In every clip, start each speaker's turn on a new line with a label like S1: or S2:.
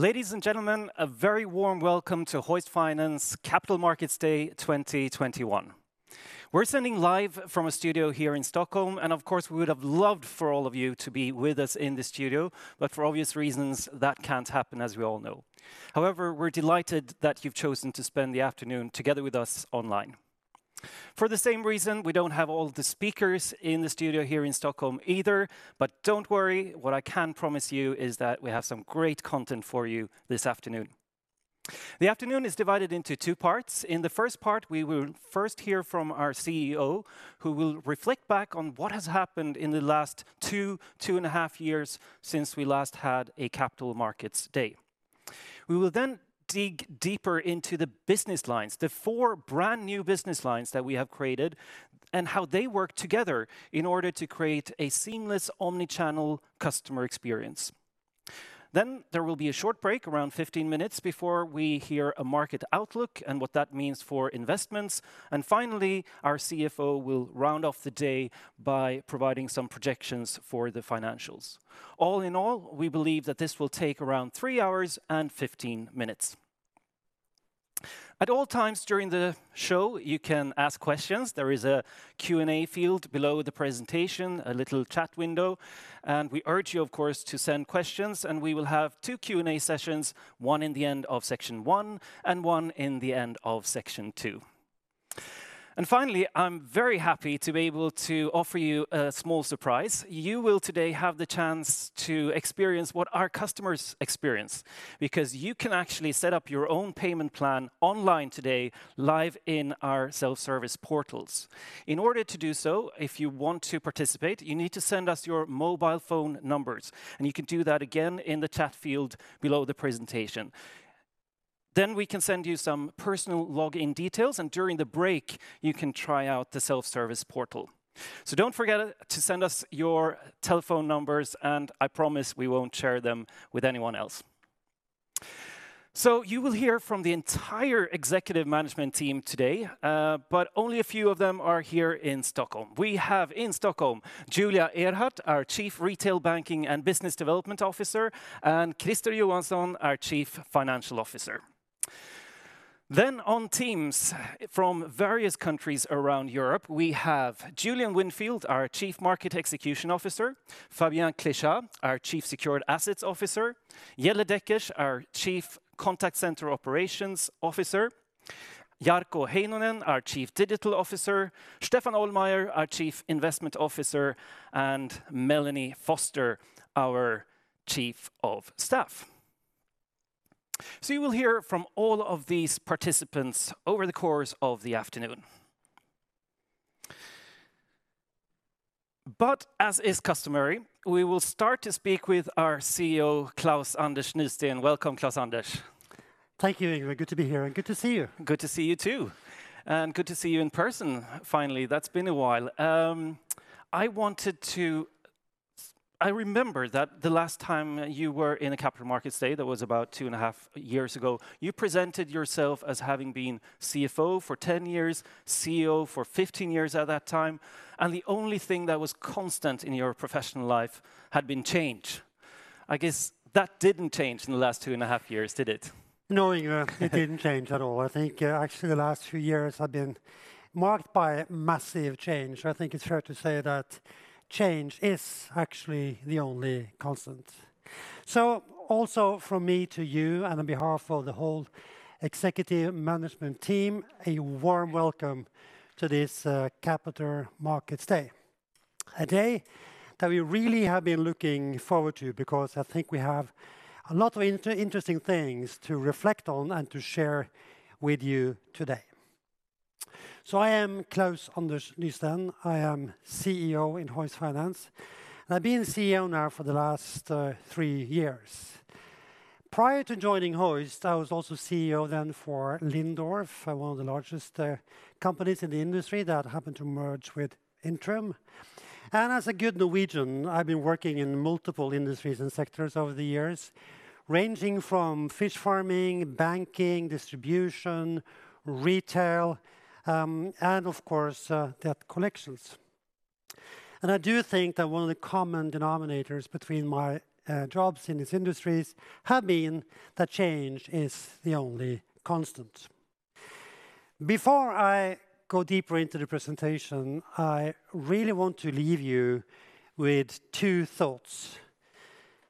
S1: Ladies and gentlemen, a very warm Welcome to Hoist Finance Capital Markets Day 2021. We're sending live from a studio here in Stockholm, and of course, we would have loved for all of you to be with us in the studio, but for obvious reasons, that can't happen as we all know. However, we're delighted that you've chosen to spend the afternoon together with us online. For the same reason, we don't have all the speakers in the studio here in Stockholm either. Don't worry, what I can promise you is that we have some great content for you this afternoon. The afternoon is divided into two parts. In the first part, we will first hear from our CEO, who will reflect back on what has happened in the last two and a half years since we last had a Capital Markets Day. We will then dig deeper into the business lines, the four brand new business lines that we have created, and how they work together in order to create a seamless omni-channel customer experience. There will be a short break around 15-minutes before we hear a market outlook and what that means for investments. Finally, our CFO will round off the day by providing some projections for the financials. All in all, we believe that this will take around three hours and 15-minutes. At all times during the show, you can ask questions. There is a Q&A field below the presentation, a little chat window, and we urge you, of course, to send questions, and we will have two Q&A sessions, one in the end of section one and one in the end of section two. Finally, I'm very happy to be able to offer you a small surprise. You will today have the chance to experience what our customers experience because you can actually set up your own payment plan online today, live in our self-service portals. In order to do so, if you want to participate, you need to send us your mobile phone numbers. You can do that, again, in the chat field below the presentation. We can send you some personal login details, and during the break, you can try out the self-service portal. Don't forget to send us your telephone numbers, and I promise we won't share them with anyone else. You will hear from the entire executive management team today, but only a few of them are here in Stockholm. We have in Stockholm, Julia Ehrhardt, our Chief Retail Banking and Business Development Officer, and Christer Johansson, our Chief Financial Officer. On Teams from various countries around Europe, we have Julian Winfield, our Chief Market Execution Officer, Fabien Klecha, our Chief Secured Assets Officer, Jelle Dekkers, our Chief Contact Center Operations Officer, Jarkko Heinonen, our Chief Digital Officer, Stephan Ohlmeyer, our Chief Investment Officer, and Melanie Foster, our Chief of Staff. You will hear from all of these participants over the course of the afternoon. As is customary, we will start to speak with our CEO, Klaus-Anders Nysteen. Welcome, Klaus-Anders.
S2: Thank you, Yngve. Good to be here, and good to see you.
S1: Good to see you, too. Good to see you in person finally. That's been a while. I remember that the last time you were in a Capital Markets Day, that was about two and a half years ago. You presented yourself as having been CFO for 10 years, CEO for 15 years at that time, and the only thing that was constant in your professional life had been change. I guess that didn't change in the last two and a half years, did it?
S2: No, Yngve. It didn't change at all. I think actually the last few years have been marked by massive change. I think it's fair to say that change is actually the only constant. Also from me to you and on behalf of the whole Executive Management Team, a warm welcome to this Capital Markets Day. A day that we really have been looking forward to because I think we have a lot of interesting things to reflect on and to share with you today. I am Klaus-Anders Nysteen. I am CEO in Hoist Finance. I've been CEO now for the last three years. Prior to joining Hoist, I was also CEO then for Lindorff, one of the largest companies in the industry that happened to merge with Intrum. As a good Norwegian, I've been working in multiple industries and sectors over the years, ranging from fish farming, banking, distribution, retail, and of course, debt collections. I do think that one of the common denominators between my jobs in these industries have been that change is the only constant. Before I go deeper into the presentation, I really want to leave you with two thoughts.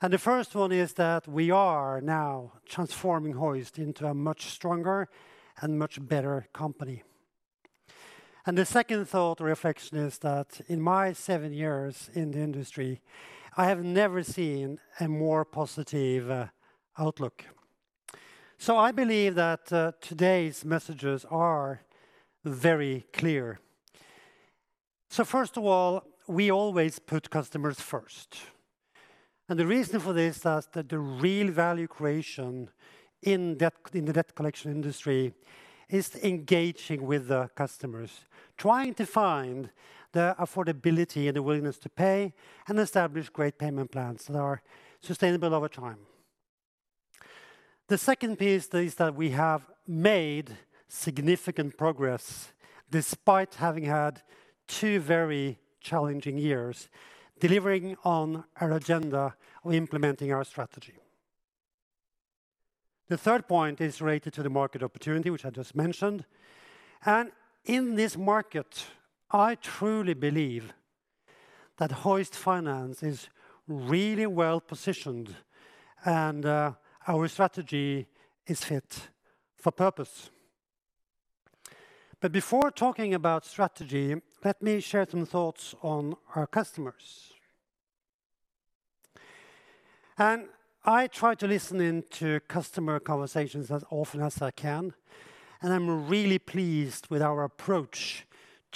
S2: The first one is that we are now transforming Hoist into a much stronger and much better company. The second thought or reflection is that in my seven years in the industry, I have never seen a more positive outlook. I believe that today's messages are very clear. 1st of all, we always put customers first. The reason for this is that the real value creation in the debt collection industry is engaging with the customers, trying to find the affordability and the willingness to pay and establish great payment plans that are sustainable over time. The 2nd piece is that we have made significant progress despite having had two very challenging years delivering on our agenda or implementing our strategy. The 3rd point is related to the market opportunity, which I just mentioned. In this market, I truly believe that Hoist Finance is really well-positioned, and our strategy is fit for purpose. Before talking about strategy, let me share some thoughts on our customers. I try to listen in to customer conversations as often as I can, and I'm really pleased with our approach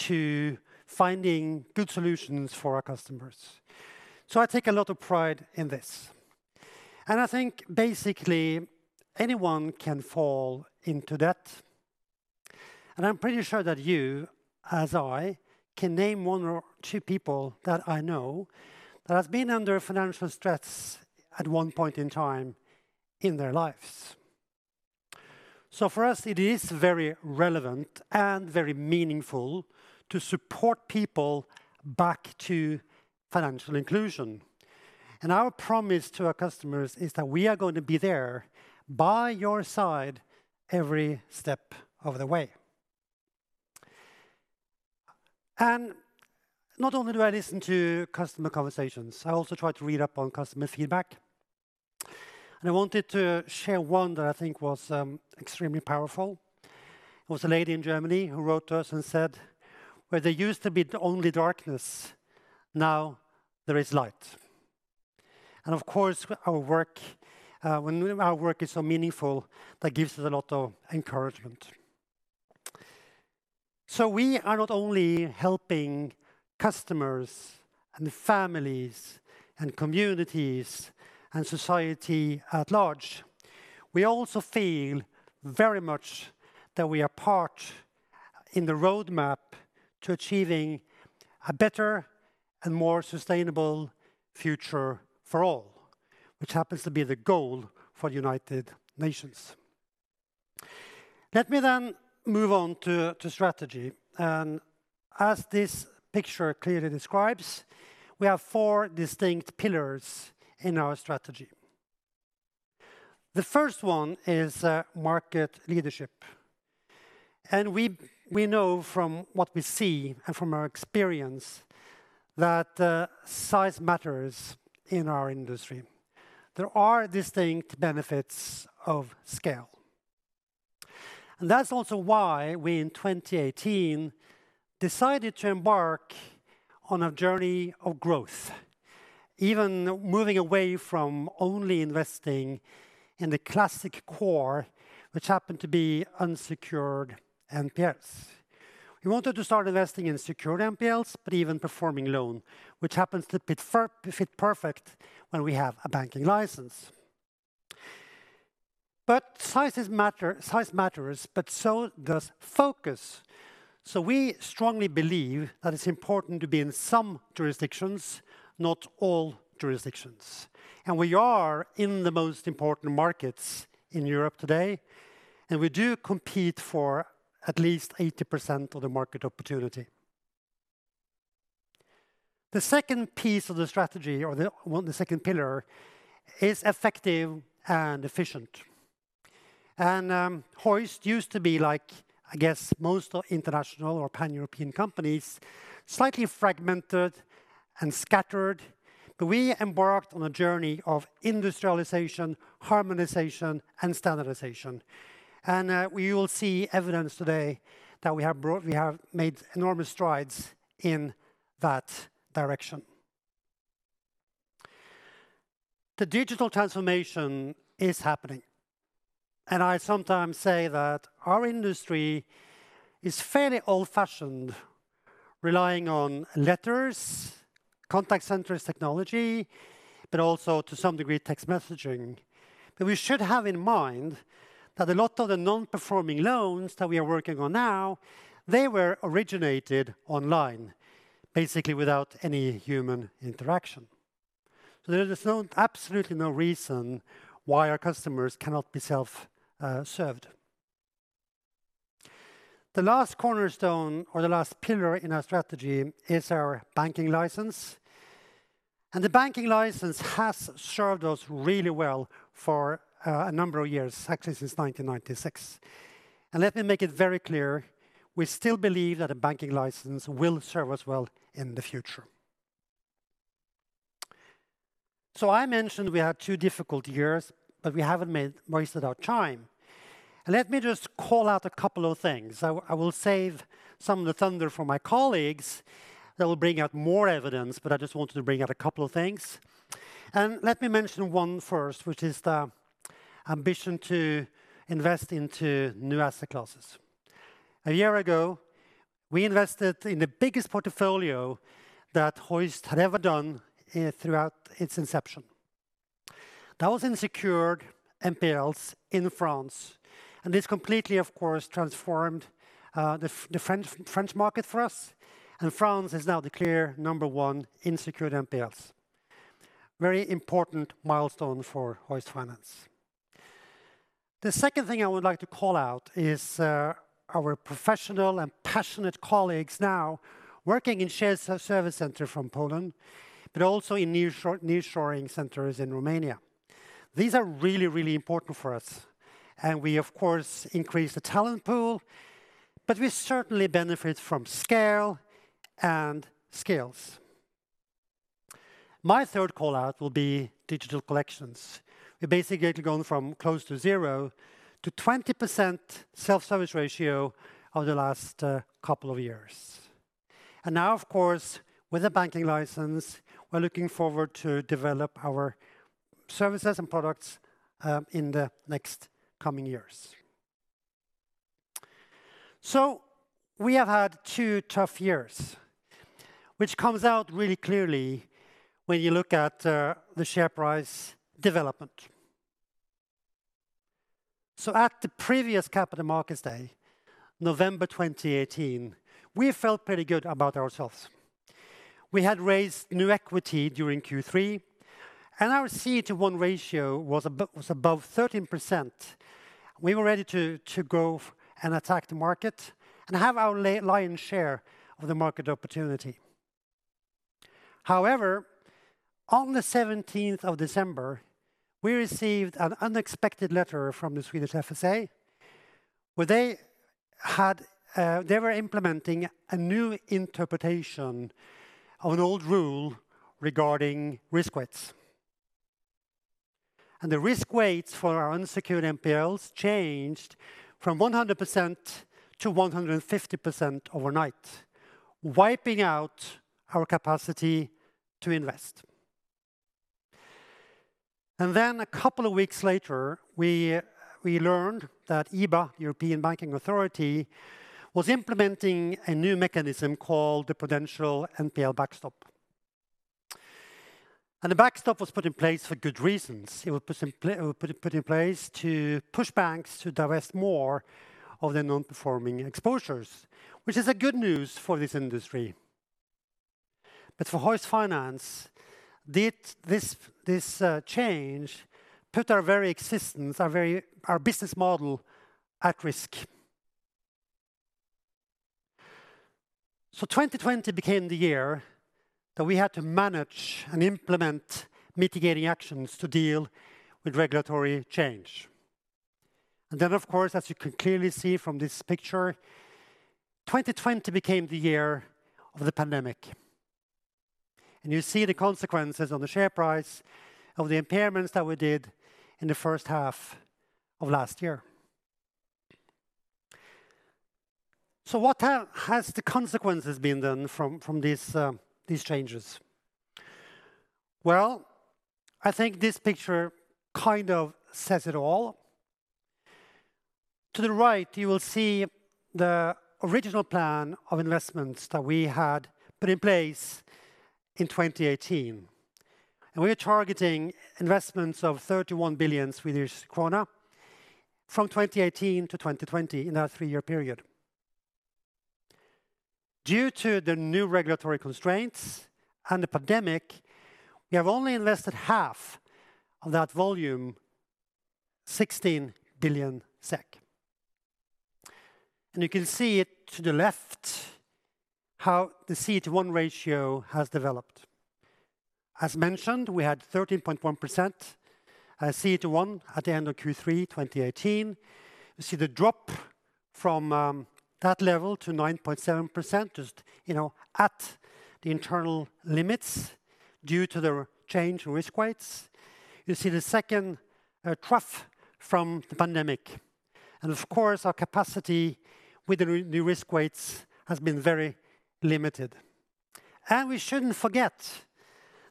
S2: to finding good solutions for our customers. I take a lot of pride in this. I think basically anyone can fall into debt, and I'm pretty sure that you, as I, can name one or two people that I know that have been under financial stress at one point in time in their lives. For us, it is very relevant and very meaningful to support people back to financial inclusion. Our promise to our customers is that we are going to be there by your side every step of the way. Not only do I listen to customer conversations, I also try to read up on customer feedback. I wanted to share one that I think was extremely powerful. It was a lady in Germany who wrote to us and said, "Where there used to be only darkness, now there is light." Of course, when our work is so meaningful, that gives us a lot of encouragement. We are not only helping customers and families and communities and society at large, we also feel very much that we are part in the roadmap to achieving a better and more sustainable future for all, which happens to be the goal for United Nations. Let me move on to strategy. As this picture clearly describes, we have four distinct pillars in our strategy. The 1st one is market leadership. We know from what we see and from our experience that size matters in our industry. There are distinct benefits of scale. That's also why we, in 2018, decided to embark on a journey of growth, even moving away from only investing in the classic core, which happened to be unsecured NPLs. We wanted to start investing in secured NPLs, but even performing loan, which happens to fit perfect when we have a banking license. Size matters, but so does focus. We strongly believe that it's important to be in some jurisdictions, not all jurisdictions. We are in the most important markets in Europe today, and we do compete for at least 80% of the market opportunity. The 2nd piece of the strategy or the second pillar is effective and efficient. Hoist used to be like, I guess, most international or pan-European companies, slightly fragmented and scattered. We embarked on a journey of industrialization, harmonization, and standardization. We will see evidence today that we have made enormous strides in that direction. The digital transformation is happening, and I sometimes say that our industry is fairly old-fashioned, relying on letters, contact centers technology, but also, to some degree, text messaging. We should have in mind that a lot of the non-performing loans that we are working on now, they were originated online, basically without any human interaction. There is absolutely no reason why our customers cannot be self-served. The last cornerstone or the last pillar in our strategy is our banking license. The banking license has served us really well for a number of years, actually since 1996. Let me make it very clear, we still believe that a banking license will serve us well in the future. I mentioned we had two difficult years, but we haven't wasted our time. Let me just call out a couple of things. I will save some of the thunder for my colleagues that will bring out more evidence, but I just wanted to bring out a couple of things. Let me mention one first, which is the ambition to invest into new asset classes. A year ago, we invested in the biggest portfolio that Hoist had ever done throughout its inception. That was unsecured NPLs in France. This completely, of course, transformed the French market for us, and France is now the clear number one in secured NPLs. Very important milestone for Hoist Finance. The 2nd thing I would like to call out is our professional and passionate colleagues now working in shared service center from Poland, but also in nearshoring centers in Romania. These are really important for us and we, of course, increase the talent pool, but we certainly benefit from scale and skills. My 3rd call-out will be digital collections. We're basically going from close to zero to 20% self-service ratio over the last couple of years. Now, of course, with a banking license, we're looking forward to develop our services and products in the next coming years. We have had two tough years, which comes out really clearly when you look at the share price development. At the previous Capital Markets Day, November 2018, we felt pretty good about ourselves. We had raised new equity during Q3, and our CET1 ratio was above 13%. We were ready to go and attack the market and have our lion's share of the market opportunity. However, on the 17th of December, we received an unexpected letter from the Swedish FSA, where they were implementing a new interpretation of an old rule regarding risk weights. The risk weights for our unsecured NPLs changed from 100%-150% overnight, wiping out our capacity to invest. A couple of weeks later, we learned that EBA, European Banking Authority, was implementing a new mechanism called the Prudential NPL Backstop. The backstop was put in place for good reasons. It was put in place to push banks to divest more of their non-performing exposures, which is a good news for this industry. For Hoist Finance, this change put our very existence, our business model at risk. 2020 became the year that we had to manage and implement mitigating actions to deal with regulatory change. Of course, as you can clearly see from this picture, 2020 became the year of the pandemic. You see the consequences on the share price of the impairments that we did in the first half of last year. What has the consequences been then from these changes? Well, I think this picture says it all. To the right, you will see the original plan of investments that we had put in place in 2018. We are targeting investments of 31 billion Swedish krona from 2018-2020 in that three-year period. Due to the new regulatory constraints and the pandemic, we have only invested half of that volume, 16 billion SEK. You can see it to the left how the CET1 ratio has developed. As mentioned, we had 13.1% CET1 at the end of Q3 2018. You see the drop from that level to 9.7% just at the internal limits due to the change in risk weights. You see the second trough from the pandemic. Of course, our capacity with the new risk weights has been very limited. We shouldn't forget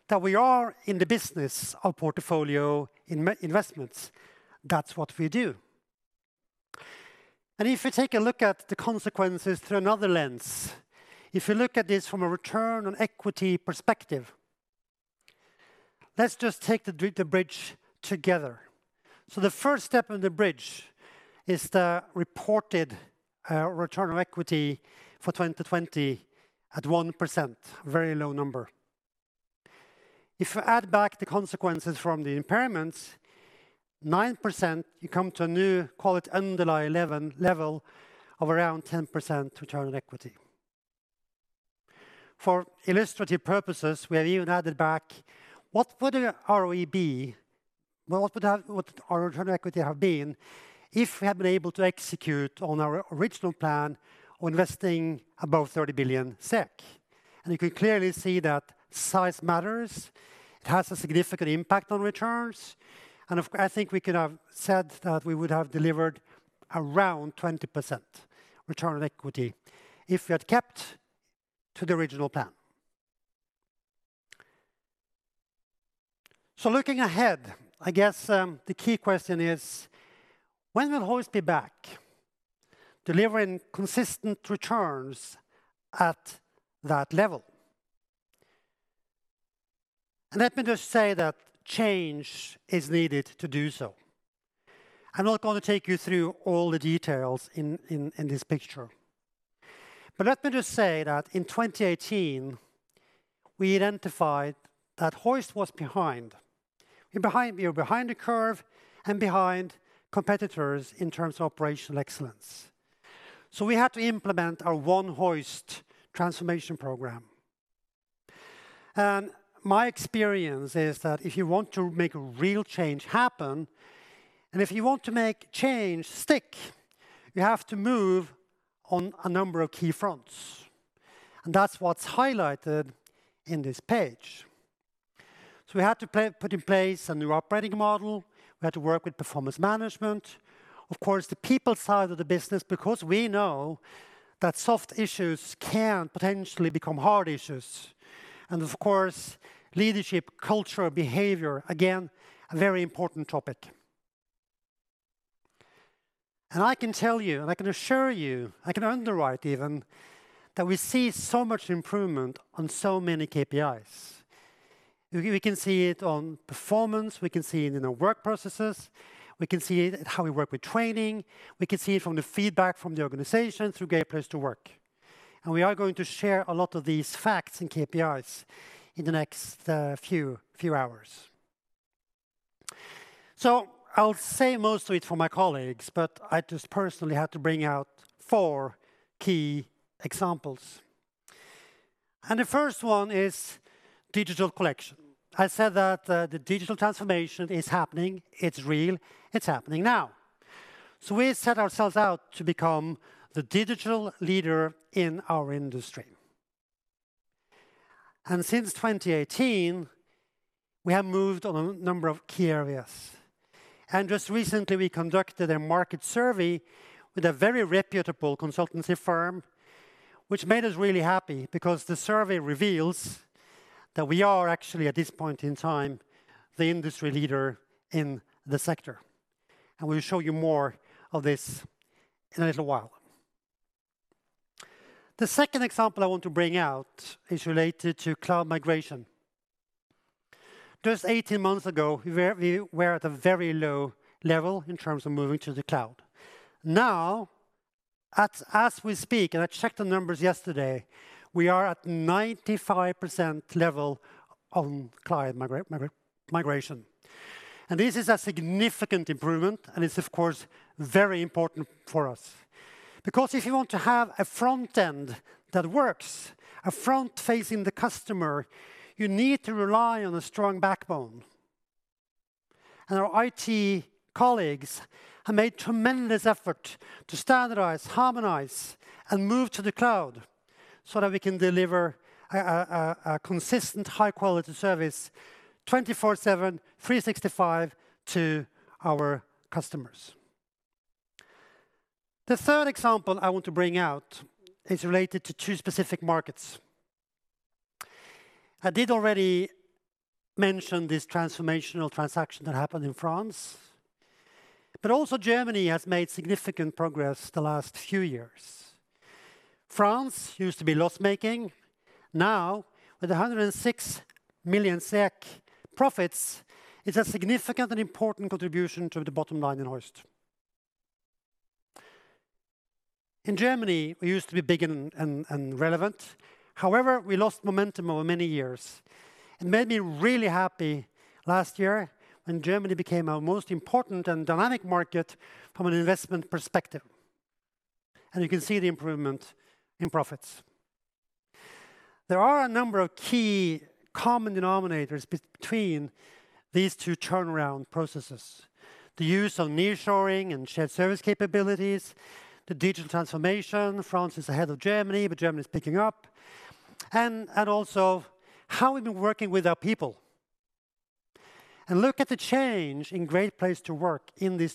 S2: that we are in the business of portfolio investments. That's what we do. If you take a look at the consequences through another lens, if you look at this from a return on equity perspective, let's just take the bridge together. The first step in the bridge is the reported return on equity for 2020 at 1%, very low number. If you add back the consequences from the impairments, 9%, you come to a new, call it underlying level of around 10% return on equity. For illustrative purposes, we have even added back what would the ROE be? What would our return equity have been if we had been able to execute on our original plan of investing above 30 billion SEK? You can clearly see that size matters. It has a significant impact on returns, I think we could have said that we would have delivered around 20% return on equity if we had kept to the original plan. Looking ahead, I guess the key question is when will Hoist be back delivering consistent returns at that level? Let me just say that change is needed to do so. I'm not going to take you through all the details in this picture. Let me just say that in 2018, we identified that Hoist was behind. We were behind the curve and behind competitors in terms of operational excellence. We had to implement our One Hoist transformation program. My experience is that if you want to make a real change happen, and if you want to make change stick, you have to move on a number of key fronts. That's what's highlighted in this page. We had to put in place a new operating model. We had to work with performance management. Of course, the people side of the business, because we know that soft issues can potentially become hard issues, and of course, leadership, culture, behavior, again, a very important topic. I can tell you, and I can assure you, I can underwrite even, that we see so much improvement on so many KPIs. We can see it on performance. We can see it in our work processes. We can see it in how we work with training. We can see it from the feedback from the organization through Great Place to Work. We are going to share a lot of these facts and KPIs in the next few hours. I'll say most of it for my colleagues, but I just personally had to bring out four key examples. The 1st one is digital collection. I said that the digital transformation is happening, it's real, it's happening now. We set ourselves out to become the digital leader in our industry. Since 2018, we have moved on a number of key areas. Just recently, we conducted a market survey with a very reputable consultancy firm, which made us really happy because the survey reveals that we are actually, at this point in time, the industry leader in the sector. We'll show you more of this in a little while. The 2nd example I want to bring out is related to cloud migration. Just 18 months ago, we were at a very low level in terms of moving to the cloud. Now, as we speak, I checked the numbers yesterday, we are at 95% level on cloud migration. This is a significant improvement, and it's of course, very important for us. If you want to have a front end that works, a front facing the customer, you need to rely on a strong backbone. Our IT colleagues have made tremendous effort to standardize, harmonize, and move to the cloud so that we can deliver a consistent high-quality service 24/7, 365 to our customers. The 3rd example I want to bring out is related to two specific markets. I did already mention this transformational transaction that happened in France, but also Germany has made significant progress the last few years. France used to be loss-making. Now with 106 million SEK profits, it's a significant and important contribution to the bottom line in Hoist. In Germany, we used to be big and relevant. However, we lost momentum over many years. It made me really happy last year when Germany became our most important and dynamic market from an investment perspective. You can see the improvement in profits. There are a number of key common denominators between these two turnaround processes. The use of nearshoring and shared service capabilities, the digital transformation. France is ahead of Germany, but Germany is picking up. Also how we've been working with our people. Look at the change in Great Place to Work in these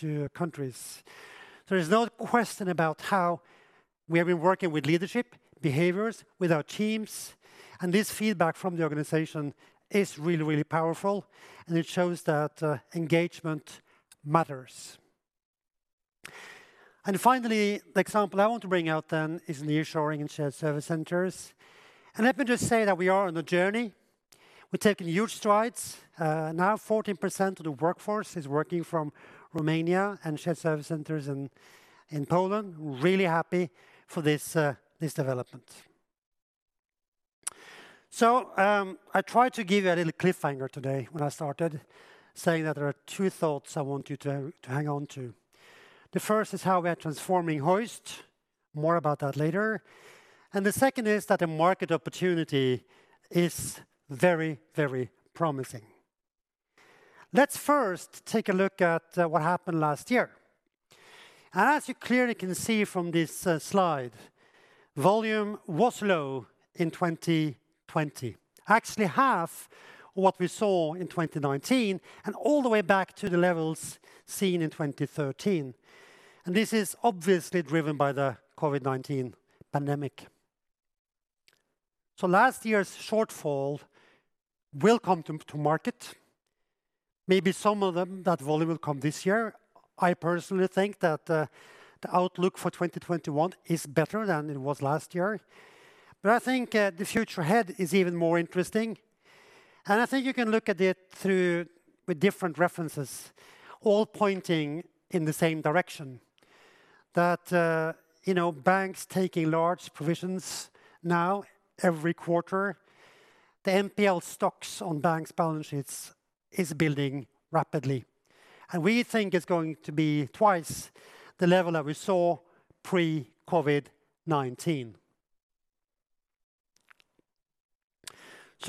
S2: two countries. There is no question about how we have been working with leadership, behaviors, with our teams, and this feedback from the organization is really, really powerful, and it shows that engagement matters. Finally, the example I want to bring out then is nearshoring and shared service centers. Let me just say that we are on a journey. We're taking huge strides. Now 14% of the workforce is working from Romania and shared service centers in Poland. Really happy for this development. I tried to give you a little cliffhanger today when I started, saying that there are two thoughts I want you to hang on to. The 1st is how we are transforming Hoist. More about that later. The 2nd is that the market opportunity is very, very promising. Let's first take a look at what happened last year. As you clearly can see from this slide, volume was low in 2020. Actually, half of what we saw in 2019 and all the way back to the levels seen in 2013. This is obviously driven by the COVID-19 pandemic. Last year's shortfall will come to market. Maybe some of that volume will come this year. I personally think that the outlook for 2021 is better than it was last year, but I think the future ahead is even more interesting. I think you can look at it through different references all pointing in the same direction, that banks taking large provisions now every quarter, the NPL stocks on banks' balance sheets is building rapidly. We think it's going to be twice the level that we saw pre-COVID-19.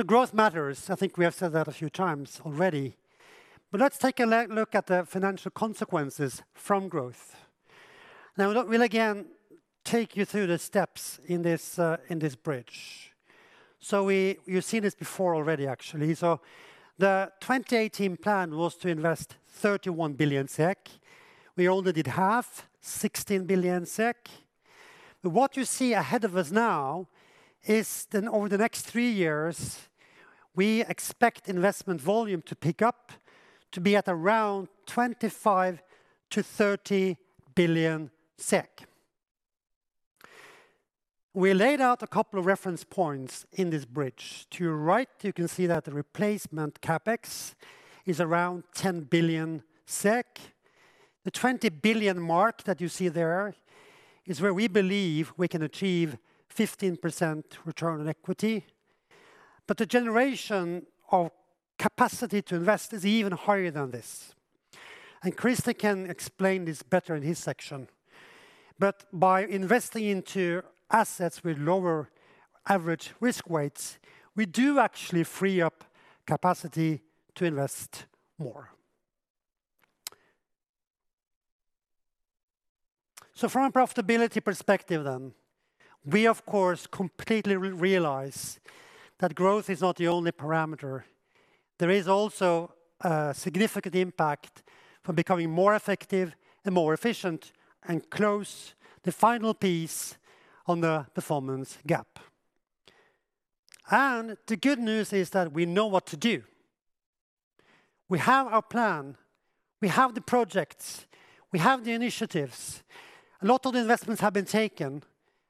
S2: Growth matters. I think we have said that a few times already. Let's take a look at the financial consequences from growth. Now, we'll again take you through the steps in this bridge. You've seen this before already, actually. The 2018 plan was to invest 31 billion SEK. We only did half, 16 billion SEK. What you see ahead of us now is that over the next three years, we expect investment volume to pick up to be at around 25 billion-30 billion SEK. We laid out a couple of reference points in this bridge. To your right, you can see that the replacement CapEx is around 10 billion SEK. The 20 billion mark that you see there is where we believe we can achieve 15% return on equity, but the generation of capacity to invest is even higher than this. Christer can explain this better in his section. By investing into assets with lower average risk weights, we do actually free up capacity to invest more. From a profitability perspective then, we of course completely realize that growth is not the only parameter. There is also a significant impact from becoming more effective and more efficient and close the final piece on the performance gap. The good news is that we know what to do. We have our plan. We have the projects. We have the initiatives. A lot of the investments have been taken,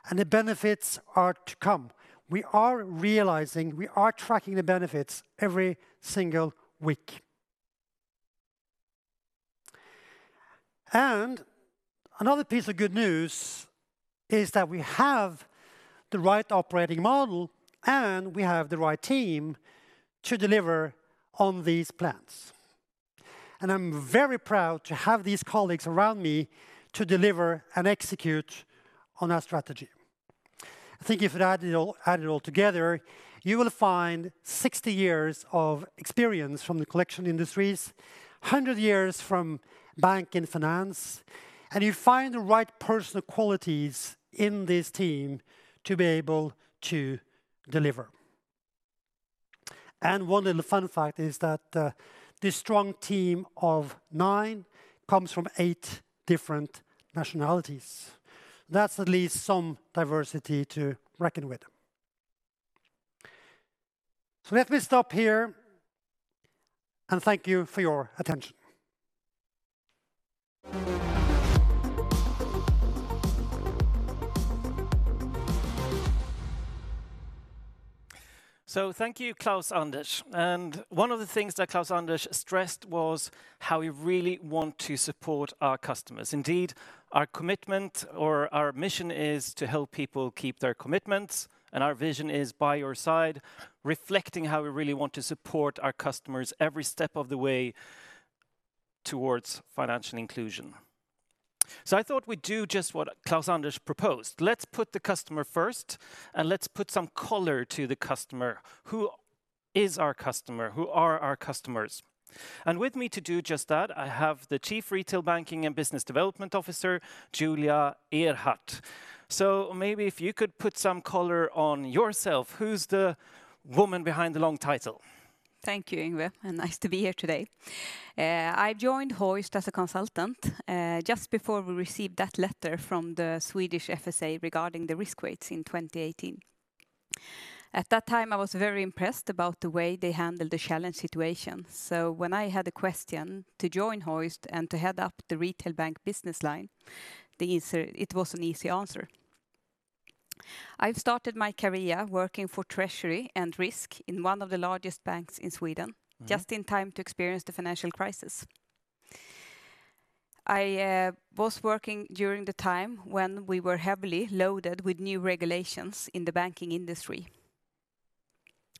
S2: and the benefits are to come. We are realizing, we are tracking the benefits every single week. Another piece of good news is that we have the right operating model, and we have the right team to deliver on these plans. I'm very proud to have these colleagues around me to deliver and execute on our strategy. I think if you add it all together, you will find 60 years of experience from the collection industries, 100 years from bank and finance, and you find the right personal qualities in this team to be able to deliver. One little fun fact is that this strong team of nine comes from eight different nationalities. That's at least some diversity to reckon with. Let me stop here, and thank you for your attention.
S1: Thank you, Klaus-Anders. One of the things that Klaus-Anders stressed was how we really want to support our customers. Indeed, our commitment or our mission is to help people keep their commitments, and our vision is by your side, reflecting how we really want to support our customers every step of the way towards financial inclusion. I thought we'd do just what Klaus-Anders proposed. Let's put the customer first, and let's put some color to the customer. Who is our customer? Who are our customers? With me to do just that, I have the Chief Retail Banking and Business Development Officer, Julia Ehrhardt. Maybe if you could put some color on yourself, who's the woman behind the long title?
S3: Thank you, Yngve, and nice to be here today. I joined Hoist as a consultant just before we received that letter from the Swedish FSA regarding the risk weights in 2018. At that time, I was very impressed about the way they handled the challenge situation. When I had a question to join Hoist and to head up the retail bank business line, it was an easy answer. I started my career working for treasury and risk in one of the largest banks in Sweden. Just in time to experience the financial crisis. I was working during the time when we were heavily loaded with new regulations in the banking industry.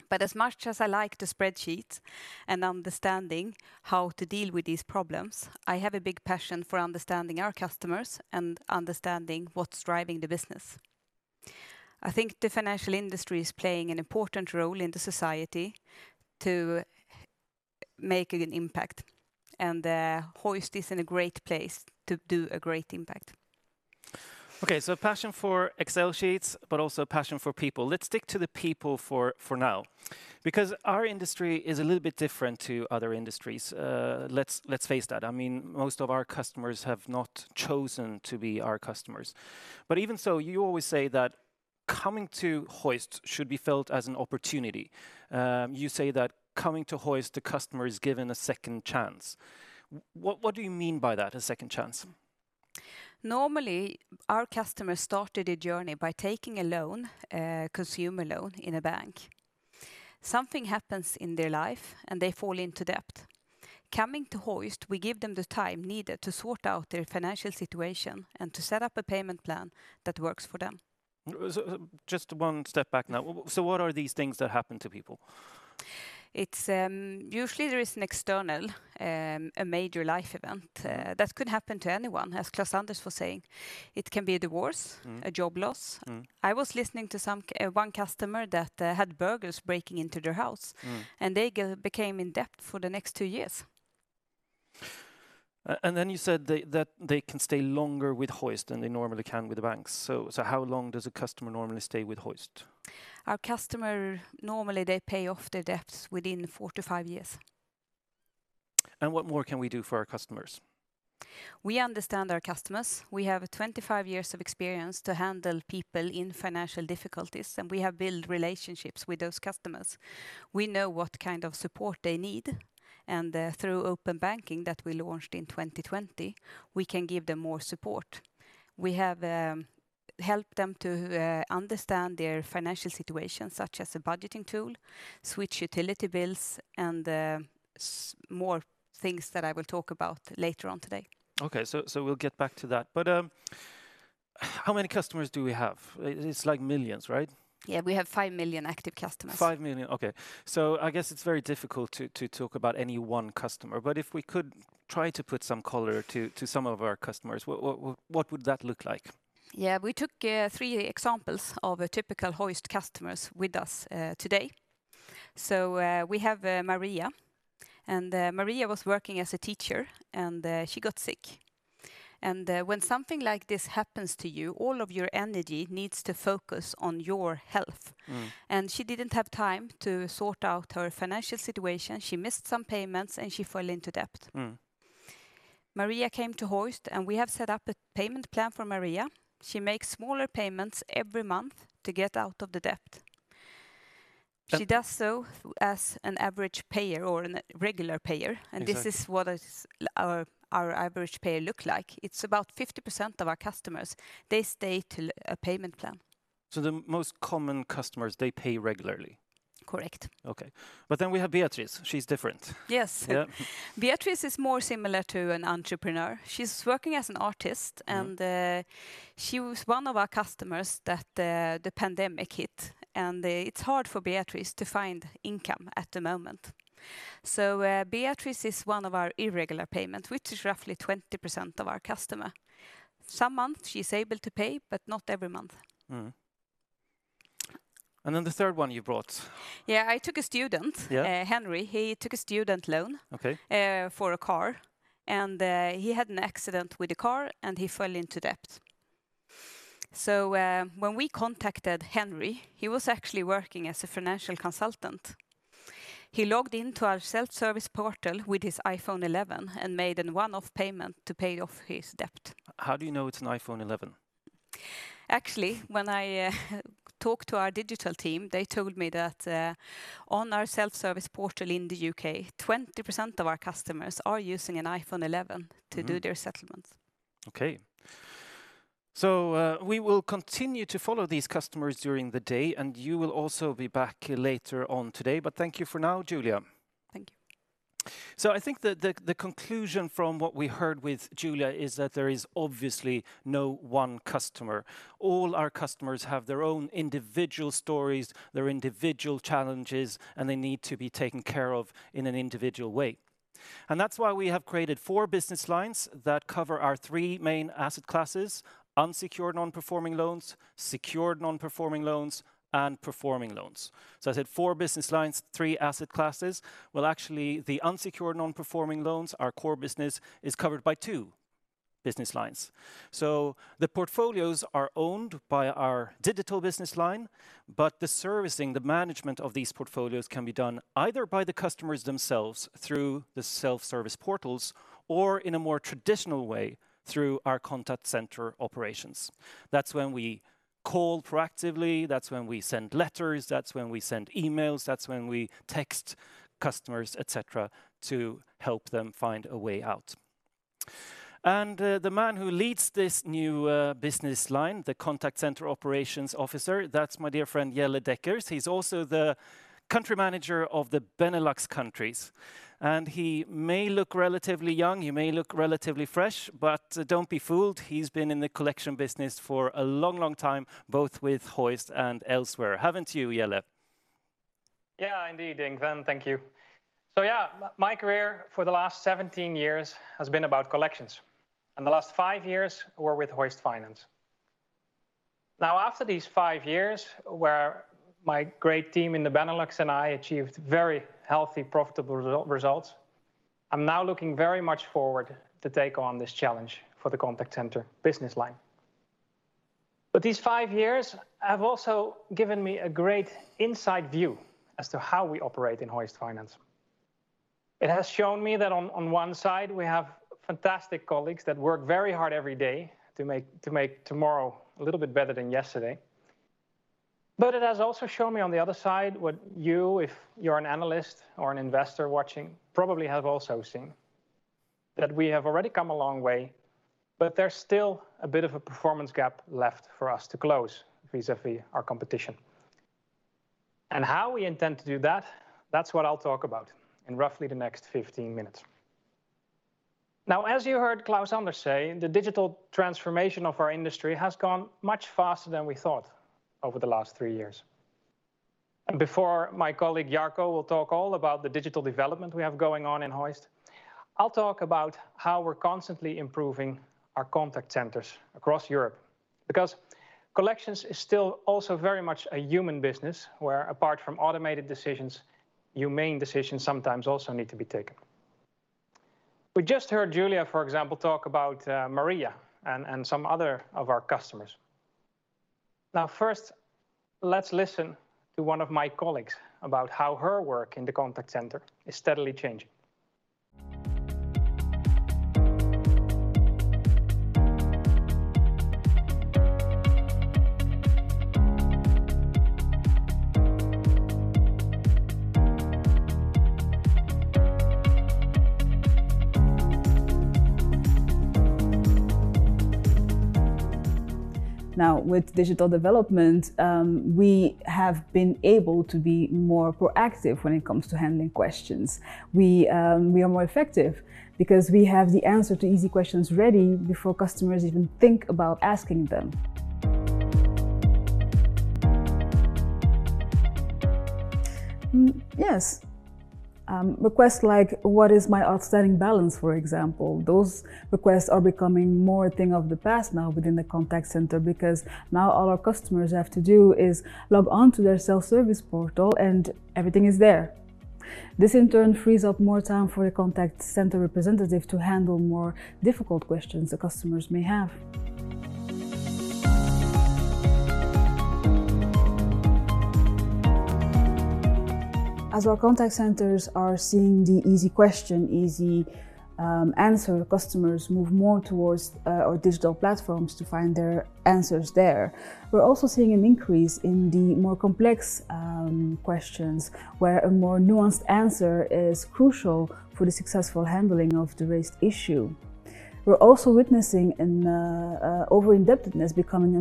S3: But as much as I like the spreadsheets and understanding how to deal with these problems, I have a big passion for understanding our customers and understanding what's driving the business. I think the financial industry is playing an important role in the society to make an impact, and Hoist is in a great place to do a great impact.
S1: Okay, passion for Excel sheets, but also a passion for people. Let's stick to the people for now because our industry is a little bit different to other industries. Let's face that. Most of our customers have not chosen to be our customers. But even so, you always say that coming to Hoist should be felt as an opportunity. You say that coming to Hoist, the customer is given a second chance. What do you mean by that, a second chance?
S3: Normally, our customer started a journey by taking a loan, consumer loan in a bank. Something happens in their life and they fall into debt. Coming to Hoist, we give them the time needed to sort out their financial situation and to set up a payment plan that works for them.
S1: Just one step back now. What are these things that happen to people?
S3: Usually there is an external, a major life event that could happen to anyone, as Klaus-Anders was saying. It can be a divorce. A job loss. I was listening to one customer that had burglars breaking into their house. They became in debt for the next two years.
S1: You said that they can stay longer with Hoist than they normally can with the banks. How long does a customer normally stay with Hoist?
S3: Our customer, normally they pay off their debts within four to five years.
S1: What more can we do for our customers?
S3: We understand our customers. We have 25 years of experience to handle people in financial difficulties, and we have built relationships with those customers. We know what kind of support they need, and through open banking that we launched in 2020, we can give them more support. We have helped them to understand their financial situation, such as a budgeting tool, switch utility bills and more things that I will talk about later on today.
S1: Okay. We'll get back to that. How many customers do we have? It's like millions, right?
S3: Yeah. We have 5 million active customers.
S1: 5 million, okay. I guess it's very difficult to talk about any one customer, but if we could try to put some color to some of our customers, what would that look like?
S3: We took three examples of typical Hoist customers with us today. We have Maria, and Maria was working as a teacher, and she got sick. When something like this happens to you, all of your energy needs to focus on your health. She didn't have time to sort out her financial situation. She missed some payments, and she fell into debt. Maria came to Hoist, and we have set up a payment plan for Maria. She makes smaller payments every month to get out of the debt. She does so as an average payer or a regular payer.
S1: Exactly.
S3: This is what our average payer look like. It's about 50% of our customers. They stay to a payment plan.
S1: The most common customers, they pay regularly?
S3: Correct.
S1: Okay. We have Beatrice. She's different.
S3: Yes.
S1: Yeah.
S3: Beatrice is more similar to an entrepreneur. She's working as an artist. She was one of our customers that the pandemic hit. It's hard for Beatrice to find income at the moment. Beatrice is one of our irregular payment, which is roughly 20% of our customer. Some month she's able to pay, but not every month.
S1: Mm-hmm. Then the 3rd one you brought.
S3: Yeah, I took a student.
S1: Yeah.
S3: Henry, he took a student loan.
S1: Okay
S3: For a car, and he had an accident with the car, and he fell into debt. When we contacted Henry, he was actually working as a financial consultant. He logged into our self-service portal with his iPhone 11 and made a one-off payment to pay off his debt.
S1: How do you know it's an iPhone 11?
S3: Actually, when I talked to our digital team, they told me that on our self-service portal in the U.K., 20% of our customers are using an iPhone 11 to do their settlements.
S1: Okay. We will continue to follow these customers during the day, and you will also be back later on today. Thank you for now, Julia.
S3: Thank you.
S1: I think the conclusion from what we heard with Julia is that there is obviously no one customer. All our customers have their own individual stories, their individual challenges, and they need to be taken care of in an individual way. That's why we have created four business lines that cover our three main asset classes: unsecured non-performing loans, secured non-performing loans, and performing loans. I said four business lines, three asset classes. Well, actually, the unsecured non-performing loans, our core business, is covered by two business lines. The portfolios are owned by our digital business line, but the servicing, the management of these portfolios can be done either by the customers themselves through the self-service portals or in a more traditional way through our contact center operations. That's when we call proactively, that's when we send letters, that's when we send emails, that's when we text customers, et cetera, to help them find a way out. The man who leads this new business line, the Chief Contact Center Operations Officer, that's my dear friend, Jelle Dekkers. He's also the Country Manager of the Benelux countries, and he may look relatively young, he may look relatively fresh, but don't be fooled. He's been in the collection business for a long, long time, both with Hoist and elsewhere, haven't you, Jelle?
S4: Indeed, Yngve. Thank you. My career for the last 17 years has been about collections, and the last five years were with Hoist Finance. Now, after these five years, where my great team in the Benelux and I achieved very healthy, profitable results, I'm now looking very much forward to take on this challenge for the contact center business line. These five years have also given me a great inside view as to how we operate in Hoist Finance. It has shown me that on one side, we have fantastic colleagues that work very hard every day to make tomorrow a little bit better than yesterday. It has also shown me on the other side, what you, if you're an analyst or an investor watching, probably have also seen, that we have already come a long way, but there's still a bit of a performance gap left for us to close vis-à-vis our competition. How we intend to do that's what I'll talk about in roughly the next 15-minutes. Now, as you heard Klaus-Anders say, the digital transformation of our industry has gone much faster than we thought over the last three years. Before my colleague, Jarkko, will talk all about the digital development we have going on in Hoist, I'll talk about how we're constantly improving our contact centers across Europe, because collections is still also very much a human business, where apart from automated decisions, humane decisions sometimes also need to be taken. We just heard Julia, for example, talk about Maria and some other of our customers. Now, 1st, let's listen to one of my colleagues about how her work in the contact center is steadily changing.
S5: Now, with digital development, we have been able to be more proactive when it comes to handling questions. We are more effective because we have the answer to easy questions ready before customers even think about asking them. Yes. Requests like, "What is my outstanding balance?" for example. Those requests are becoming more a thing of the past now within the contact center, because now all our customers have to do is log on to their self-service portal and everything is there. This, in turn, frees up more time for the contact center representative to handle more difficult questions the customers may have. As our contact centers are seeing the easy question, easy answer, customers move more towards our digital platforms to find their answers there. We're also seeing an increase in the more complex questions, where a more nuanced answer is crucial for the successful handling of the raised issue. We're also witnessing over-indebtedness becoming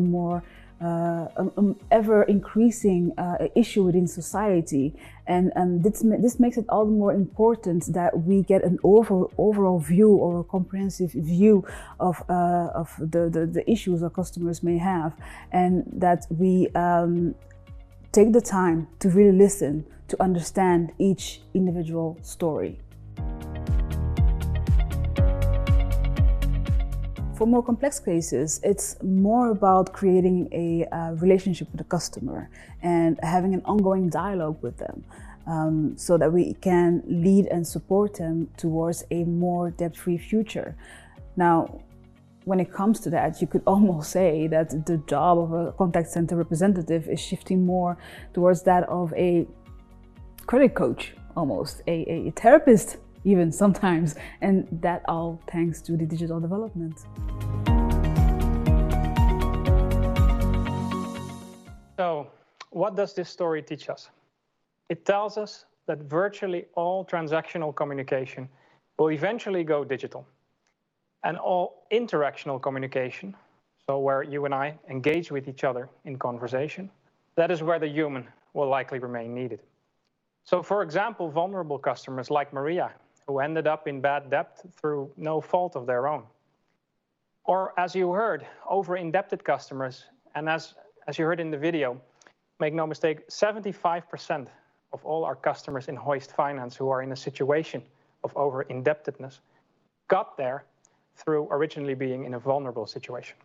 S5: an ever-increasing issue within society, and this makes it all the more important that we get an overall view or a comprehensive view of the issues our customers may have, and that we take the time to really listen to understand each individual story. For more complex cases, it's more about creating a relationship with the customer and having an ongoing dialogue with them, so that we can lead and support them towards a more debt-free future. Now, when it comes to that, you could almost say that the job of a contact center representative is shifting more towards that of a credit coach almost, a therapist even sometimes, and that all thanks to the digital development.
S4: What does this story teach us? It tells us that virtually all transactional communication will eventually go digital, and all interactional communication, so where you and I engage with each other in conversation, that is where the human will likely remain needed. For example, vulnerable customers like Maria, who ended up in bad debt through no fault of their own, or as you heard, over-indebted customers, and as you heard in the video, make no mistake, 75% of all our customers in Hoist Finance who are in a situation of over-indebtedness got there through originally being in a vulnerable situation.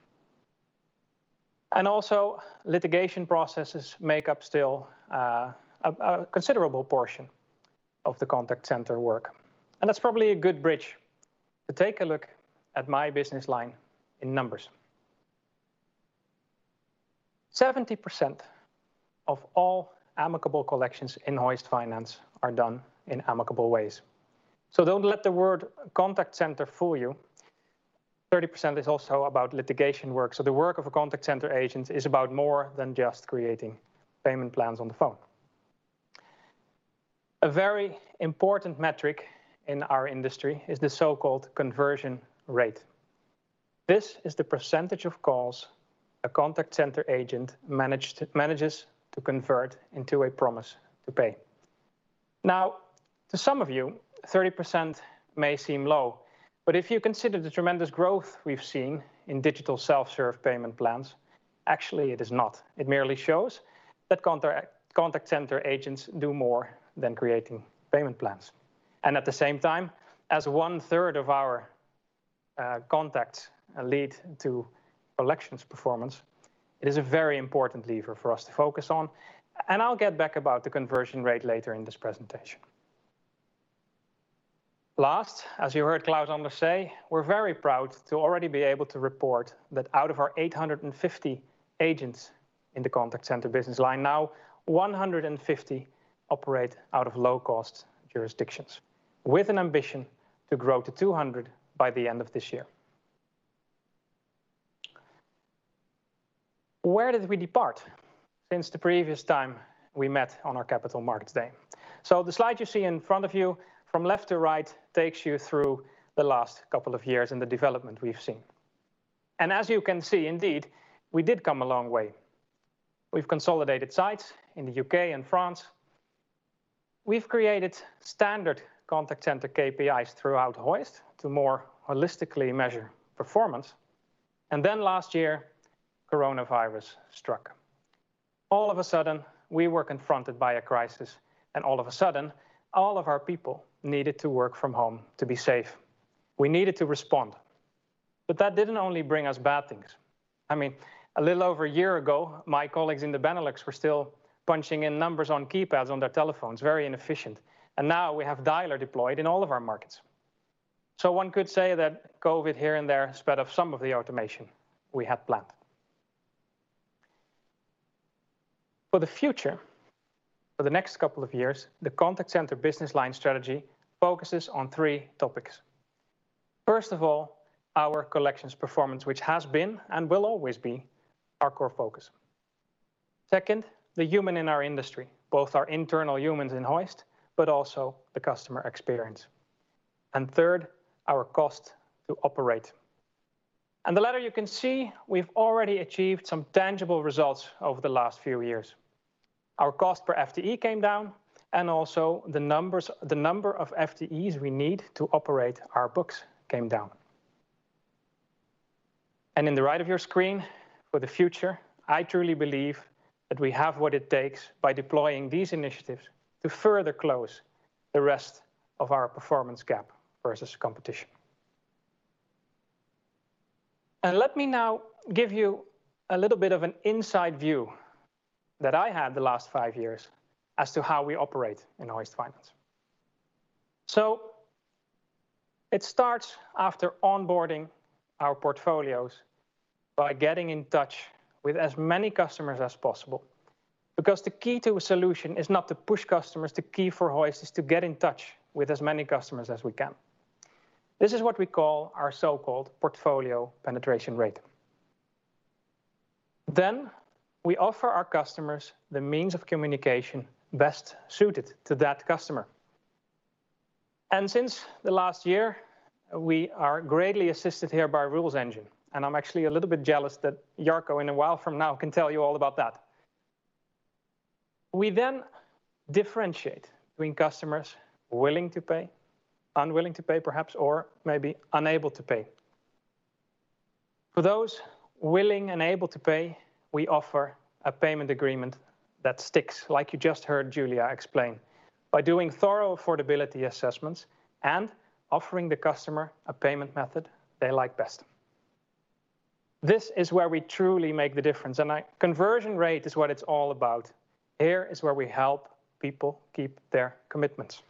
S4: Also, litigation processes make up still a considerable portion of the contact center work. That's probably a good bridge to take a look at my business line in numbers. 70% of all amicable collections in Hoist Finance are done in amicable ways. Don't let the word contact center fool you. 30% is also about litigation work, so the work of a contact center agent is about more than just creating payment plans on the phone. A very important metric in our industry is the so-called conversion rate. This is the percentage of calls a contact center agent manages to convert into a promise to pay. Now, to some of you, 30% may seem low, but if you consider the tremendous growth we've seen in digital self-serve payment plans, actually it is not. It merely shows that contact center agents do more than creating payment plans. At the same time, as one-third of our contacts lead to collections performance, it is a very important lever for us to focus on. I'll get back about the conversion rate later in this presentation. Last, as you heard Klaus-Anders say, we're very proud to already be able to report that out of our 850 agents in the contact center business line, now 150 operate out of low-cost jurisdictions, with an ambition to grow to 200 by the end of this year. Where did we depart since the previous time we met on our Capital Markets Day? The slide you see in front of you, from left to right, takes you through the last couple of years and the development we've seen. As you can see, indeed, we did come a long way. We've consolidated sites in the U.K. and France. We've created standard contact center KPIs throughout Hoist to more holistically measure performance. Last year, coronavirus struck. All of a sudden, we were confronted by a crisis, and all of a sudden, all of our people needed to work from home to be safe. We needed to respond. That didn't only bring us bad things. A little over a year ago, my colleagues in the Benelux were still punching in numbers on keypads on their telephones, very inefficient. Now we have dialer deployed in all of our markets. One could say that COVID here and there sped up some of the automation we had planned. For the future, for the next couple of years, the contact center business line strategy focuses on three topics. 1st of all, our collections performance, which has been and will always be our core focus. 2nd, the human in our industry, both our internal humans in Hoist, but also the customer experience. 3rd, our cost to operate. On the latter, you can see we've already achieved some tangible results over the last few years. Our cost per FTE came down, and also the number of FTEs we need to operate our books came down. In the right of your screen, for the future, I truly believe that we have what it takes by deploying these initiatives to further close the rest of our performance gap versus competition. Let me now give you a little bit of an inside view that I had the last five years as to how we operate in Hoist Finance. It starts after onboarding our portfolios by getting in touch with as many customers as possible, because the key to a solution is not to push customers. The key for Hoist is to get in touch with as many customers as we can. This is what we call our so-called portfolio penetration rate. We offer our customers the means of communication best suited to that customer. Since the last year, we are greatly assisted here by Rules Engine, and I'm actually a little bit jealous that Jarkko, in a while from now, can tell you all about that. We then differentiate between customers willing to pay, unwilling to pay, perhaps, or maybe unable to pay. For those willing and able to pay, we offer a payment agreement that sticks, like you just heard Julia explain, by doing thorough affordability assessments and offering the customer a payment method they like best. This is where we truly make the difference, and conversion rate is what it's all about. Here is where we help people keep their commitments.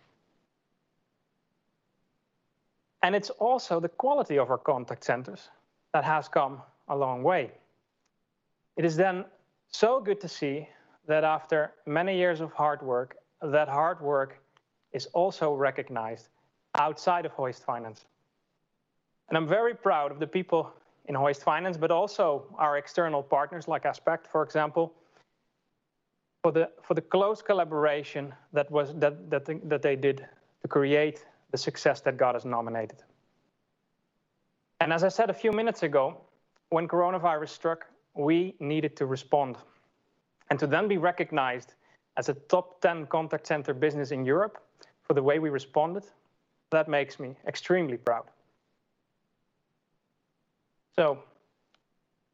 S4: It's also the quality of our contact centers that has come a long way. It is so good to see that after many years of hard work, that hard work is also recognized outside of Hoist Finance. I'm very proud of the people in Hoist Finance, but also our external partners like Aspect, for example, for the close collaboration that they did to create the success that got us nominated. As I said a few minutes ago, when coronavirus struck, we needed to respond. To then be recognized as a top 10 contact center business in Europe for the way we responded, that makes me extremely proud.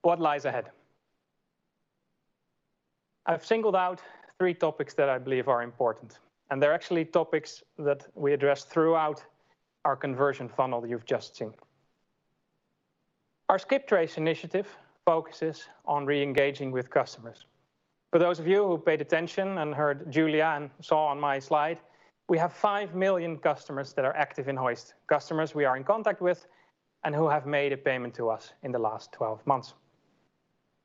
S4: What lies ahead? I've singled out three topics that I believe are important, and they're actually topics that we address throughout our conversion funnel you've just seen. Our skip trace initiative focuses on re-engaging with customers. For those of you who paid attention and heard Julia and saw on my slide, we have 5 million customers that are active in Hoist, customers we are in contact with and who have made a payment to us in the last 12 months.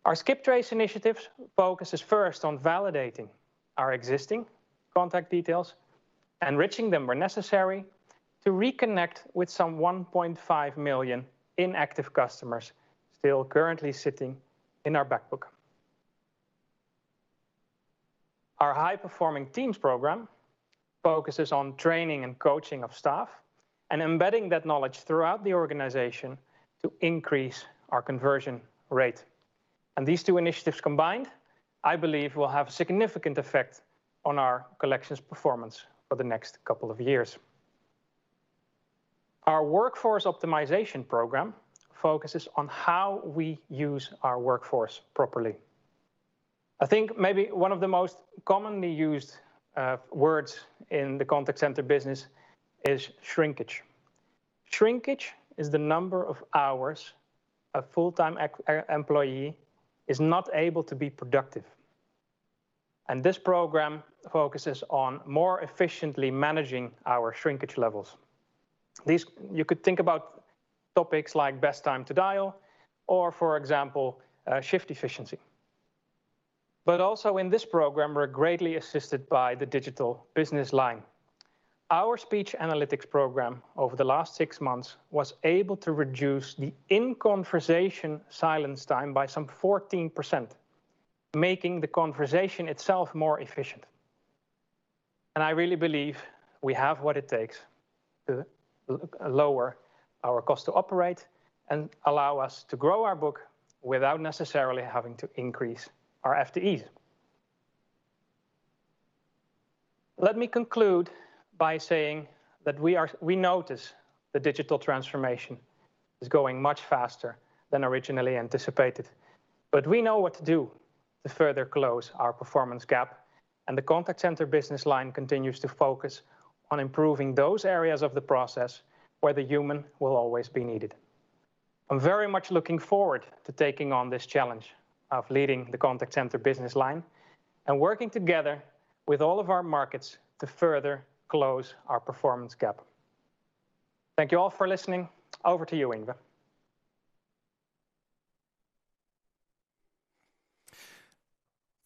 S4: Our skip trace initiatives focuses first on validating our existing contact details, enriching them where necessary, to reconnect with some 1.5 million inactive customers still currently sitting in our back book. Our high-performing teams program focuses on training and coaching of staff and embedding that knowledge throughout the organization to increase our conversion rate. These two initiatives combined, I believe, will have a significant effect on our collections performance for the next couple of years. Our workforce optimization program focuses on how we use our workforce properly. I think maybe one of the most commonly used words in the contact center business is shrinkage. Shrinkage is the number of hours a full-time employee is not able to be productive. This program focuses on more efficiently managing our shrinkage levels. You could think about topics like best time to dial or, for example, shift efficiency. Also in this program, we're greatly assisted by the digital business line. Our speech analytics program over the last six months was able to reduce the in-conversation silence time by some 14%, making the conversation itself more efficient. I really believe we have what it takes to lower our cost to operate and allow us to grow our book without necessarily having to increase our FTEs. Let me conclude by saying that we notice the digital transformation is going much faster than originally anticipated. We know what to do to further close our performance gap, and the contact center business line continues to focus on improving those areas of the process where the human will always be needed. I am very much looking forward to taking on this challenge of leading the contact center business line and working together with all of our markets to further close our performance gap. Thank you all for listening. Over to you, Yngve.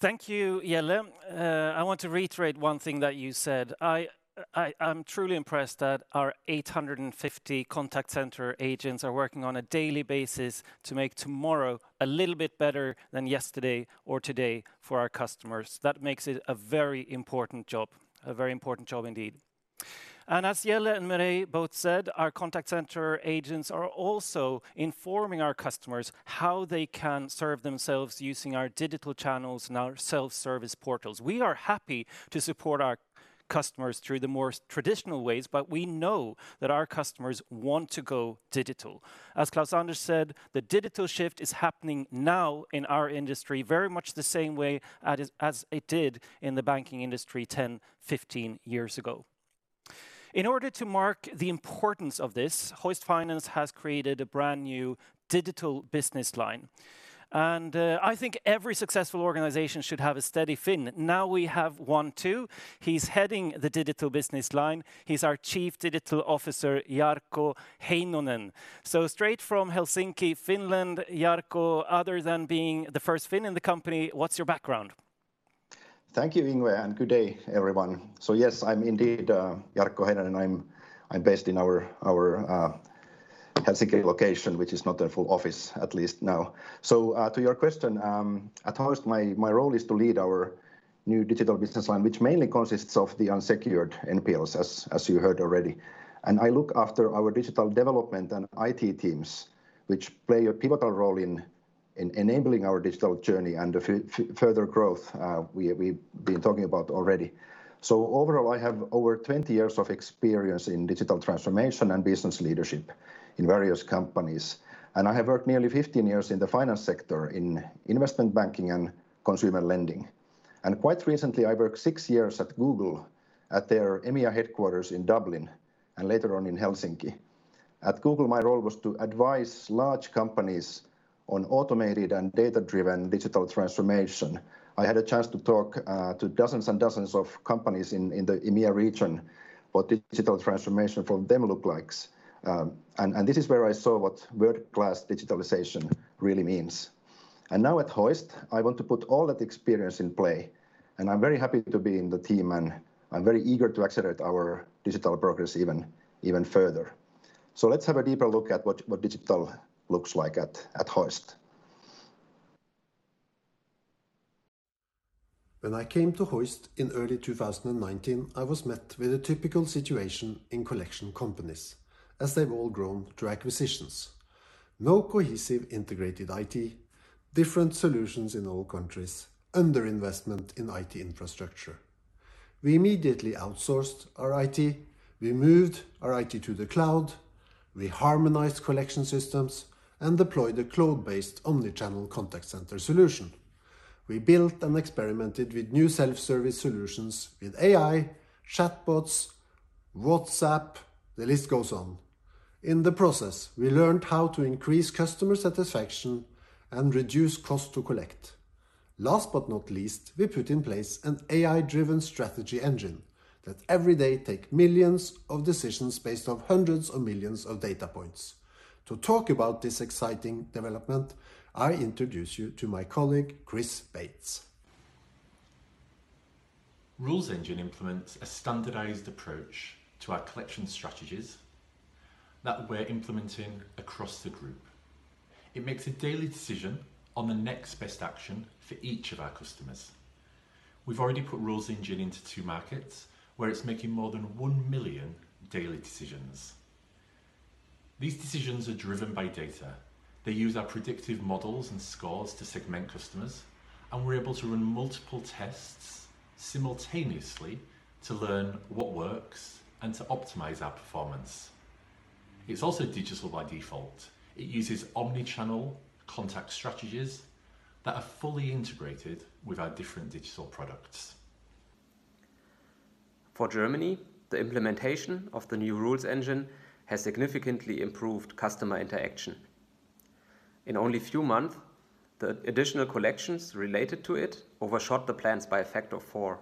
S1: Thank you, Jelle. I want to reiterate one thing that you said. I'm truly impressed that our 850 contact center agents are working on a daily basis to make tomorrow a little bit better than yesterday or today for our customers. That makes it a very important job. A very important job indeed. As Jelle and Mireille both said, our contact center agents are also informing our customers how they can serve themselves using our digital channels and our self-service portals. We are happy to support our customers through the more traditional ways, but we know that our customers want to go digital. As Klaus-Anders said, the digital shift is happening now in our industry very much the same way as it did in the banking industry 10, 15 years ago. In order to mark the importance of this, Hoist Finance has created a brand new digital business line, I think every successful organization should have a steady Finn. Now we have one too. He's heading the digital business line. He's our Chief Digital Officer, Jarkko Heinonen. Straight from Helsinki, Finland, Jarkko, other than being the first Finn in the company, what's your background?
S6: Thank you, Yngve. Good day, everyone. Yes, I'm indeed Jarkko Heinonen, and I'm based in our Helsinki location, which is not a full office, at least now. To your question, at Hoist, my role is to lead our new digital business line, which mainly consists of the unsecured NPLs as you heard already. I look after our digital development and IT teams, which play a pivotal role in enabling our digital journey and the further growth we've been talking about already. Overall, I have over 20 years of experience in digital transformation and business leadership in various companies, and I have worked nearly 15 years in the finance sector in investment banking and consumer lending. Quite recently, I worked six years at Google at their EMEA headquarters in Dublin, and later on in Helsinki. At Google, my role was to advise large companies on automated and data-driven digital transformation. I had a chance to talk to dozens and dozens of companies in the EMEA region what digital transformation for them looks like. This is where I saw what world-class digitalization really means. Now at Hoist, I want to put all that experience in play, and I'm very happy to be in the team, and I'm very eager to accelerate our digital progress even further. Let's have a deeper look at what digital looks like at Hoist. When I came to Hoist in early 2019, I was met with a typical situation in collection companies as they've all grown through acquisitions. No cohesive integrated IT, different solutions in all countries, underinvestment in IT infrastructure. We immediately outsourced our IT. We moved our IT to the cloud. We harmonized collection systems and deployed a cloud-based omni-channel contact center solution. We built and experimented with new self-service solutions with AI, chatbots, WhatsApp, the list goes on. In the process, we learned how to increase customer satisfaction and reduce cost to collect. Last but not least, we put in place an AI-driven strategy engine that every day take millions of decisions based off hundreds of millions of data points. To talk about this exciting development, I introduce you to my colleague, Chris Bates.
S7: Rules Engine implements a standardized approach to our collection strategies that we're implementing across the group. It makes a daily decision on the next best action for each of our customers. We've already put Rules Engine into two markets where it's making more than 1 million daily decisions. These decisions are driven by data. They use our predictive models and scores to segment customers, and we're able to run multiple tests simultaneously to learn what works and to optimize our performance. It's also digital by default. It uses omni-channel contact strategies that are fully integrated with our different digital products
S8: For Germany, the implementation of the new Rules Engine has significantly improved customer interaction. In only few months, the additional collections related to it overshot the plans by a factor of four.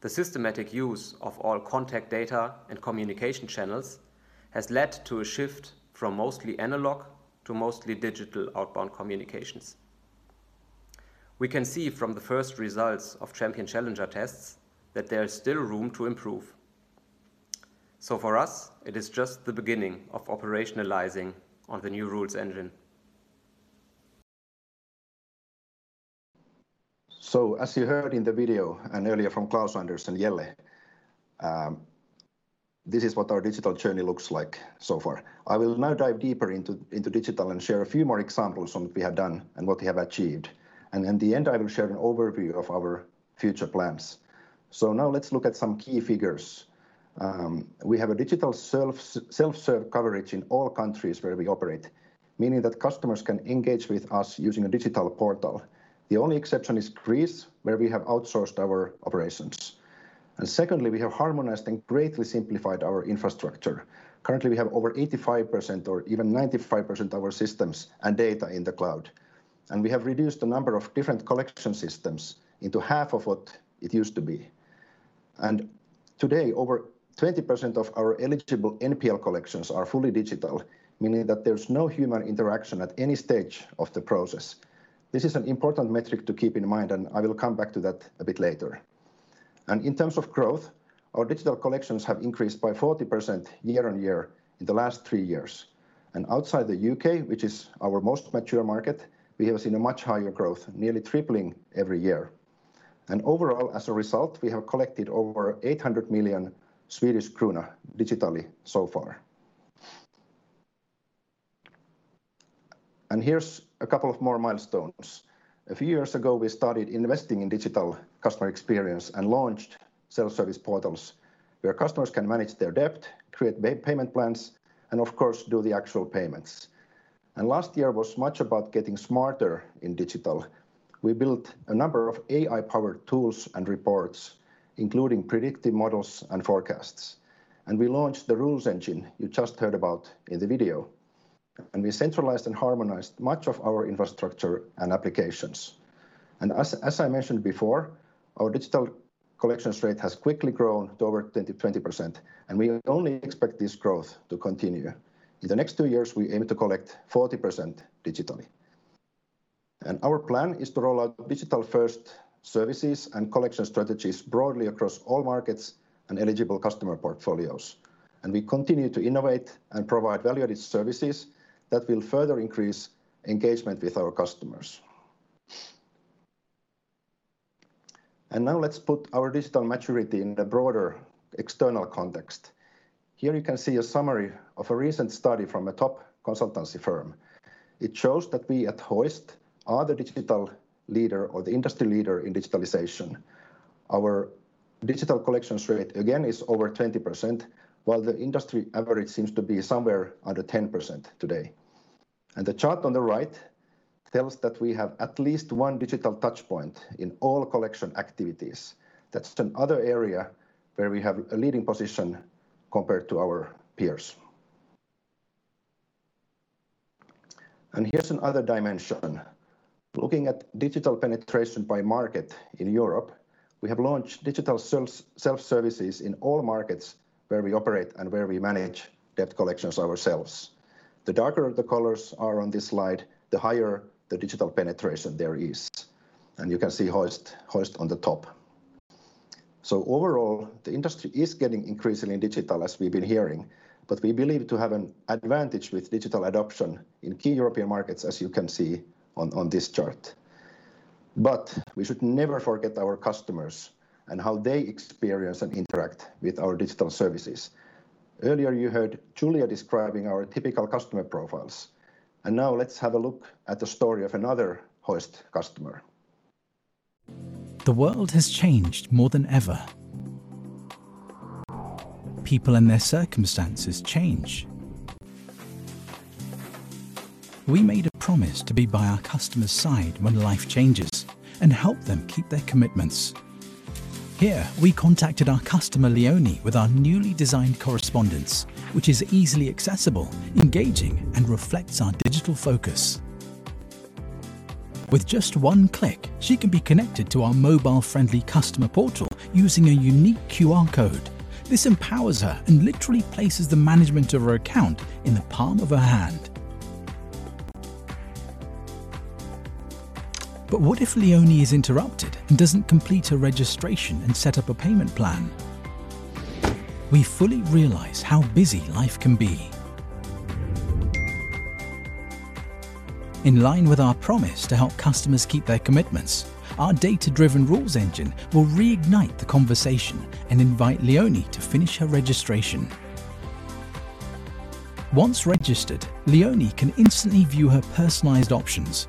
S8: The systematic use of all contact data and communication channels has led to a shift from mostly analog to mostly digital outbound communications. We can see from the first results of champion/challenger tests that there is still room to improve. For us, it is just the beginning of operationalizing of the new Rules Engine.
S6: As you heard in the video and earlier from Klaus-Anders and Jelle, this is what our digital journey looks like so far. I will now dive deeper into digital and share a few more examples on what we have done and what we have achieved. In the end, I will share an overview of our future plans. Now let's look at some key figures. We have a digital self-serve coverage in all countries where we operate, meaning that customers can engage with us using a digital portal. The only exception is Greece, where we have outsourced our operations. Secondly, we have harmonized and greatly simplified our infrastructure. Currently, we have over 85% or even 95% of our systems and data in the cloud. We have reduced the number of different collection systems into half of what it used to be. Today, over 20% of our eligible NPL collections are fully digital, meaning that there's no human interaction at any stage of the process. This is an important metric to keep in mind, and I will come back to that a bit later. In terms of growth, our digital collections have increased by 40% year-on-year in the last three years. Outside the U.K., which is our most mature market, we have seen a much higher growth, nearly tripling every year. Overall, as a result, we have collected over 800 million digitally so far. Here's a couple of more milestones. A few years ago, we started investing in digital customer experience and launched self-service portals where customers can manage their debt, create payment plans, and of course, do the actual payments. Last year was much about getting smarter in digital. We built a number of AI-powered tools and reports, including predictive models and forecasts. We launched the Rules Engine you just heard about in the video. We centralized and harmonized much of our infrastructure and applications. As I mentioned before, our digital collection rate has quickly grown to over 20%, and we only expect this growth to continue. In the next two years, we aim to collect 40% digitally. Our plan is to roll out digital-first services and collection strategies broadly across all markets and eligible customer portfolios. We continue to innovate and provide value-added services that will further increase engagement with our customers. Now let's put our digital maturity in the broader external context. Here you can see a summary of a recent study from a top consultancy firm. It shows that we at Hoist are the digital leader or the industry leader in digitalization. Our digital collection rate, again, is over 20%, while the industry average seems to be somewhere under 10% today. The chart on the right tells that we have at least one digital touchpoint in all collection activities. That's another area where we have a leading position compared to our peers. Here's another dimension. Looking at digital penetration by market in Europe, we have launched digital self-services in all markets where we operate and where we manage debt collections ourselves. The darker the colors are on this slide, the higher the digital penetration there is, and you can see Hoist on the top. Overall, the industry is getting increasingly digital, as we've been hearing, but we believe to have an advantage with digital adoption in key European markets, as you can see on this chart. We should never forget our customers and how they experience and interact with our digital services. Earlier, you heard Julia describing our typical customer profiles. Now let's have a look at the story of another Hoist customer.
S5: The world has changed more than ever. People and their circumstances change. We made a promise to be by our customers' side when life changes and help them keep their commitments. Here, we contacted our customer, Leonie, with our newly designed correspondence, which is easily accessible, engaging, and reflects our digital focus. With just one click, she can be connected to our mobile-friendly customer portal using a unique QR code. This empowers her and literally places the management of her account in the palm of her hand. But what if Leonie is interrupted and doesn't complete her registration and set up a payment plan? We fully realize how busy life can be. In line with our promise to help customers keep their commitments, our data-driven Rules Engine will reignite the conversation and invite Leonie to finish her registration. Once registered, Leonie can instantly view her personalized options.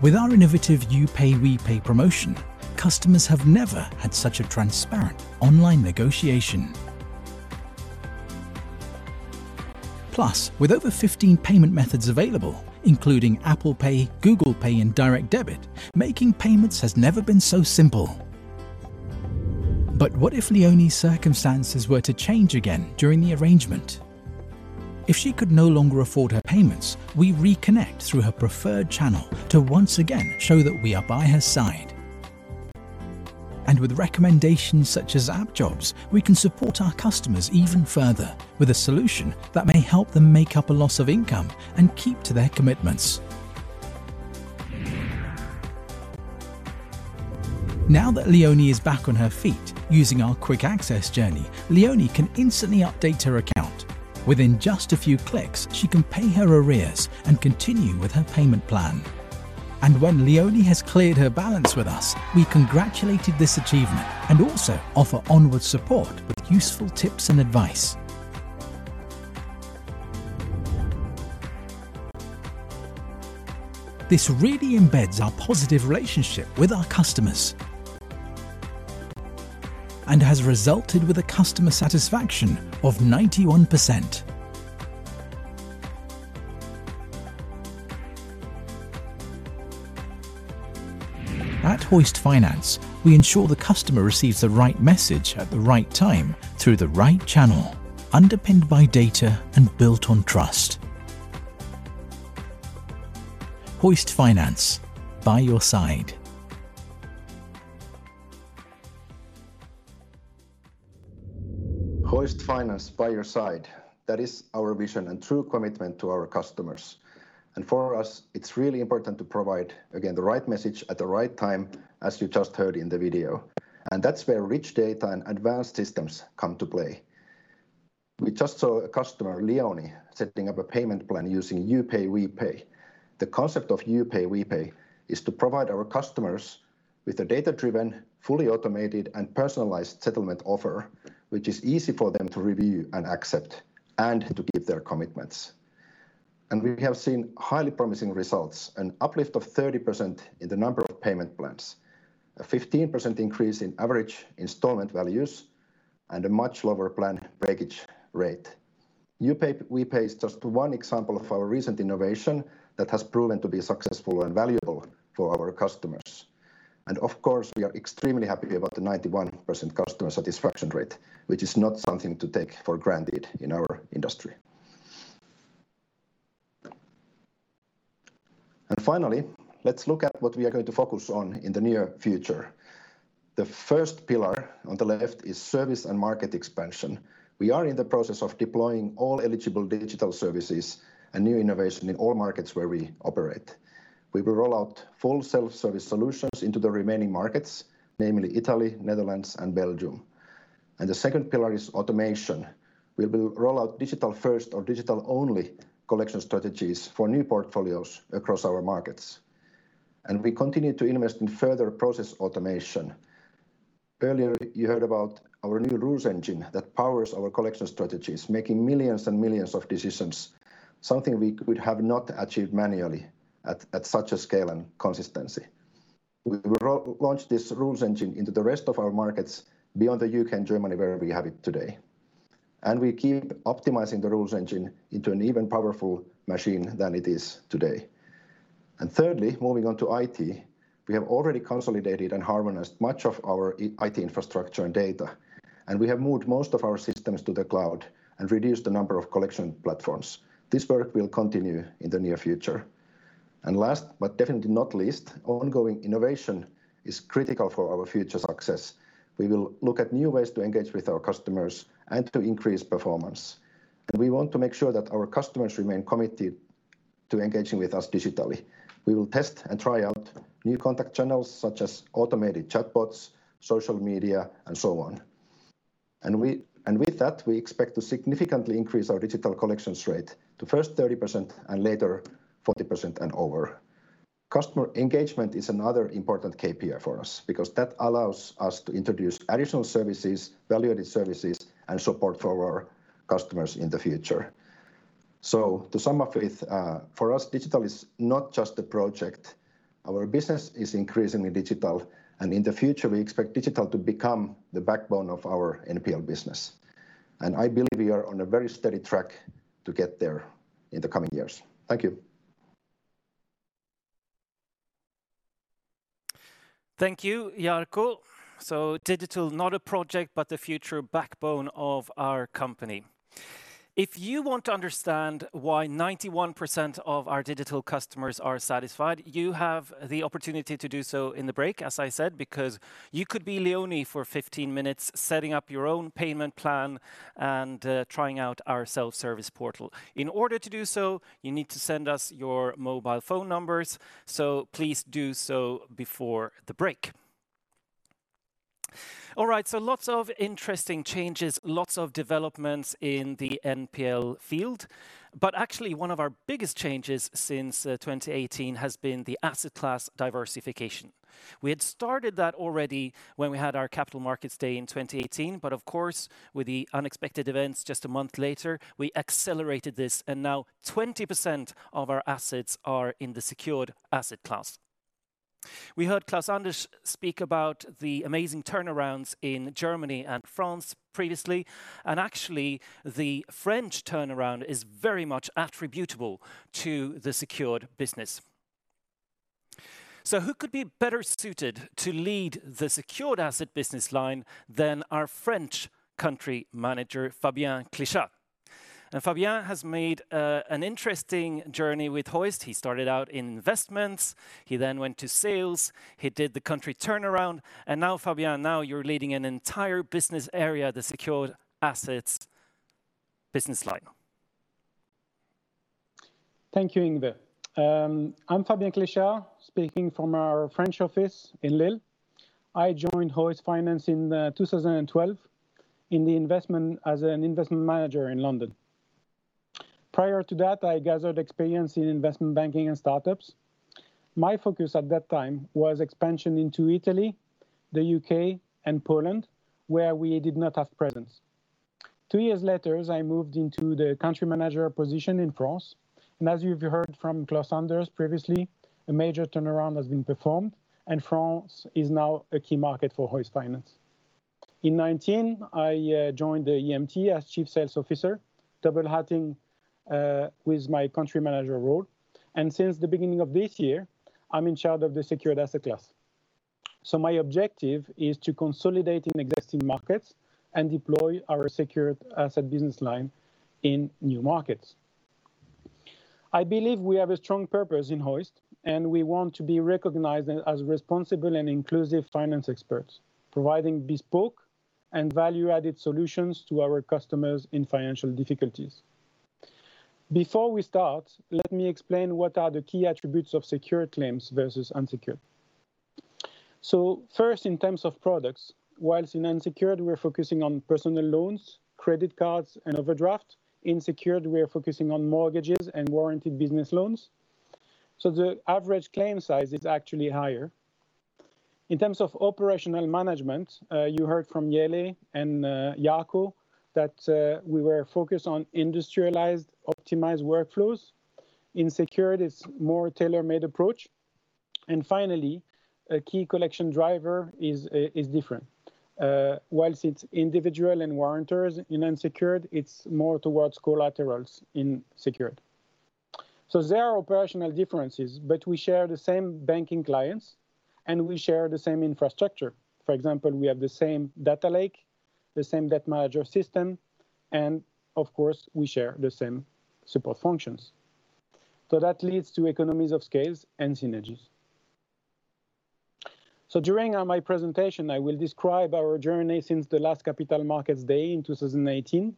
S5: With our innovative You Pay, We Pay promotion, customers have never had such a transparent online negotiation. With over 15 payment methods available, including Apple Pay, Google Pay, and direct debit, making payments has never been so simple. What if Leonie's circumstances were to change again during the arrangement? If she could no longer afford her payments, we reconnect through her preferred channel to once again show that we are by her side. With recommendations such as Appjobs, we can support our customers even further with a solution that may help them make up a loss of income and keep to their commitments. Now that Leonie is back on her feet, using our quick access journey, Leonie can instantly update her account. Within just a few clicks, she can pay her arrears and continue with her payment plan. When Leonie has cleared her balance with us, we congratulated this achievement and also offer onward support with useful tips and advice. This really embeds our positive relationship with our customers and has resulted with a customer satisfaction of 91%. At Hoist Finance, we ensure the customer receives the right message at the right time, through the right channel, underpinned by data and built on trust. Hoist Finance, by your side.
S6: Hoist Finance, by your side. That is our vision and true commitment to our customers. For us, it's really important to provide, again, the right message at the right time, as you just heard in the video. That's where rich data and advanced systems come to play. We just saw a customer, Leonie, setting up a payment plan using YouPayWePay. The concept of YouPayWePay is to provide our customers with a data-driven, fully automated, and personalized settlement offer, which is easy for them to review and accept, and to keep their commitments. We have seen highly promising results, an uplift of 30% in the number of payment plans, a 15% increase in average installment values, and a much lower plan breakage rate. YouPayWePay is just one example of our recent innovation that has proven to be successful and valuable for our customers. Of course, we are extremely happy about the 91% customer satisfaction rate, which is not something to take for granted in our industry. Finally, let's look at what we are going to focus on in the near future. The 1st pillar on the left is service and market expansion. We are in the process of deploying all eligible digital services and new innovation in all markets where we operate. We will roll out full self-service solutions into the remaining markets, namely Italy, Netherlands, and Belgium. The 2nd pillar is automation. We will roll out digital first or digital only collection strategies for new portfolios across our markets. We continue to invest in further process automation. Earlier you heard about our new Rules Engine that powers our collection strategies, making millions and millions of decisions, something we could have not achieved manually at such a scale and consistency. We will launch this Rules Engine into the rest of our markets beyond the U.K. and Germany, where we have it today. We keep optimizing the Rules Engine into an even powerful machine than it is today. Thirdly, moving on to IT, we have already consolidated and harmonized much of our IT infrastructure and data, and we have moved most of our systems to the cloud and reduced the number of collection platforms. This work will continue in the near future. Last but definitely not least, ongoing innovation is critical for our future success. We will look at new ways to engage with our customers and to increase performance. We want to make sure that our customers remain committed to engaging with us digitally. We will test and try out new contact channels such as automated chatbots, social media, and so on. With that, we expect to significantly increase our digital collections rate to first 30% and later 40% and over. Customer engagement is another important KPI for us because that allows us to introduce additional services, value-added services, and support for our customers in the future. To sum up, for us, digital is not just a project. Our business is increasingly digital, and in the future, we expect digital to become the backbone of our NPL business. I believe we are on a very steady track to get there in the coming years. Thank you.
S1: Thank you, Jarkko. Digital, not a project, but the future backbone of our company. If you want to understand why 91% of our digital customers are satisfied, you have the opportunity to do so in the break, as I said, because you could be Leonie for 15-minutes, setting up your own payment plan and trying out our self-service portal. In order to do so, you need to send us your mobile phone numbers, please do so before the break. All right, lots of interesting changes, lots of developments in the NPL field, actually one of our biggest changes since 2018 has been the asset class diversification. We had started that already when we had our capital markets day in 2018, of course, with the unexpected events just a month later, we accelerated this, now 20% of our assets are in the secured asset class. We heard Klaus-Anders speak about the amazing turnarounds in Germany and France previously, actually, the French turnaround is very much attributable to the secured business. Who could be better suited to lead the secured asset business line than our French country manager, Fabien Klecha. Fabien has made an interesting journey with Hoist. He started out in investments, he then went to sales, he did the country turnaround, now, Fabien, now you're leading an entire business area, the secured assets business line.
S9: Thank you, Yngve. I'm Fabien Klecha, speaking from our French office in Lille. I joined Hoist Finance in 2012 as an investment manager in London. Prior to that, I gathered experience in investment banking and startups. My focus at that time was expansion into Italy, the U.K., and Poland, where we did not have presence. Two years later, I moved into the country manager position in France, and as you've heard from Klaus-Anders previously, a major turnaround has been performed, and France is now a key market for Hoist Finance. In 2019, I joined the EMT as chief sales officer, double-hatting with my country manager role, and since the beginning of this year, I'm in charge of the secured asset class. My objective is to consolidate in existing markets and deploy our secured asset business line in new markets. I believe we have a strong purpose in Hoist, and we want to be recognized as responsible and inclusive finance experts, providing bespoke and value-added solutions to our customers in financial difficulties. Before we start, let me explain what are the key attributes of secured claims versus unsecured. 1st, in terms of products, whilst in unsecured, we're focusing on personal loans, credit cards, and overdraft, in secured, we are focusing on mortgages and warranted business loans, so the average claim size is actually higher. In terms of operational management, you heard from Jelle and Jarkko that we were focused on industrialized, optimized workflows. In secured, it's more tailor-made approach. Finally, a key collection driver is different. Whilst it's individual and warrantors in unsecured, it's more towards collaterals in secured. There are operational differences, but we share the same banking clients, and we share the same infrastructure. For example, we have the same data lake, the same debt manager system, and of course, we share the same support functions. That leads to economies of scale and synergies. During my presentation, I will describe our journey since the last Capital Markets Day in 2018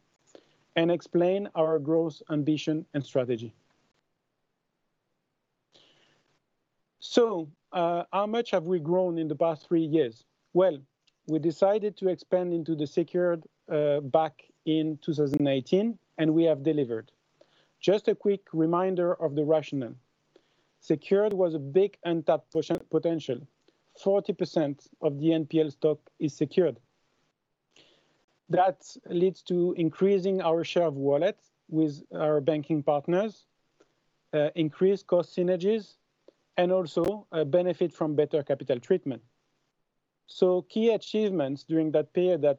S9: and explain our growth, ambition, and strategy. How much have we grown in the past three years? Well, we decided to expand into the secured back in 2018, and we have delivered. Just a quick reminder of the rationale. Secured was a big untapped potential. 40% of the NPL stock is secured. That leads to increasing our share of wallet with our banking partners, increased cost synergies, and also a benefit from better capital treatment. Key achievements during that period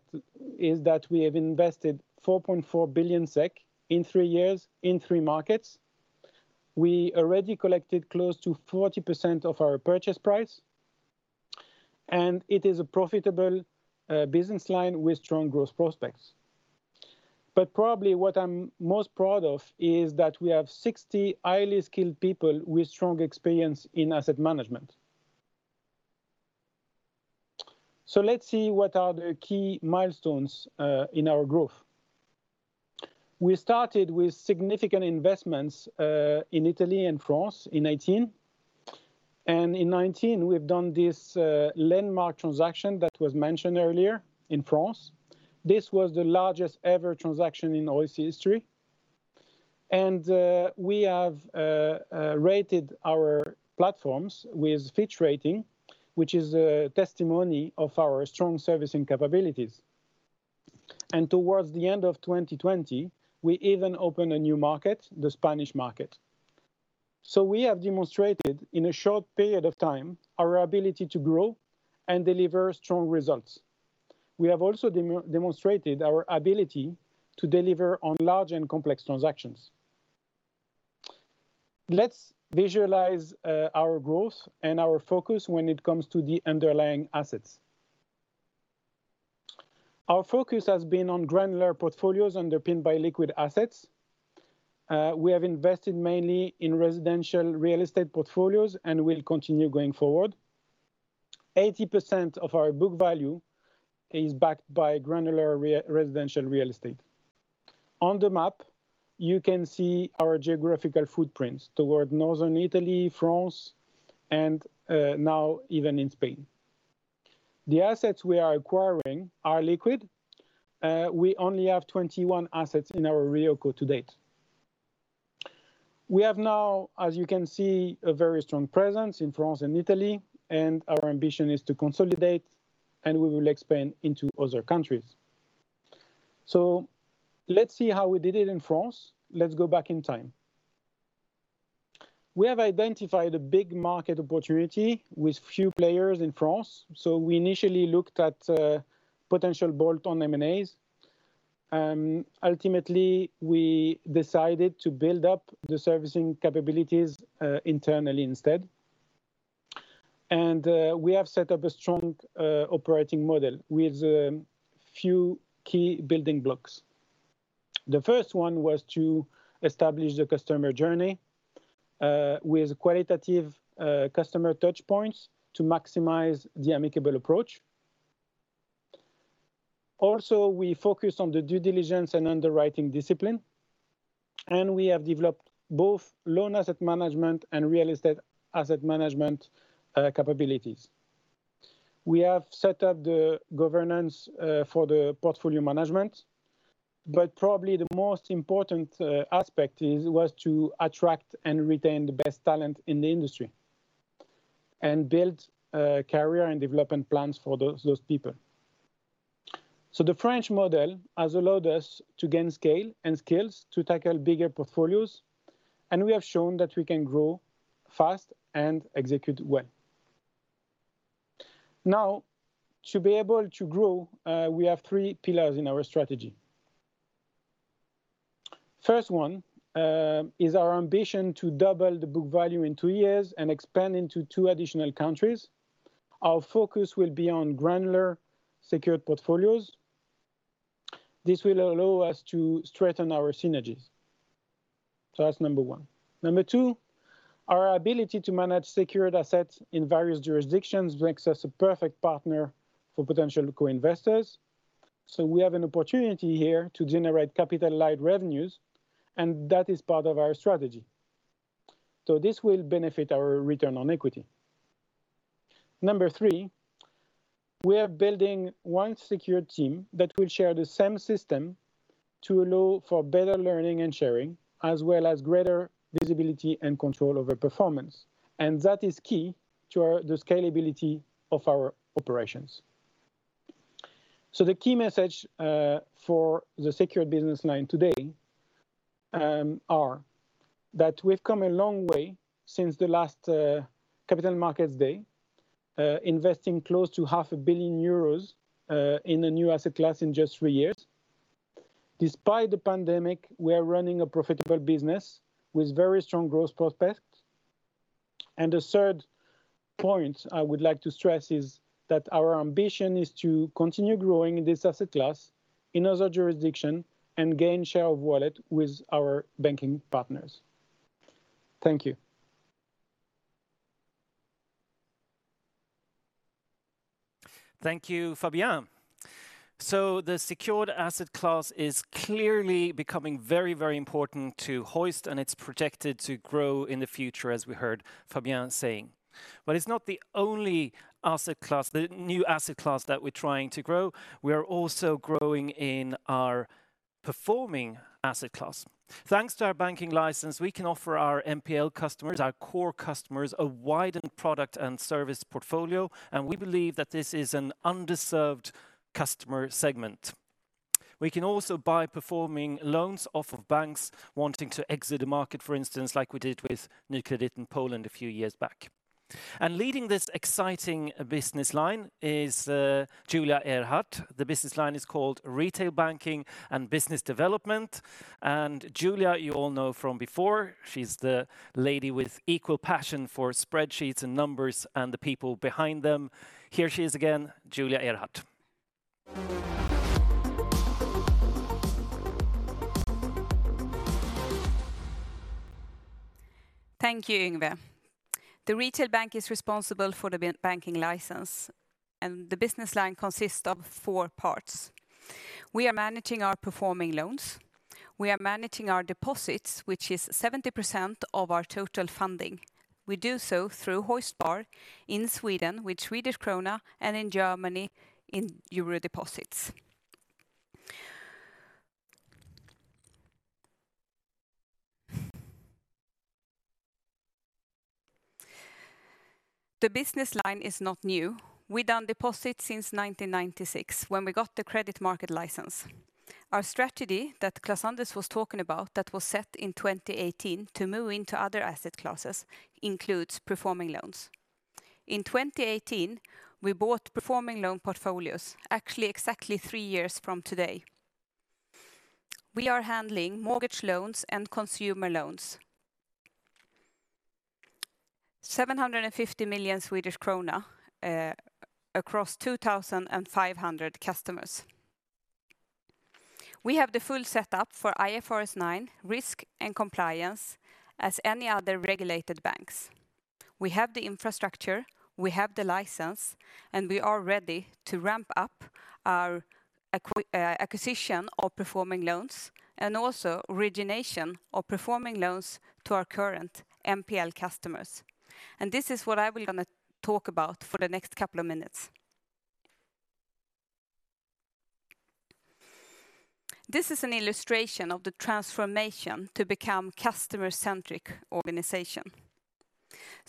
S9: is that we have invested 4.4 billion SEK in three years in three markets. We already collected close to 40% of our purchase price, and it is a profitable business line with strong growth prospects. Probably what I'm most proud of is that we have 60 highly skilled people with strong experience in asset management. Let's see what are the key milestones in our growth. We started with significant investments in Italy and France in 2018, and in 2019, we've done this landmark transaction that was mentioned earlier in France. This was the largest-ever transaction in Hoist Finance history, and we have rated our platforms with Fitch Ratings, which is a testimony of our strong servicing capabilities. Towards the end of 2020, we even opened a new market, the Spanish market. We have demonstrated, in a short period of time, our ability to grow and deliver strong results. We have also demonstrated our ability to deliver on large and complex transactions. Let's visualize our growth and our focus when it comes to the underlying assets. Our focus has been on granular portfolios underpinned by liquid assets. We have invested mainly in residential real estate portfolios, and will continue going forward. 80% of our book value is backed by granular residential real estate. On the map, you can see our geographical footprints toward Northern Italy, France, and now even in Spain. The assets we are acquiring are liquid. We only have 21 assets in our REOco to date. We have now, as you can see, a very strong presence in France and Italy, and our ambition is to consolidate, and we will expand into other countries. Let's see how we did it in France. Let's go back in time. We have identified a big market opportunity with few players in France, so we initially looked at potential bolt-on M&As. Ultimately, we decided to build up the servicing capabilities internally instead. We have set up a strong operating model with a few key building blocks. The first one was to establish the customer journey with qualitative customer touchpoints to maximize the amicable approach. We focus on the due diligence and underwriting discipline, and we have developed both loan asset management and real estate asset management capabilities. We have set up the governance for the portfolio management, but probably the most important aspect was to attract and retain the best talent in the industry and build career and development plans for those people. The French model has allowed us to gain scale and skills to tackle bigger portfolios, and we have shown that we can grow fast and execute well. To be able to grow, we have three pillars in our strategy. First one is our ambition to double the book value in two years and expand into two additional countries. Our focus will be on granular secured portfolios. This will allow us to strengthen our synergies. That's number one. Number two, our ability to manage secured assets in various jurisdictions makes us a perfect partner for potential co-investors. We have an opportunity here to generate capital light revenues, and that is part of our strategy. This will benefit our return on equity. Number three, we are building One Secured Team that will share the same system to allow for better learning and sharing, as well as greater visibility and control over performance, and that is key to the scalability of our operations. The key message for the secured business line today is that we've come a long way since the last Capital Markets Day, investing close to half a billion EUR in a new asset class in just three years. Despite the pandemic, we are running a profitable business with very strong growth prospects. The third point I would like to stress is that our ambition is to continue growing in this asset class in other jurisdiction and gain share of wallet with our banking partners. Thank you.
S1: Thank you, Fabien. The secured asset class is clearly becoming very important to Hoist, and it's projected to grow in the future, as we heard Fabien saying. It's not the only asset class, the new asset class that we're trying to grow. We are also growing in our performing asset class. Thanks to our banking license, we can offer our NPL customers, our core customers, a widened product and service portfolio, and we believe that this is an underserved customer segment. We can also buy performing loans off of banks wanting to exit a market, for instance, like we did with Nykredit in Poland a few years back. Leading this exciting business line is Julia Ehrhardt. The business line is called Retail Banking and Business Development, and Julia you all know from before. She's the lady with equal passion for spreadsheets and numbers and the people behind them. Here she is again, Julia Ehrhardt.
S3: Thank you, Yngve. The retail bank is responsible for the banking license, and the business line consists of four parts. We are managing our performing loans. We are managing our deposits, which is 70% of our total funding. We do so through HoistSpar in Sweden with SEK and in Germany in EUR deposits. The business line is not new. We've done deposits since 1996 when we got the credit market license. Our strategy that Klaus-Anders was talking about that was set in 2018 to move into other asset classes includes performing loans. In 2018, we bought performing loan portfolios, actually exactly three years from today. We are handling mortgage loans and consumer loans. SEK 750 million across 2,500 customers. We have the full setup for IFRS 9 risk and compliance as any other regulated banks. We have the infrastructure, we have the license. We are ready to ramp up our acquisition of performing loans and also origination of performing loans to our current NPL customers. This is what I will going to talk about for the next couple of minutes. This is an illustration of the transformation to become customer-centric organization.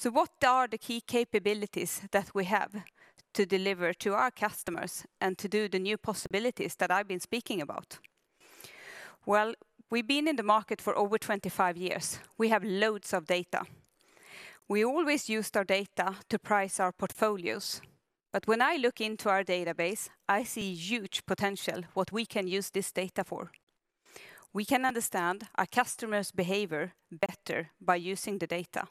S3: What are the key capabilities that we have to deliver to our customers and to do the new possibilities that I've been speaking about? Well, we've been in the market for over 25 years. We have loads of data. We always used our data to price our portfolios. When I look into our database, I see huge potential what we can use this data for. We can understand our customer's behavior better by using the data.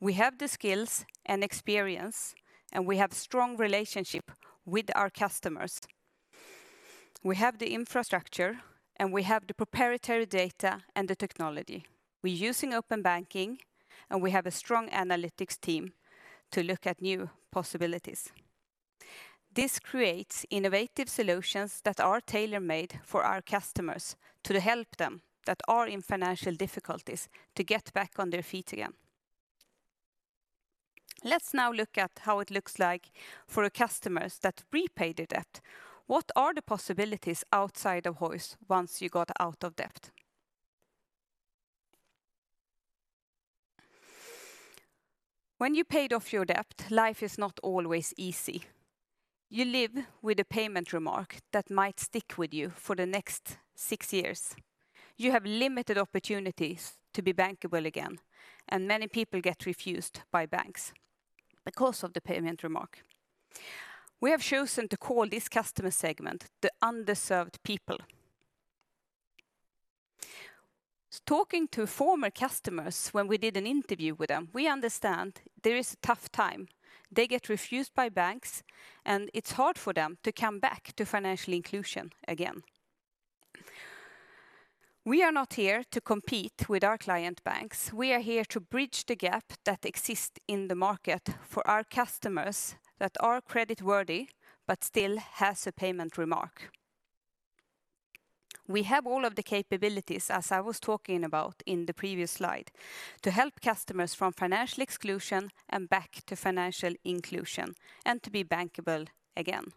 S3: We have the skills and experience. We have strong relationship with our customers. We have the infrastructure, and we have the proprietary data and the technology. We're using open banking, and we have a strong analytics team to look at new possibilities. This creates innovative solutions that are tailor-made for our customers to help them that are in financial difficulties to get back on their feet again. Let's now look at how it looks like for customers that repaid the debt. What are the possibilities outside of Hoist once you got out of debt? When you paid off your debt, life is not always easy. You live with a payment remark that might stick with you for the next six years. You have limited opportunities to be bankable again, and many people get refused by banks because of the payment remark. We have chosen to call this customer segment the underserved people. Talking to former customers when we did an interview with them, we understand there is a tough time. They get refused by banks, and it's hard for them to come back to financial inclusion again. We are not here to compete with our client banks. We are here to bridge the gap that exists in the market for our customers that are creditworthy but still has a payment remark. We have all of the capabilities, as I was talking about in the previous slide, to help customers from financial exclusion and back to financial inclusion, and to be bankable again.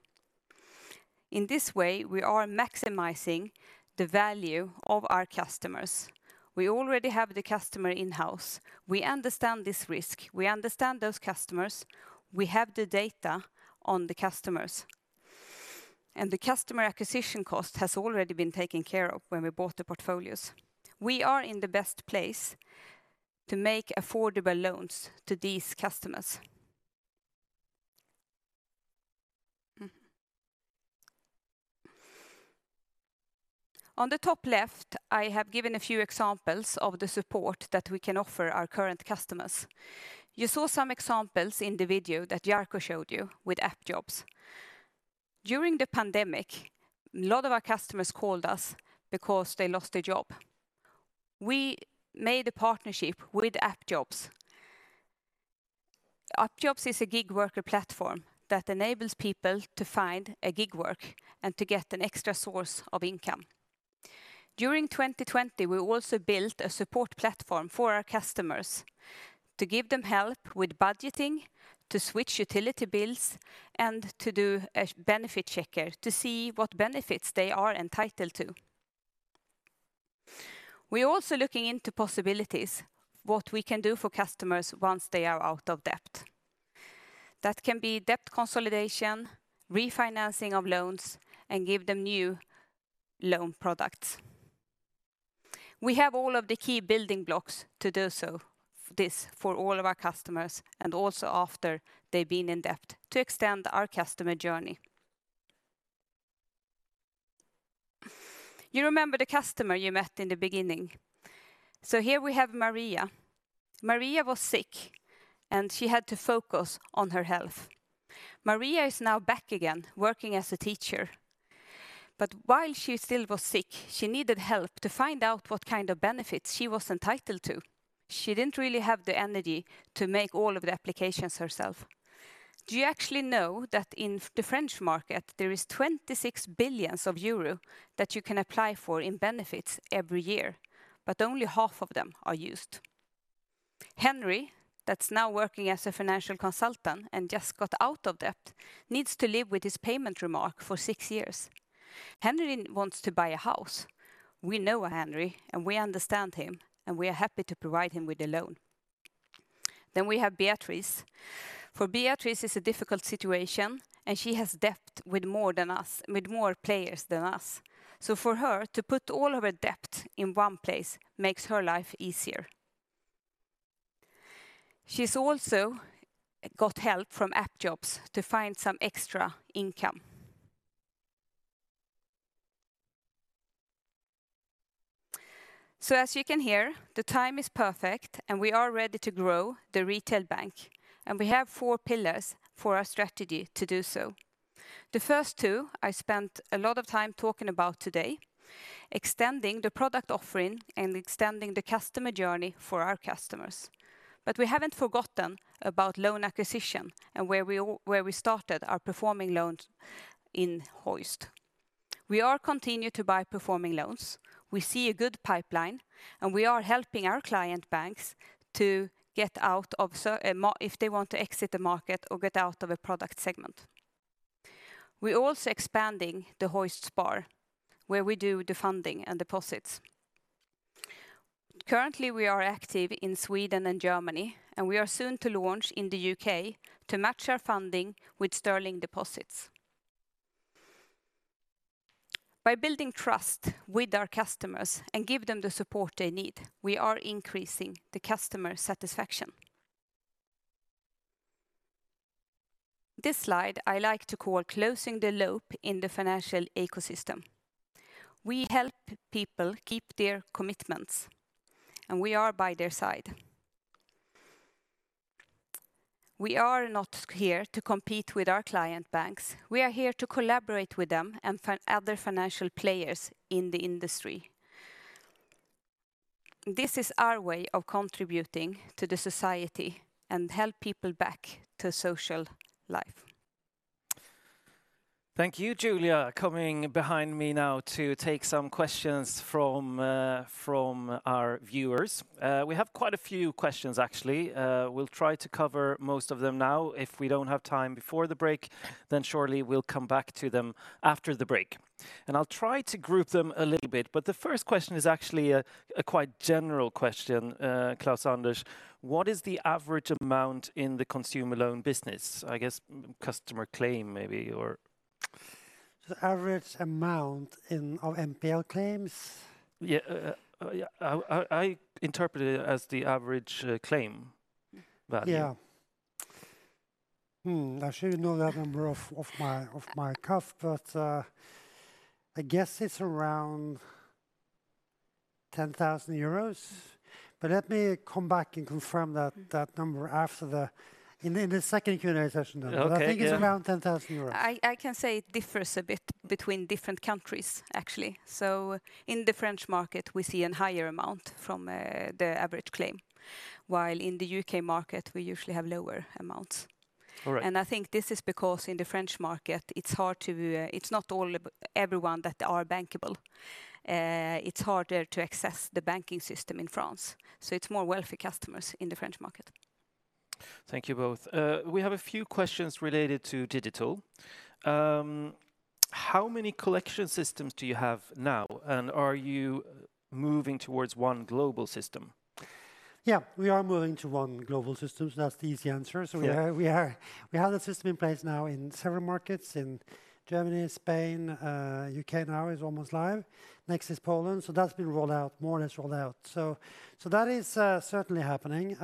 S3: In this way, we are maximizing the value of our customers. We already have the customer in-house. We understand this risk. We understand those customers. We have the data on the customers. The customer acquisition cost has already been taken care of when we bought the portfolios. We are in the best place to make affordable loans to these customers. On the top left, I have given a few examples of the support that we can offer our current customers. You saw some examples in the video that Jarkko showed you with Appjobs. During the pandemic, a lot of our customers called us because they lost their job. We made a partnership with Appjobs. Appjobs is a gig worker platform that enables people to find a gig work and to get an extra source of income. During 2020, we also built a support platform for our customers to give them help with budgeting, to switch utility bills, and to do a benefit checker to see what benefits they are entitled to. We're also looking into possibilities, what we can do for customers once they are out of debt. That can be debt consolidation, refinancing of loans, and give them new loan products. We have all of the key building blocks to do this for all of our customers and also after they've been in debt to extend our customer journey. You remember the customer you met in the beginning. Here we have Maria. Maria was sick, and she had to focus on her health. Maria is now back again working as a teacher. While she still was sick, she needed help to find out what kind of benefits she was entitled to. She didn't really have the energy to make all of the applications herself. Do you actually know that in the French market, there is 26 billion euro that you can apply for in benefits every year, but only half of them are used? Henry, that's now working as a financial consultant and just got out of debt, needs to live with his payment remark for six years. Henry wants to buy a house. We know Henry, and we understand him, and we are happy to provide him with a loan. We have Beatrice. For Beatrice, it's a difficult situation, and she has debt with more players than us. For her to put all of her debt in one place makes her life easier. She's also got help from Appjobs to find some extra income. As you can hear, the time is perfect, and we are ready to grow the retail bank. We have four pillars for our strategy to do so. The first two I spent a lot of time talking about today, extending the product offering and extending the customer journey for our customers. We haven't forgotten about loan acquisition and where we started our performing loans in Hoist. We are continuing to buy performing loans. We see a good pipeline, and we are helping our client banks if they want to exit the market or get out of a product segment. We're also expanding the HoistSpar, where we do the funding and deposits. Currently, we are active in Sweden and Germany, and we are soon to launch in the U.K. to match our funding with GBP deposits. By building trust with our customers and give them the support they need, we are increasing the customer satisfaction. This slide I like to call closing the loop in the financial ecosystem. We help people keep their commitments, and we are by their side. We are not here to compete with our client banks. We are here to collaborate with them and other financial players in the industry. This is our way of contributing to the society and help people back to social life.
S1: Thank you, Julia. Coming behind me now to take some questions from our viewers. We have quite a few questions, actually. We'll try to cover most of them now. If we don't have time before the break, then surely we'll come back to them after the break, and I'll try to group them a little bit. The first question is actually a quite general question, Klaus-Anders. What is the average amount in the consumer loan business? I guess customer claim, maybe?
S2: The average amount of NPL claims?
S1: Yeah. I interpret it as the average claim value.
S2: Yeah. I should know that number off my cuff, but I guess it's around 10,000 euros. Let me come back and confirm that number in the second Q&A session.
S1: Okay.
S2: I think it's around 10,000 euros.
S3: I can say it differs a bit between different countries, actually. In the French market, we see an higher amount from the average claim, while in the U.K. market, we usually have lower amounts.
S1: All right.
S3: I think this is because in the French market, it's not everyone that are bankable. It's harder to access the banking system in France, so it's more wealthy customers in the French market.
S1: Thank you both. We have a few questions related to digital. How many collection systems do you have now, and are you moving towards one global system?
S2: Yeah, we are moving to one global system. That's the easy answer.
S1: Yeah.
S2: We have the system in place now in several markets, in Germany, Spain, U.K. now is almost live. Next is Poland. That's been more or less rolled out. That is certainly happening.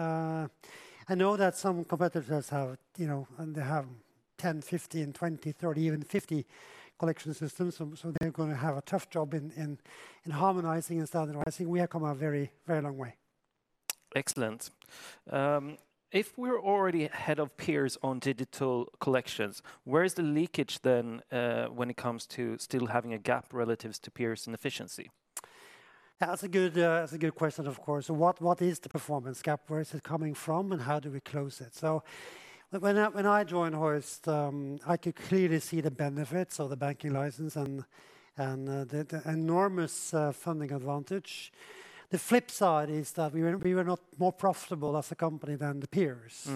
S2: I know that some competitors have 10, 15, 20, 30, even 50 collection systems, so they're going to have a tough job in harmonizing and standardizing. We have come a very long way.
S1: Excellent. If we're already ahead of peers on digital collections, where is the leakage then when it comes to still having a gap relative to peers and efficiency?
S2: That's a good question, of course. What is the performance gap? Where is it coming from, and how do we close it? When I joined Hoist, I could clearly see the benefits of the banking license and the enormous funding advantage. The flip side is that we were not more profitable as a company than the peers.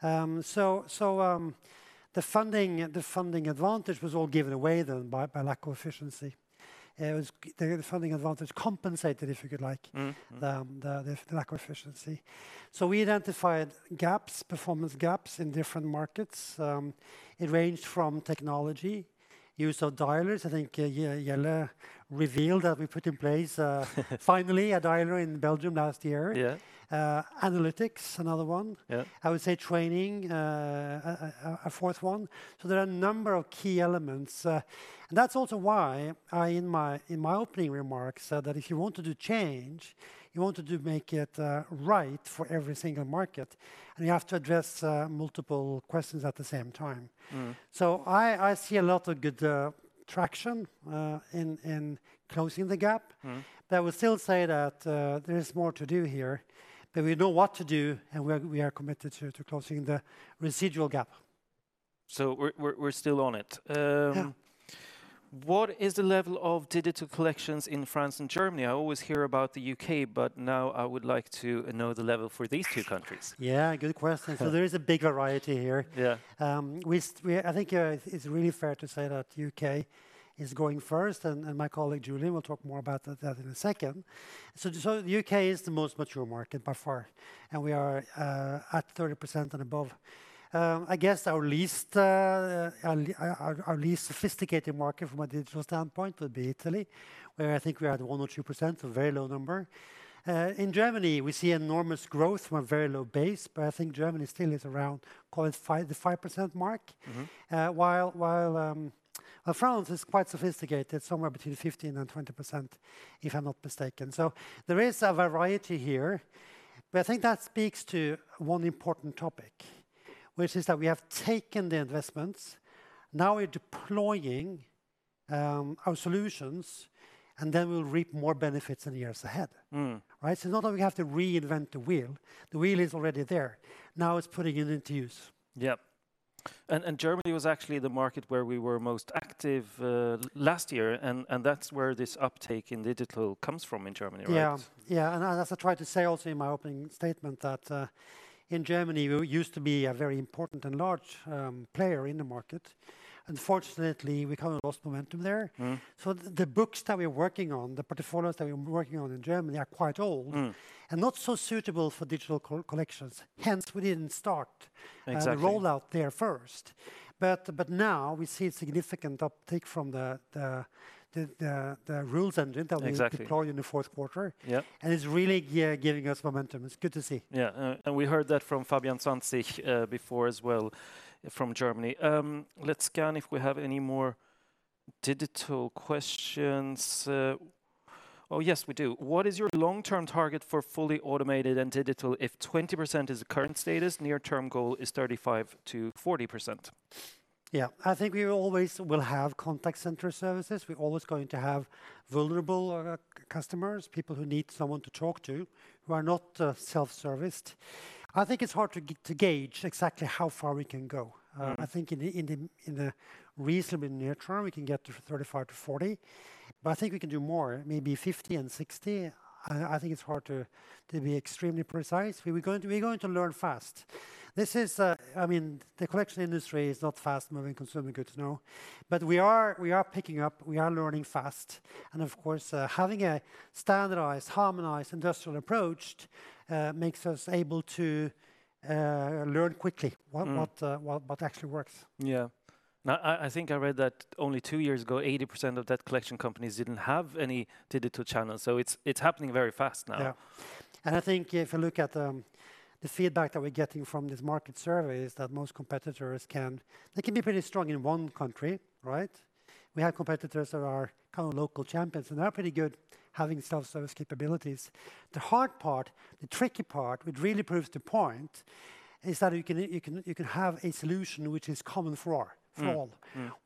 S2: The funding advantage was all given away then by lack of efficiency. The funding advantage compensated the lack of efficiency. We identified gaps, performance gaps in different markets. It ranged from technology, use of dialers. I think Jelle revealed that we put finally a dialer in Belgium last year.
S1: Yeah.
S2: Analytics, another one.
S1: Yeah.
S2: I would say training, a fourth one. There are a number of key elements. That's also why I, in my opening remarks, said that if you want to do change, you want to do make it right for every single market, and you have to address multiple questions at the same time. I see a lot of good traction in closing the gap. I would still say that there is more to do here. We know what to do, and we are committed to closing the residual gap.
S1: We're still on it.
S2: Yeah.
S1: What is the level of digital collections in France and Germany? I always hear about the U.K., but now I would like to know the level for these two countries.
S2: Yeah, good question. There is a big variety here.
S1: Yeah.
S2: I think it's really fair to say that U.K. is going first, and my colleague Julia will talk more about that in a second. The U.K. is the most mature market by far, and we are at 30% and above. I guess our least sophisticated market from a digital standpoint would be Italy, where I think we are at 1% or 2%, so a very low number. In Germany, we see enormous growth from a very low base, but I think Germany still is around the 5% mark. While France is quite sophisticated, somewhere between 15% and 20%, if I'm not mistaken. There is a variety here. I think that speaks to one important topic, which is that we have taken the investments. Now we're deploying our solutions, we'll reap more benefits in the years ahead. It's not that we have to reinvent the wheel. The wheel is already there. Now it's putting it into use.
S1: Yep Germany was actually the market where we were most active last year, and that's where this uptake in digital comes from in Germany, right?
S2: Yeah. As I tried to say also in my opening statement that in Germany, we used to be a very important and large player in the market. Unfortunately, we lost momentum there. The books that we're working on, the portfolios that we're working on in Germany are quite old. Not so suitable for digital collections. Hence, we didn't.
S1: Exactly
S2: The rollout there first. Now we see a significant uptake from the Rules Engine.
S1: Exactly
S2: That we deployed in the fourth quarter.
S1: Yep.
S2: It's really giving us momentum. It's good to see.
S1: Yeah. We heard that from Fabian Zwanzig before as well from Germany. Let's scan if we have any more digital questions. Yes, we do. What is your long-term target for fully automated and digital if 20% is the current status, near term goal is 35%-40%?
S2: Yeah. I think we always will have contact center services. We're always going to have vulnerable customers, people who need someone to talk to who are not self-serviced. I think it's hard to gauge exactly how far we can go. I think in the reasonably near term, we can get to 35%-40%, but I think we can do more, maybe 50% and 60%. I think it's hard to be extremely precise. We're going to learn fast. The collection industry is not fast-moving, consumer goods. No. We are picking up, we are learning fast, and of course, having a standardized, harmonized industrial approach makes us able to learn quickly what actually works.
S1: Yeah. No, I think I read that only two years ago, 80% of debt collection companies didn't have any digital channels, so it's happening very fast now.
S2: Yeah. I think if you look at the feedback that we're getting from these market surveys, that most competitors can be pretty strong in one country, right? We have competitors that are local champions, and they're pretty good having self-service capabilities. The hard part, the tricky part, which really proves the point, is that you can have a solution which is common.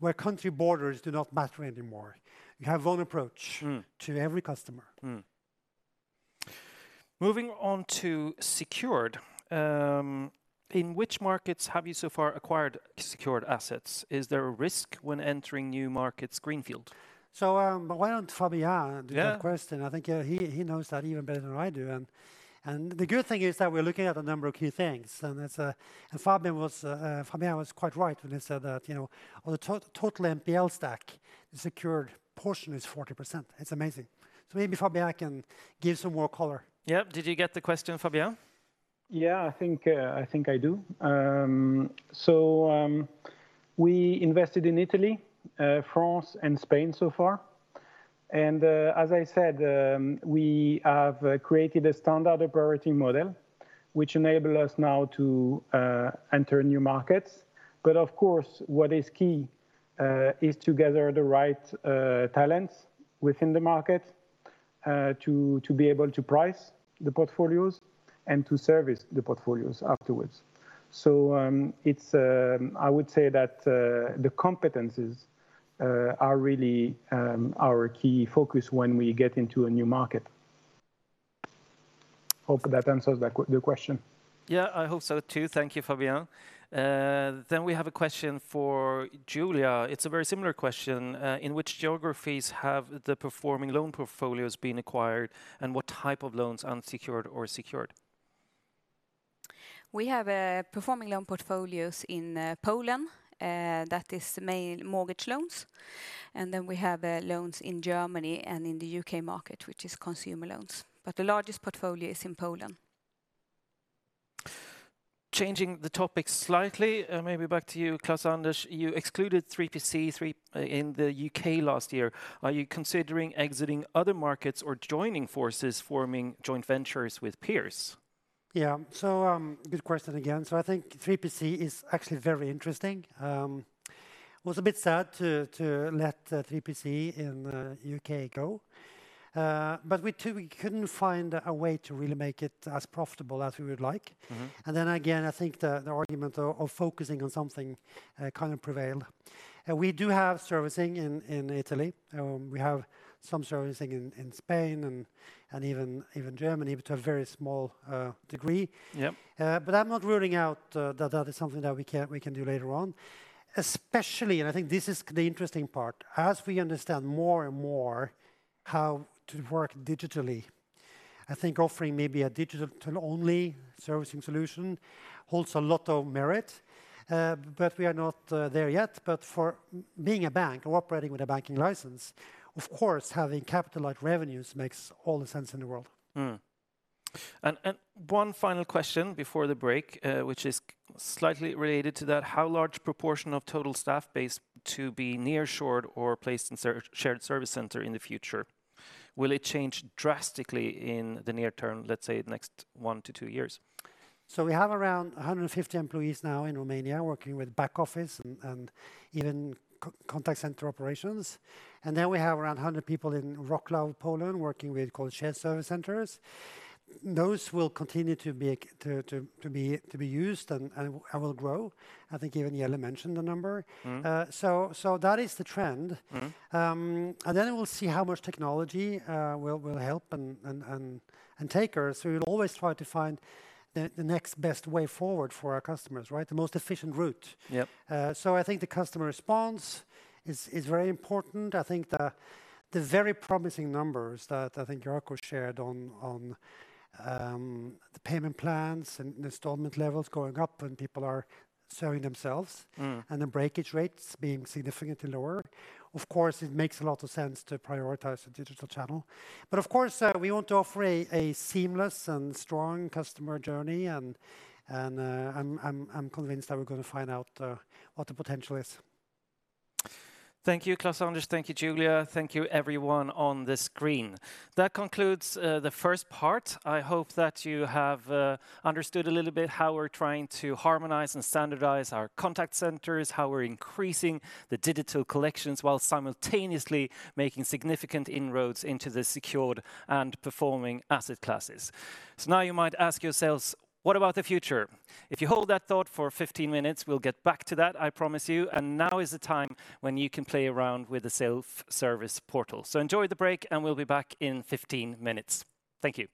S2: Where country borders do not matter anymore. You have one approach. To every customer.
S1: Moving on to secured. In which markets have you so far acquired secured assets? Is there a risk when entering new markets greenfield?
S2: Why don't Fabian do the question?
S1: Yeah.
S2: I think he knows that even better than I do. The good thing is that we're looking at a number of key things, Fabian was quite right when he said that on the total NPL stack, the secured portion is 40%. It's amazing. Maybe Fabian can give some more color.
S1: Yep. Did you get the question, Fabian?
S9: Yeah, I think I do. We invested in Italy, France, and Spain so far. As I said, we have created a standard operating model which enable us now to enter new markets. Of course, what is key is to gather the right talents within the market to be able to price the portfolios and to service the portfolios afterwards. I would say that the competencies are really our key focus when we get into a new market. Hope that answers your question.
S1: Yeah, I hope so too. Thank you, Fabian. We have a question for Julia. It is a very similar question. In which geographies have the performing loan portfolios been acquired, and what type of loans, unsecured or secured?
S3: We have performing loan portfolios in Poland that is mainly mortgage loans. We have loans in Germany and in the U.K. market, which is consumer loans. The largest portfolio is in Poland.
S1: Changing the topic slightly, maybe back to you, Klaus-Anders. You excluded 3PC in the U.K. last year. Are you considering exiting other markets or joining forces forming joint ventures with peers?
S2: Yeah. Good question again. I think 3PC is actually very interesting. I was a bit sad to let 3PC in U.K. go. We couldn't find a way to really make it as profitable as we would like. Again, I think the argument of focusing on something prevailed. We do have servicing in Italy. We have some servicing in Spain and even Germany, but to a very small degree.
S1: Yep.
S2: I'm not ruling out that that is something that we can do later on. Especially, and I think this is the interesting part, as we understand more and more how to work digitally, I think offering maybe a digital-only servicing solution holds a lot of merit. We are not there yet, but for being a bank or operating with a banking license, of course, having capital-light revenues makes all the sense in the world.
S1: One final question before the break which is slightly related to that. How large proportion of total staff base to be near shored or placed in shared service center in the future? Will it change drastically in the near term, let's say next one to two years?
S2: We have around 150 employees now in Romania working with back office and even contact center operations. We have around 100 people in Wroclaw, Poland working with shared service centers. Those will continue to be used and will grow. I think even Jelle mentioned the number. That is the trend. We'll see how much technology will help and take us. We will always try to find the next best way forward for our customers, right? The most efficient route.
S1: Yep.
S2: I think the customer response is very important. I think the very promising numbers that I think Jarkko shared on the payment plans and installment levels going up and people are serving themselves. The breakage rates being significantly lower. Of course, it makes a lot of sense to prioritize the digital channel. Of course, we want to offer a seamless and strong customer journey, and I'm convinced that we're going to find out what the potential is.
S1: Thank you, Klaus-Anders. Thank you, Julia. Thank you everyone on the screen. That concludes the first part. I hope that you have understood a little bit how we're trying to harmonize and standardize our contact centers, how we're increasing the digital collections while simultaneously making significant inroads into the secured and performing asset classes. Now you might ask yourselves, what about the future? If you hold that thought for 15-minutes, we'll get back to that, I promise you. Now is the time when you can play around with the self-service portal. Enjoy the break, and we'll be back in 15-minutes. Thank you.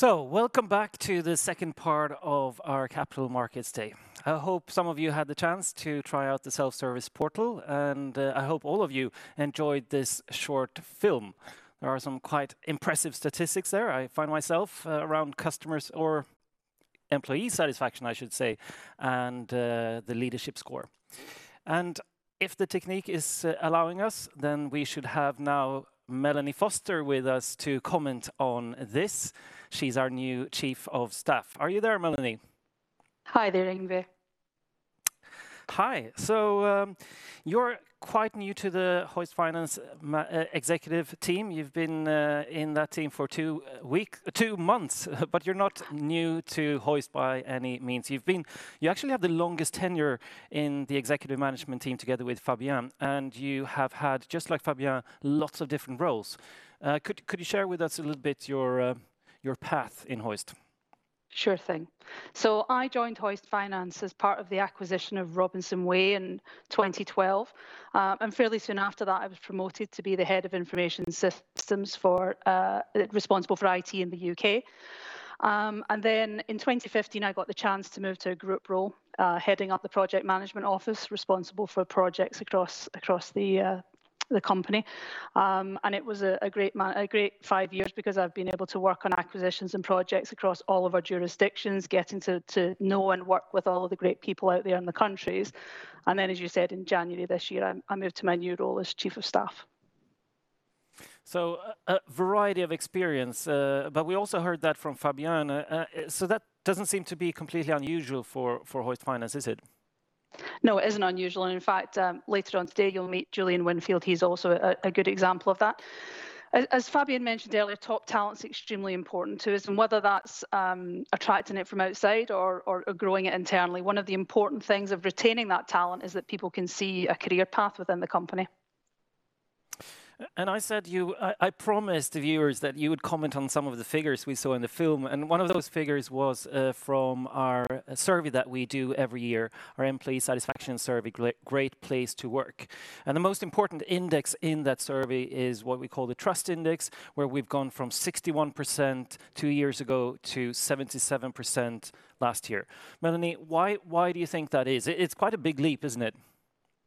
S1: Break Welcome back to the second part of our Capital Markets Day. I hope some of you had the chance to try out the self-service portal, and I hope all of you enjoyed this short film. There are some quite impressive statistics there, I find myself, around customers or employee satisfaction, I should say, and the leadership score. If the technique is allowing us, then we should have now Melanie Foster with us to comment on this. She's our new Chief of Staff. Are you there, Melanie?
S10: Hi there, Yngve.
S1: Hi. You're quite new to the Hoist Finance executive team. You've been in that team for two months, but you're not new to Hoist by any means. You actually have the longest tenure in the executive management team together with Fabian, and you have had, just like Fabian, lots of different roles. Could you share with us a little bit your path in Hoist?
S10: Sure thing. I joined Hoist Finance as part of the acquisition of Robinson Way in 2012. Fairly soon after that, I was promoted to be the head of information systems responsible for IT in the U.K. In 2015, I got the chance to move to a group role heading up the project management office responsible for projects across the company. It was a great five years because I've been able to work on acquisitions and projects across all of our jurisdictions, getting to know and work with all of the great people out there in the countries. As you said, in January this year, I moved to my new role as Chief of Staff.
S1: A variety of experience but we also heard that from Fabian. That doesn't seem to be completely unusual for Hoist Finance, is it?
S10: No, it isn't unusual. In fact, later on today, you'll meet Julian Winfield, he's also a good example of that. As Fabian mentioned earlier, top talent's extremely important to us, and whether that's attracting it from outside or growing it internally, one of the important things of retaining that talent is that people can see a career path within the company.
S1: I promised the viewers that you would comment on some of the figures we saw in the film, and one of those figures was from our survey that we do every year, our employee satisfaction survey, Great Place to Work. The most important index in that survey is what we call the trust index, where we've gone from 61% two years ago to 77% last year. Melanie, why do you think that is? It's quite a big leap, isn't it?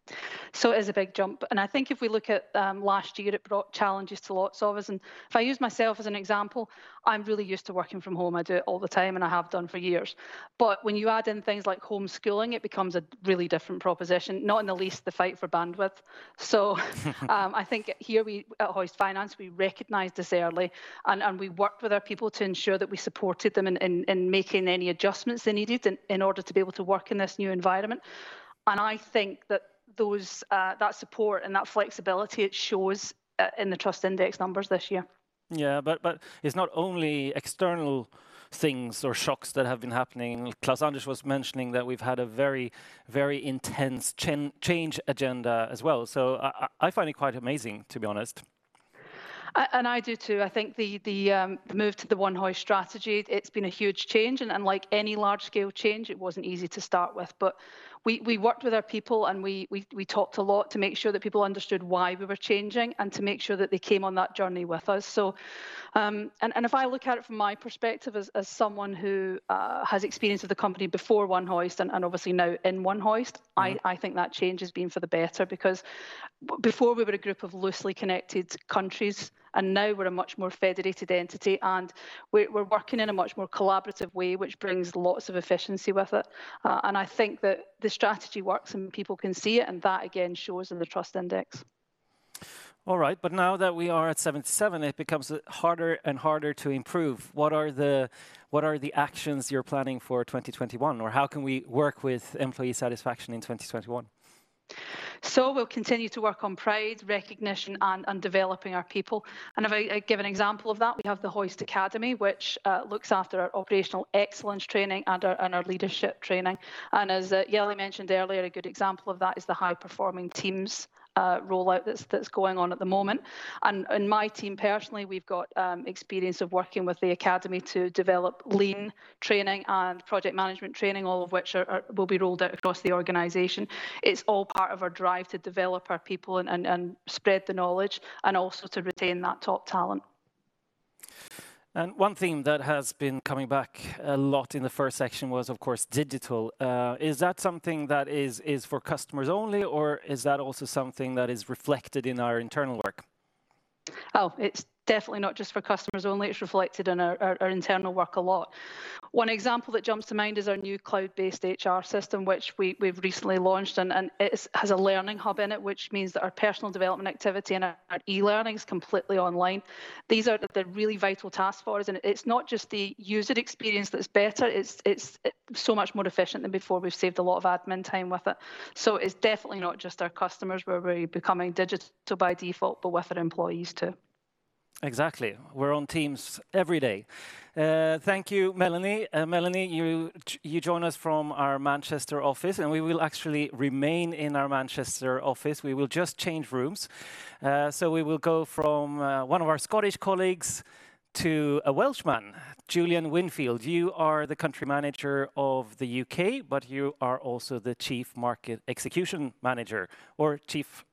S10: It is a big jump, and I think if we look at last year, it brought challenges to lots of us, and if I use myself as an example, I'm really used to working from home. I do it all the time, and I have done for years. When you add in things like homeschooling, it becomes a really different proposition, not in the least the fight for bandwidth. I think here at Hoist Finance, we recognized this early, and we worked with our people to ensure that we supported them in making any adjustments they needed in order to be able to work in this new environment. I think that that support and that flexibility, it shows in the trust index numbers this year.
S1: It's not only external things or shocks that have been happening. Klaus-Anders was mentioning that we've had a very intense change agenda as well. I find it quite amazing, to be honest.
S10: I do, too. I think the move to the One Hoist strategy, it's been a huge change, and like any large-scale change, it wasn't easy to start with, but we worked with our people, and we talked a lot to make sure that people understood why we were changing and to make sure that they came on that journey with us. If I look at it from my perspective as someone who has experience with the company before One Hoist and obviously now in One Hoist. I think that change has been for the better because before, we were a group of loosely connected countries. Now we're a much more federated entity, and we're working in a much more collaborative way, which brings lots of efficiency with it. I think that the strategy works, and people can see it, and that, again, shows in the trust index.
S1: All right. Now that we are at 77%, it becomes harder and harder to improve. What are the actions you're planning for 2021, or how can we work with employee satisfaction in 2021?
S10: We'll continue to work on pride, recognition, and developing our people. If I give an example of that, we have the Hoist Academy, which looks after our operational excellence training and our leadership training. As Jelle mentioned earlier, a good example of that is the high-performing teams rollout that's going on at the moment. In my team personally, we've got experience of working with the academy to develop lean training and project management training, all of which will be rolled out across the organization. It's all part of our drive to develop our people and spread the knowledge and also to retain that top talent.
S1: One thing that has been coming back a lot in the first section was, of course, digital. Is that something that is for customers only, or is that also something that is reflected in our internal work?
S10: Oh, it's definitely not just for customers only. It's reflected in our internal work a lot. One example that jumps to mind is our new cloud-based HR system, which we've recently launched, and it has a learning hub in it, which means that our personal development activity and our e-learning is completely online. These are the really vital tasks for us, and it's not just the user experience that's better, it's so much more efficient than before. We've saved a lot of admin time with it. It's definitely not just our customers, we're becoming digital by default, but with our employees, too.
S1: Exactly. We're on Teams every day. Thank you, Melanie. Melanie, you join us from our Manchester office, and we will actually remain in our Manchester office. We will just change rooms. We will go from one of our Scottish colleagues to a Welsh man, Julian Winfield. You are the country manager of the U.K., but you are also the Chief Market Execution Manager or Chief Market Execution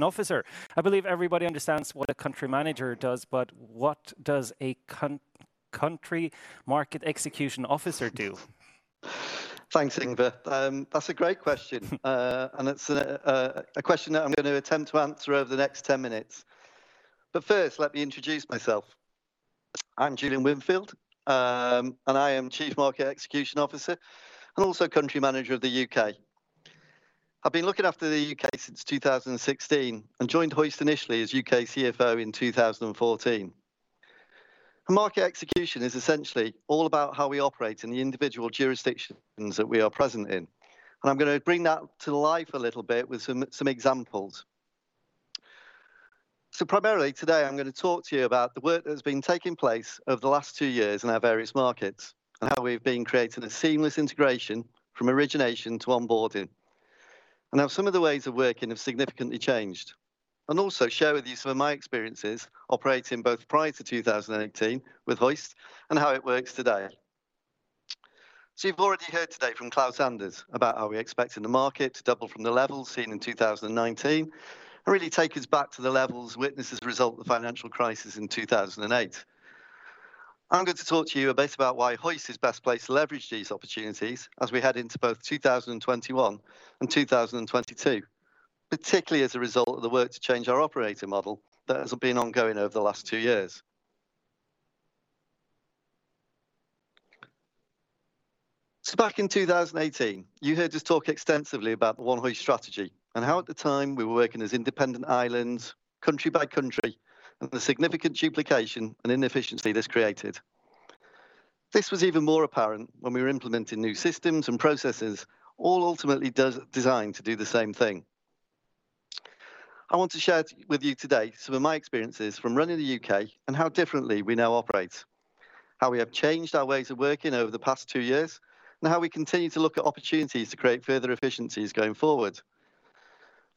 S1: Officer. I believe everybody understands what a country manager does, but what does a country market execution officer do?
S11: Thanks, Yngve. That's a great question. It's a question that I'm going to attempt to answer over the next 10-minutes. 1st, let me introduce myself. I'm Julian Winfield, and I am Chief Market Execution Officer and also Country Manager of the U.K. I've been looking after the U.K. since 2016 and joined Hoist initially as U.K. CFO in 2014. Market execution is essentially all about how we operate in the individual jurisdictions that we are present in, and I'm going to bring that to life a little bit with some examples. Primarily today, I'm going to talk to you about the work that has been taking place over the last two years in our various markets and how we've been creating a seamless integration from origination to onboarding and how some of the ways of working have significantly changed and also share with you some of my experiences operating both prior to 2018 with Hoist Finance and how it works today. You've already heard today from Klaus-Anders about how we expect in the market to double from the levels seen in 2019 and really take us back to the levels witnessed as a result of the financial crisis in 2008. I'm going to talk to you a bit about why Hoist is best placed to leverage these opportunities as we head into both 2021 and 2022, particularly as a result of the work to change our operating model that has been ongoing over the last two years. Back in 2018, you heard us talk extensively about the One Hoist strategy and how at the time we were working as independent islands country by country, and the significant duplication and inefficiency this created. This was even more apparent when we were implementing new systems and processes, all ultimately designed to do the same thing. I want to share with you today some of my experiences from running the U.K. and how differently we now operate. How we have changed our ways of working over the past two years, and how we continue to look at opportunities to create further efficiencies going forward.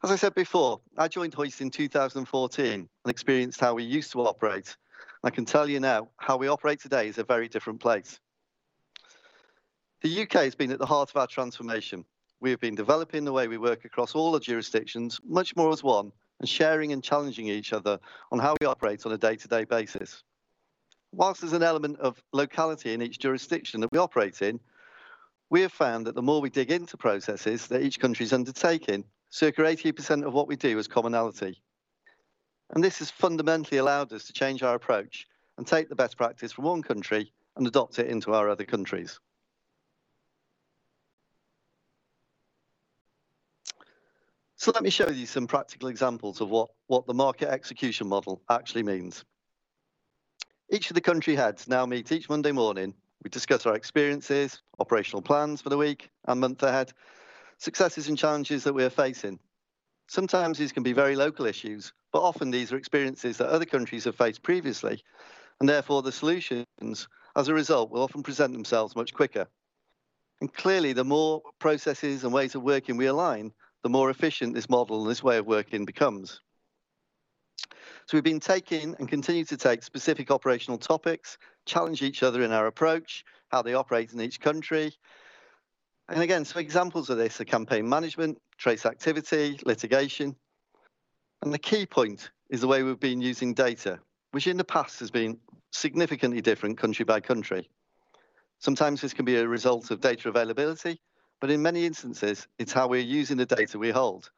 S11: As I said before, I joined Hoist in 2014 and experienced how we used to operate. I can tell you now how we operate today is a very different place. The U.K. has been at the heart of our transformation. We have been developing the way we work across all the jurisdictions much more as one and sharing and challenging each other on how we operate on a day-to-day basis. Whilst there's an element of locality in each jurisdiction that we operate in, we have found that the more we dig into processes that each country's undertaking, circa 80% of what we do is commonality. This has fundamentally allowed us to change our approach and take the best practice from one country and adopt it into our other countries. Let me show you some practical examples of what the market execution model actually means. Each of the country heads now meet each Monday morning. We discuss our experiences, operational plans for the week and month ahead, successes and challenges that we are facing. Sometimes these can be very local issues, but often these are experiences that other countries have faced previously, and therefore the solutions as a result will often present themselves much quicker. Clearly the more processes and ways of working we align, the more efficient this model and this way of working becomes. We've been taking and continue to take specific operational topics, challenge each other in our approach, how they operate in each country. Again, some examples of this are campaign management, trace activity, litigation. The key point is the way we've been using data, which in the past has been significantly different country by country. Sometimes this can be a result of data availability, but in many instances it's how we're using the data we hold.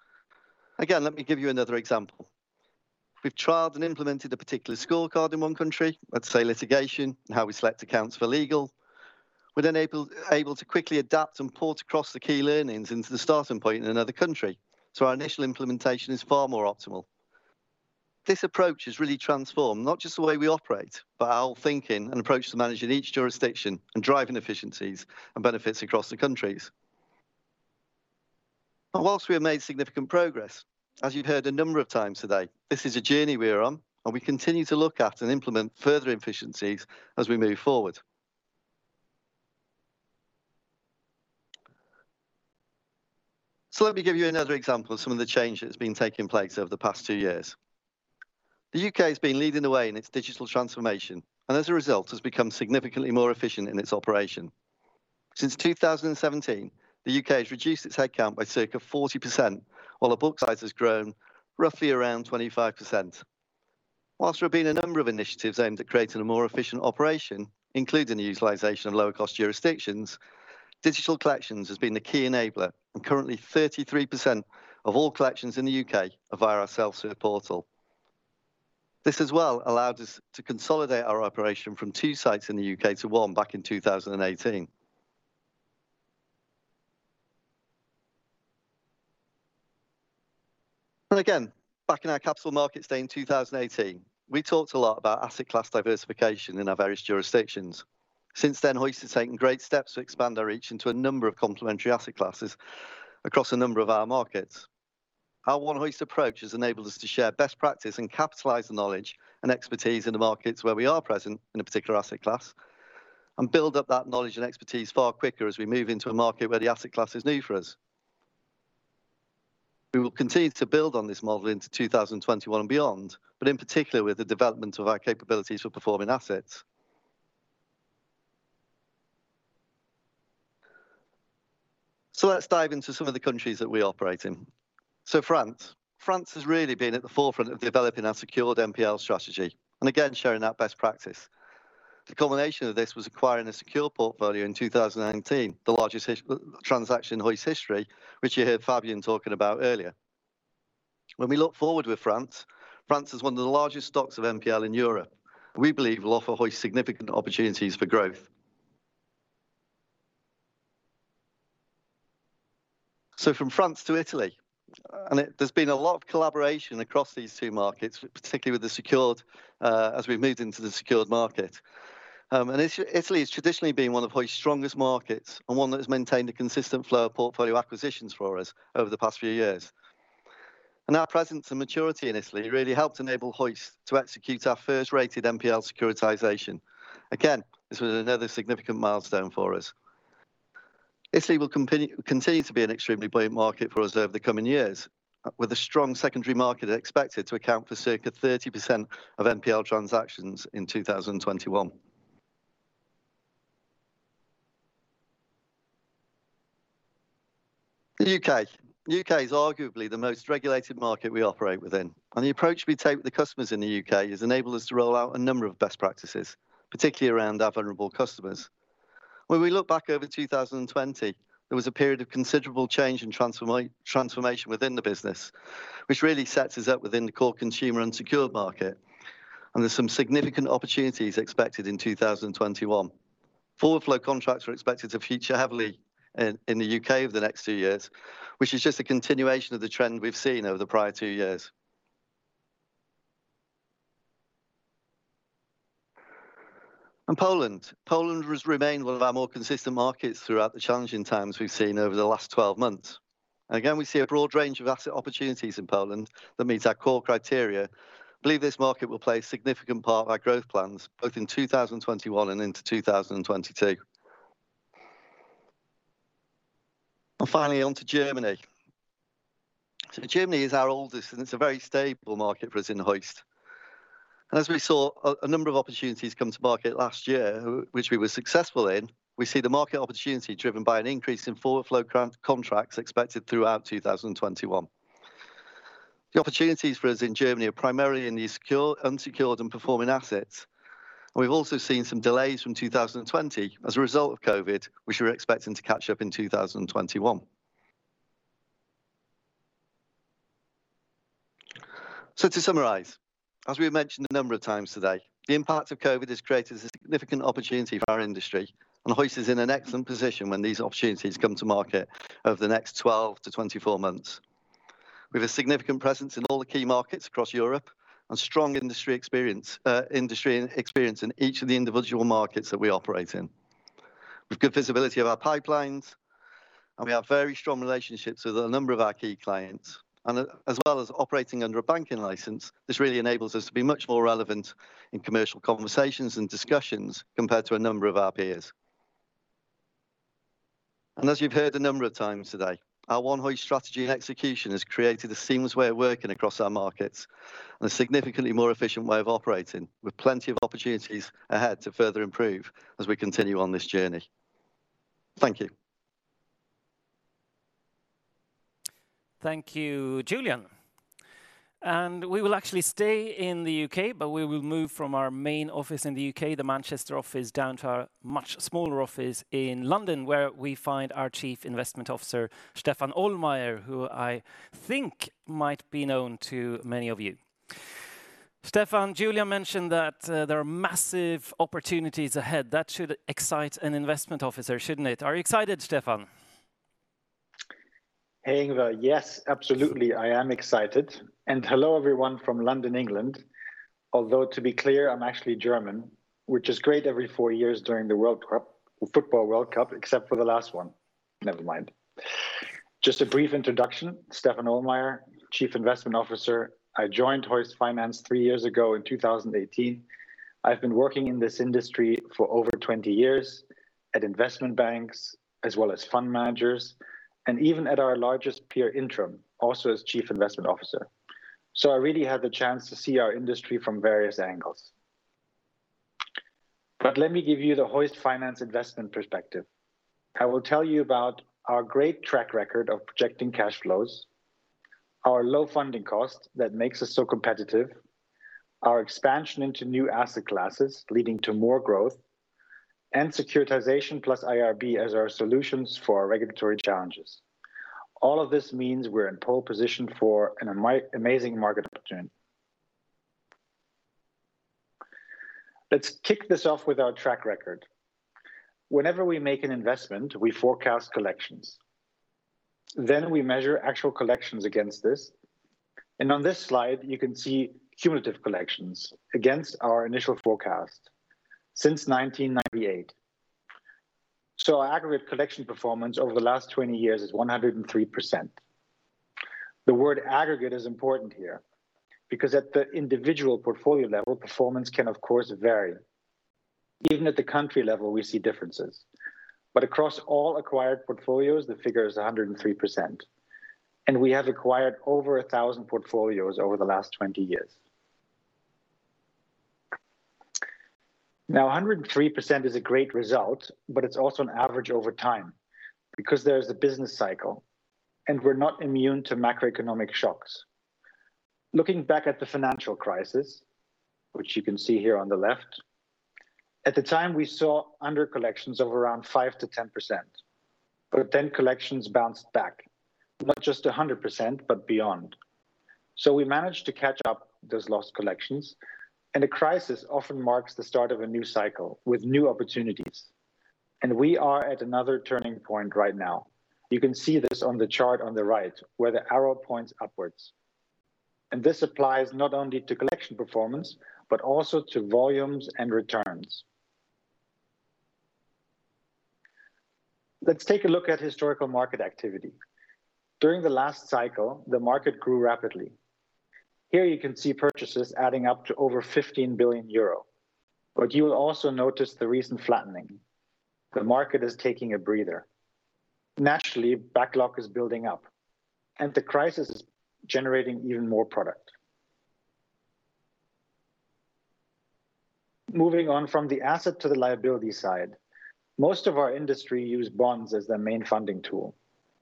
S11: Again, let me give you another example. We've trialed and implemented a particular scorecard in one country, let's say litigation and how we select accounts for legal. We're then able to quickly adapt and port across the key learnings into the starting point in another country. Our initial implementation is far more optimal. This approach has really transformed not just the way we operate, but our whole thinking and approach to managing each jurisdiction and driving efficiencies and benefits across the countries. Whilst we have made significant progress, as you've heard a number of times today, this is a journey we are on and we continue to look at and implement further efficiencies as we move forward. Let me give you another example of some of the change that's been taking place over the past two years. The U.K. has been leading the way in its digital transformation and as a result has become significantly more efficient in its operation. Since 2017, the U.K. has reduced its headcount by circa 40%, while the book size has grown roughly around 25%. Whilst there have been a number of initiatives aimed at creating a more efficient operation, including the utilization of lower cost jurisdictions, digital collections has been the key enabler and currently 33% of all collections in the U.K. are via our self-serve portal. This as well allowed us to consolidate our operation from two sites in the U.K. to one back in 2018. Again, back in our Capital Markets Day in 2018, we talked a lot about asset class diversification in our various jurisdictions. Since then, Hoist has taken great steps to expand our reach into a number of complementary asset classes across a number of our markets. Our One Hoist approach has enabled us to share best practice and capitalize the knowledge and expertise in the markets where we are present in a particular asset class and build up that knowledge and expertise far quicker as we move into a market where the asset class is new for us. We will continue to build on this model into 2021 and beyond, but in particular with the development of our capabilities for performing assets. Let's dive into some of the countries that we operate in. France. France has really been at the forefront of developing our secured NPL strategy and again, sharing that best practice. The culmination of this was acquiring a secure portfolio in 2019, the largest transaction in Hoist history, which you heard Fabian talking about earlier. We look forward with France is one of the largest stocks of NPL in Europe and we believe will offer Hoist significant opportunities for growth. From France to Italy, there's been a lot of collaboration across these two markets, particularly as we've moved into the secured market. Italy has traditionally been one of Hoist's strongest markets and one that has maintained a consistent flow of portfolio acquisitions for us over the past few years. Our presence and maturity in Italy really helped enable Hoist to execute our first rated NPL securitization. Again, this was another significant milestone for us. Italy will continue to be an extremely buoyant market for us over the coming years, with a strong secondary market expected to account for circa 30% of NPL transactions in 2021. The U.K. The U.K. is arguably the most regulated market we operate within, and the approach we take with the customers in the U.K. has enabled us to roll out a number of best practices, particularly around our vulnerable customers. When we look back over 2020, there was a period of considerable change and transformation within the business, which really sets us up within the core consumer and secured market, and there's some significant opportunities expected in 2021. Forward flow contracts are expected to feature heavily in the U.K. over the next two years, which is just a continuation of the trend we've seen over the prior two years. Poland. Poland has remained one of our more consistent markets throughout the challenging times we've seen over the last 12 months. Again, we see a broad range of asset opportunities in Poland that meets our core criteria. Believe this market will play a significant part in our growth plans, both in 2021 and into 2022. Finally, on to Germany. Germany is our oldest, and it's a very stable market for us in Hoist. As we saw a number of opportunities come to market last year, which we were successful in, we see the market opportunity driven by an increase in forward flow contracts expected throughout 2021. The opportunities for us in Germany are primarily in the unsecured and performing assets, and we've also seen some delays from 2020 as a result of COVID, which we're expecting to catch up in 2021. To summarize, as we mentioned a number of times today, the impact of COVID has created a significant opportunity for our industry, and Hoist is in an excellent position when these opportunities come to market over the next 12-24 months. We have a significant presence in all the key markets across Europe and strong industry experience in each of the individual markets that we operate in. We've good visibility of our pipelines. We have very strong relationships with a number of our key clients. As well as operating under a banking license, this really enables us to be much more relevant in commercial conversations and discussions compared to a number of our peers. As you've heard a number of times today, our OneHoist strategy and execution has created a seamless way of working across our markets and a significantly more efficient way of operating, with plenty of opportunities ahead to further improve as we continue on this journey. Thank you.
S1: Thank you, Julian. We will actually stay in the U.K., but we will move from our main office in the U.K., the Manchester office, down to our much smaller office in London, where we find our Chief Investment Officer, Stephan Ohlmeyer, who I think might be known to many of you. Stephan, Julian mentioned that there are massive opportunities ahead that should excite an investment officer, shouldn't it? Are you excited, Stephan?
S12: Hey, Yngve. Yes, absolutely, I am excited. Hello, everyone from London, England. Although, to be clear, I'm actually German, which is great every four years during the football World Cup, except for the last one. Never mind. Just a brief introduction, Stephan Ohlmeyer, Chief Investment Officer. I joined Hoist Finance three years ago in 2018. I've been working in this industry for over 20 years at investment banks as well as fund managers, and even at our largest peer, Intrum, also as Chief Investment Officer. I really had the chance to see our industry from various angles. Let me give you the Hoist Finance investment perspective. I will tell you about our great track record of projecting cash flows, our low funding cost that makes us so competitive, our expansion into new asset classes leading to more growth, and securitization plus IRB as our solutions for our regulatory challenges. All of this means we're in pole position for an amazing market opportunity. Let's kick this off with our track record. Whenever we make an investment, we forecast collections, then we measure actual collections against this. On this slide, you can see cumulative collections against our initial forecast since 1998. Our aggregate collection performance over the last 20 years is 103%. The word aggregate is important here because at the individual portfolio level, performance can, of course, vary. Even at the country level, we see differences. Across all acquired portfolios, the figure is 103%, and we have acquired over 1,000 portfolios over the last 20 years. 103% is a great result, but it's also an average over time because there's a business cycle, and we're not immune to macroeconomic shocks. Looking back at the financial crisis, which you can see here on the left, at the time, we saw under-collections of around 5%-10%, but then collections bounced back not just 100%, but beyond. We managed to catch up those lost collections, and a crisis often marks the start of a new cycle with new opportunities, and we are at another turning point right now. You can see this on the chart on the right where the arrow points upwards, and this applies not only to collection performance, but also to volumes and returns. Let's take a look at historical market activity. During the last cycle, the market grew rapidly. Here you can see purchases adding up to over 15 billion euro, but you will also notice the recent flattening. The market is taking a breather. Naturally, backlog is building up, and the crisis is generating even more product. Moving on from the asset to the liability side, most of our industry use bonds as their main funding tool.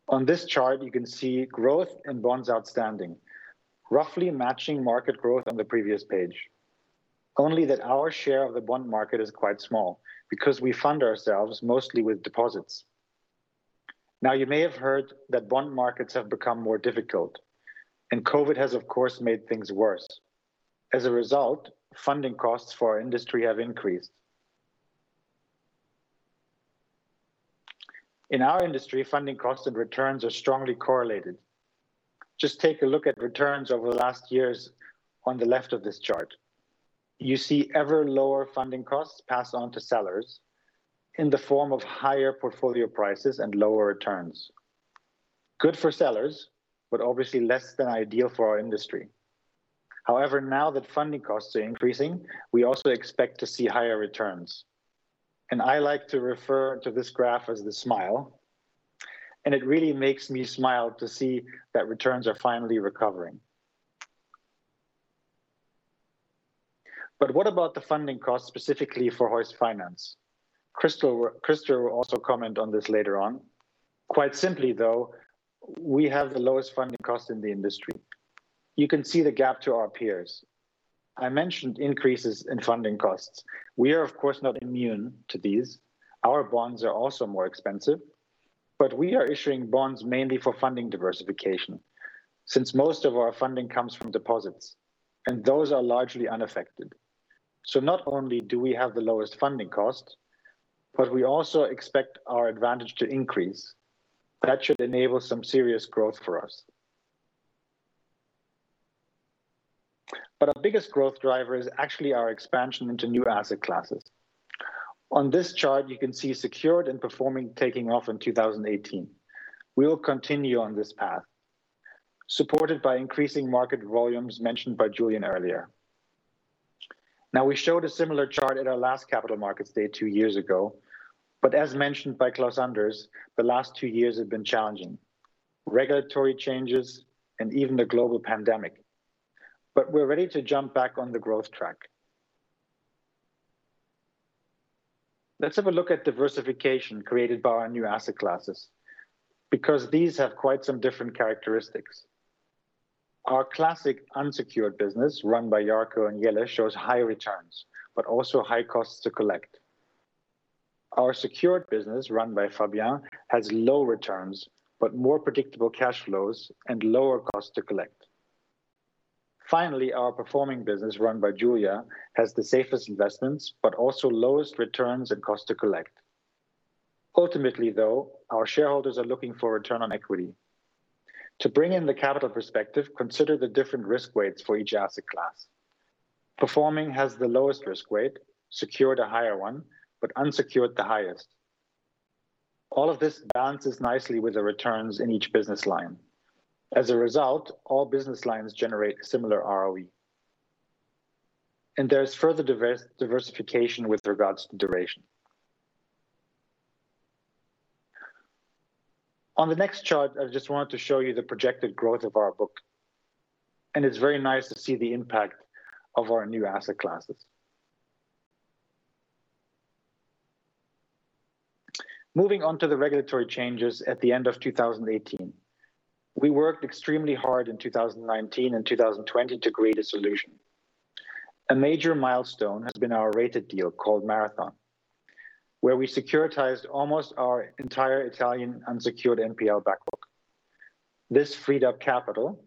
S12: On this chart, you can see growth and bonds outstanding, roughly matching market growth on the previous page, only that our share of the bond market is quite small because we fund ourselves mostly with deposits. You may have heard that bond markets have become more difficult, and COVID-19 has, of course, made things worse. As a result, funding costs for our industry have increased. In our industry, funding costs and returns are strongly correlated. Just take a look at returns over the last years on the left of this chart. You see ever lower funding costs passed on to sellers in the form of higher portfolio prices and lower returns. Good for sellers, but obviously less than ideal for our industry. However, now that funding costs are increasing, we also expect to see higher returns. I like to refer to this graph as the smile, and it really makes me smile to see that returns are finally recovering. What about the funding cost specifically for Hoist Finance? Christer will also comment on this later on. Quite simply, though, we have the lowest funding cost in the industry. You can see the gap to our peers. I mentioned increases in funding costs. We are, of course, not immune to these. Our bonds are also more expensive, but we are issuing bonds mainly for funding diversification, since most of our funding comes from deposits, and those are largely unaffected. Not only do we have the lowest funding cost, but we also expect our advantage to increase. That should enable some serious growth for us. Our biggest growth driver is actually our expansion into new asset classes. On this chart, you can see secured and performing taking off in 2018. We will continue on this path, supported by increasing market volumes mentioned by Julian earlier. Now, we showed a similar chart at our last Capital Markets Day two years ago, but as mentioned by Klaus-Anders, the last two years have been challenging. Regulatory changes. Even the global pandemic. We're ready to jump back on the growth track. Let's have a look at diversification created by our new asset classes, because these have quite some different characteristics. Our classic unsecured business, run by Jarkko and Jelle, shows high returns, but also high costs to collect. Our secured business, run by Fabien, has low returns but more predictable cash flows and lower cost to collect. Finally, our performing business, run by Julia, has the safest investments, but also lowest returns and cost to collect. Ultimately, though, our shareholders are looking for return on equity. To bring in the capital perspective, consider the different risk weights for each asset class. Performing has the lowest risk weight, secured a higher one, but unsecured the highest. All of this balances nicely with the returns in each business line. As a result, all business lines generate a similar ROE. There's further diversification with regards to duration. On the next chart, I just wanted to show you the projected growth of our book, and it's very nice to see the impact of our new asset classes. Moving on to the regulatory changes at the end of 2018. We worked extremely hard in 2019 and 2020 to create a solution. A major milestone has been our rated deal called Marathon, where we securitized almost our entire Italian unsecured NPL back book. This freed up capital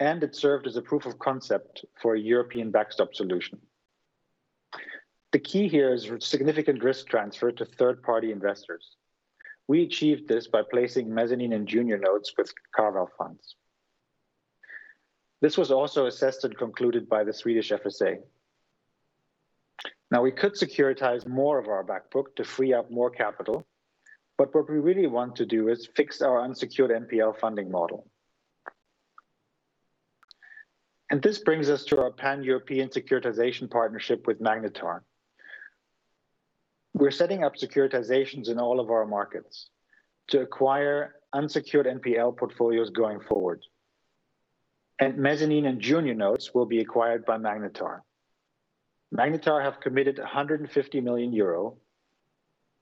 S12: and it served as a proof of concept for a European backstop solution. The key here is significant risk transfer to third-party investors. We achieved this by placing mezzanine and junior notes with carve-out funds. This was also assessed and concluded by the Swedish FSA. Now, we could securitize more of our back book to free up more capital, but what we really want to do is fix our unsecured NPL funding model. This brings us to our Pan-European securitization partnership with Magnetar. We're setting up securitizations in all of our markets to acquire unsecured NPL portfolios going forward. Mezzanine and junior notes will be acquired by Magnetar. Magnetar have committed 150 million euro.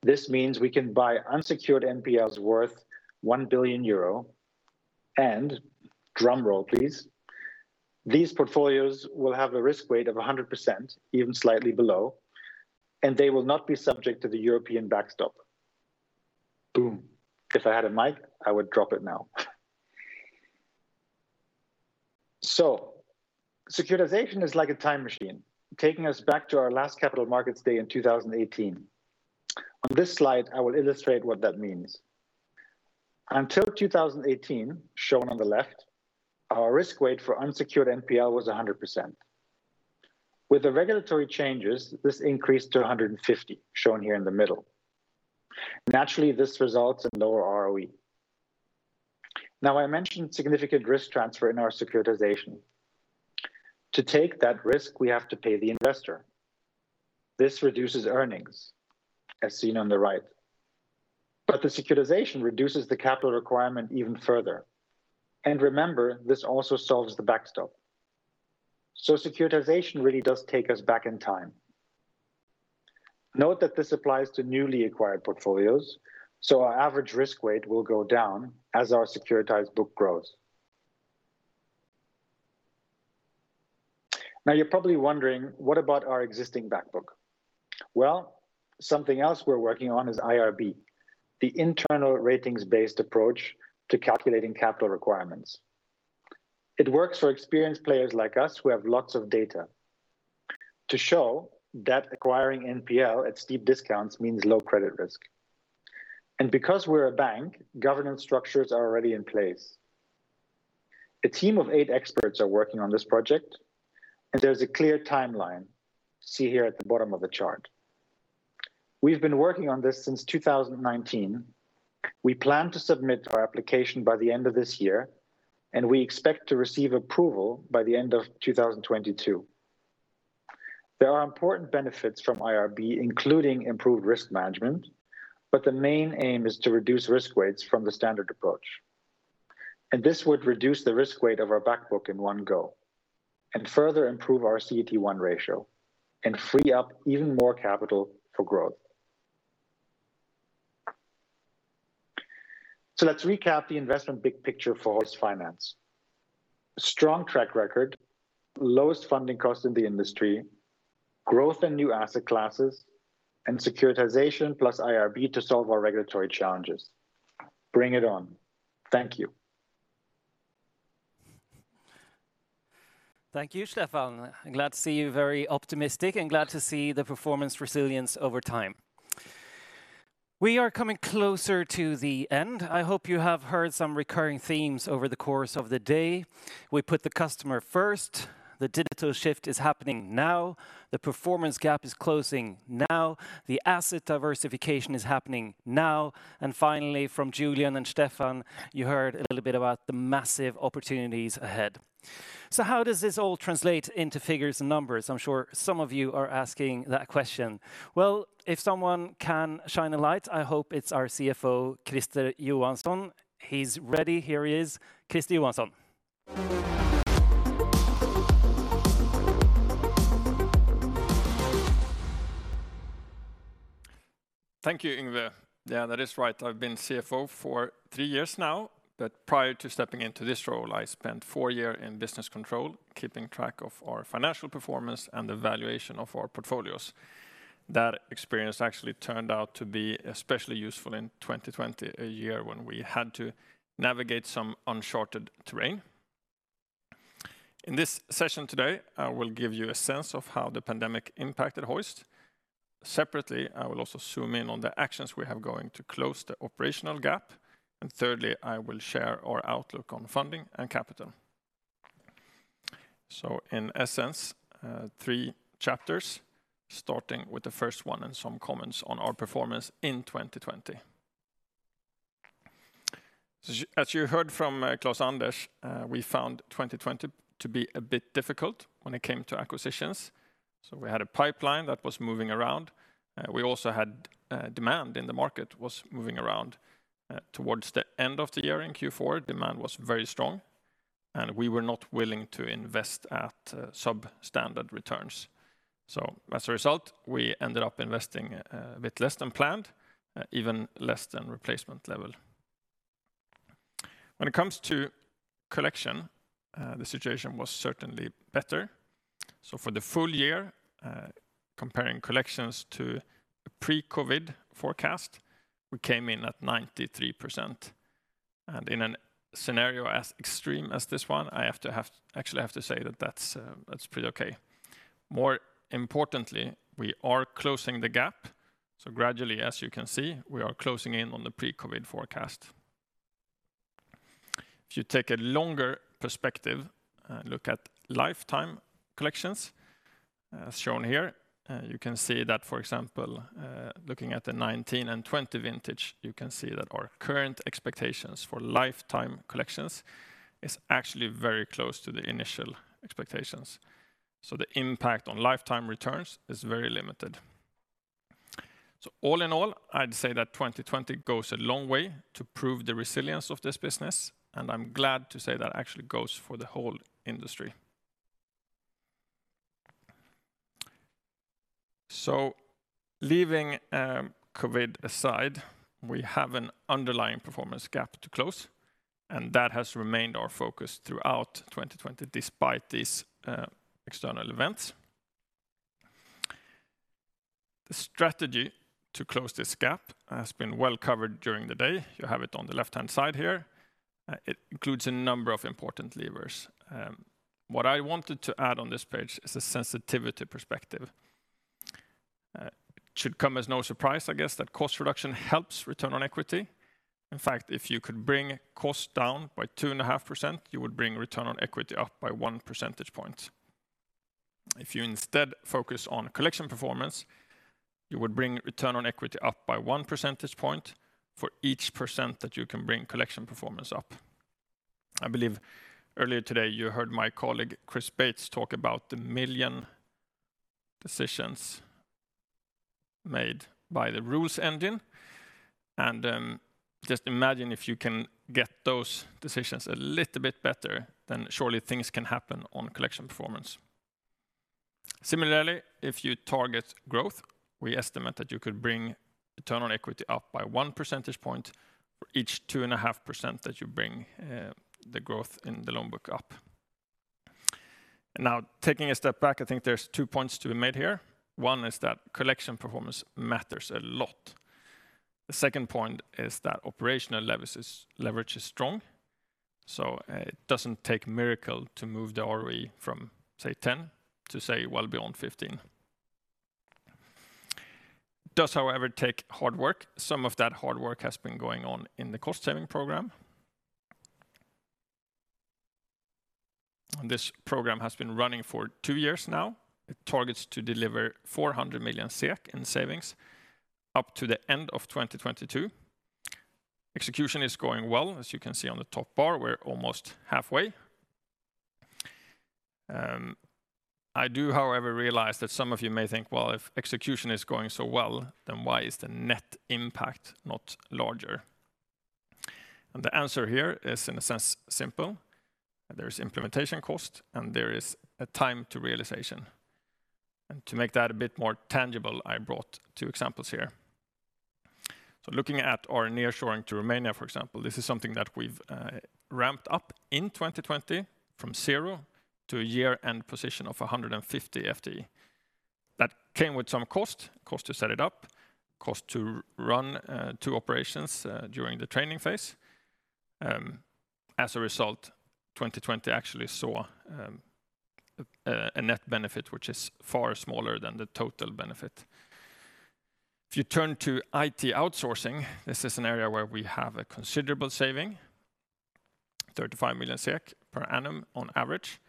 S12: This means we can buy unsecured NPLs worth 1 billion euro, drum roll, please. These portfolios will have a risk weight of 100%, even slightly below, and they will not be subject to the European backstop. Boom. If I had a mic, I would drop it now. Securitization is like a time machine, taking us back to our last Capital Markets Day in 2018. On this slide, I will illustrate what that means. Until 2018, shown on the left, our risk weight for unsecured NPL was 100%. With the regulatory changes, this increased to 150%, shown here in the middle. Naturally, this results in lower ROE. I mentioned significant risk transfer in our securitization. To take that risk, we have to pay the investor. This reduces earnings, as seen on the right. The securitization reduces the capital requirement even further. Remember, this also solves the backstop. Securitization really does take us back in time. Note that this applies to newly acquired portfolios, so our average risk weight will go down as our securitized book grows. You're probably wondering, what about our existing back book? Well, something else we're working on is IRB, the internal ratings-based approach to calculating capital requirements. It works for experienced players like us who have lots of data to show that acquiring NPL at steep discounts means low credit risk. Because we're a bank, governance structures are already in place. A team of eight experts are working on this project, and there's a clear timeline, see here at the bottom of the chart. We've been working on this since 2019. We plan to submit our application by the end of this year, and we expect to receive approval by the end of 2022. There are important benefits from IRB, including improved risk management, but the main aim is to reduce risk weights from the standard approach. This would reduce the risk weight of our back book in one go and further improve our CET1 ratio and free up even more capital for growth. Let's recap the investment big picture for Hoist Finance. Strong track record, lowest funding cost in the industry, growth in new asset classes, and securitization plus IRB to solve our regulatory challenges. Bring it on. Thank you.
S1: Thank you, Stephan. I'm glad to see you very optimistic and glad to see the performance resilience over time. We are coming closer to the end. I hope you have heard some recurring themes over the course of the day. We put the customer first. The digital shift is happening now. The performance gap is closing now. The asset diversification is happening now. Finally, from Julian and Stephan, you heard a little bit about the massive opportunities ahead. How does this all translate into figures and numbers? I'm sure some of you are asking that question. Well, if someone can shine a light, I hope it's our CFO, Christer Johansson. He's ready. Here he is. Christer Johansson.
S13: Thank you, Yngve. Yeah, that is right. I've been CFO for three years now, but prior to stepping into this role, I spent four years in business control, keeping track of our financial performance and the valuation of our portfolios. That experience actually turned out to be especially useful in 2020, a year when we had to navigate some uncharted terrain. In this session today, I will give you a sense of how the pandemic impacted Hoist. Separately, I will also zoom in on the actions we have going to close the operational gap. Thirdly, I will share our outlook on funding and capital. In essence, three chapters, starting with the first one and some comments on our performance in 2020. As you heard from Klaus-Anders, we found 2020 to be a bit difficult when it came to acquisitions. We had a pipeline that was moving around. We also had demand in the market was moving around. Towards the end of the year in Q4, demand was very strong, and we were not willing to invest at substandard returns. As a result, we ended up investing a bit less than planned, even less than replacement level. When it comes to collection, the situation was certainly better. For the full year, comparing collections to pre-COVID forecast, we came in at 93%. In a scenario as extreme as this one, I actually have to say that that's pretty okay. More importantly, we are closing the gap. Gradually, as you can see, we are closing in on the pre-COVID forecast. If you take a longer perspective, look at lifetime collections, as shown here. You can see that, for example, looking at the '19 and '20 vintage, you can see that our current expectations for lifetime collections is actually very close to the initial expectations. The impact on lifetime returns is very limited. All in all, I'd say that 2020 goes a long way to prove the resilience of this business, and I'm glad to say that actually goes for the whole industry. Leaving COVID aside, we have an underlying performance gap to close, and that has remained our focus throughout 2020, despite these external events. The strategy to close this gap has been well covered during the day. You have it on the left-hand side here. It includes a number of important levers. What I wanted to add on this page is a sensitivity perspective. It should come as no surprise, I guess, that cost reduction helps return on equity. In fact, if you could bring cost down by 2.5%, you would bring return on equity up by one percentage point. If you instead focus on collection performance, you would bring return on equity up by one percentage point for each 1% that you can bring collection performance up. I believe earlier today, you heard my colleague, Chris Bates, talk about the million decisions made by the Rules Engine. Just imagine if you can get those decisions a little bit better, then surely things can happen on collection performance. Similarly, if you target growth, we estimate that you could bring return on equity up by one percentage point for each 2.5% that you bring the growth in the loan book up. Taking a step back, I think there's two points to be made here. One is that collection performance matters a lot. The second point is that operational leverage is strong. It doesn't take a miracle to move the ROE from, say, 10% to, say, well beyond 15%. It does, however, take hard work. Some of that hard work has been going on in the cost-saving program. This program has been running for two years now. It targets to deliver 400 million SEK in savings up to the end of 2022. Execution is going well. As you can see on the top bar, we're almost halfway. I do, however, realize that some of you may think, well, if execution is going so well, then why is the net impact not larger? The answer here is, in a sense, simple. There is implementation cost, and there is a time to realization. To make that a bit more tangible, I brought two examples here. Looking at our nearshoring to Romania, for example, this is something that we've ramped up in 2020 from zero to a year-end position of 150 FTE. That came with some cost. Cost to set it up, cost to run two operations during the training phase. As a result, 2020 actually saw a net benefit, which is far smaller than the total benefit. If you turn to IT outsourcing, this is an area where we have a considerable saving, 35 million SEK per annum on average.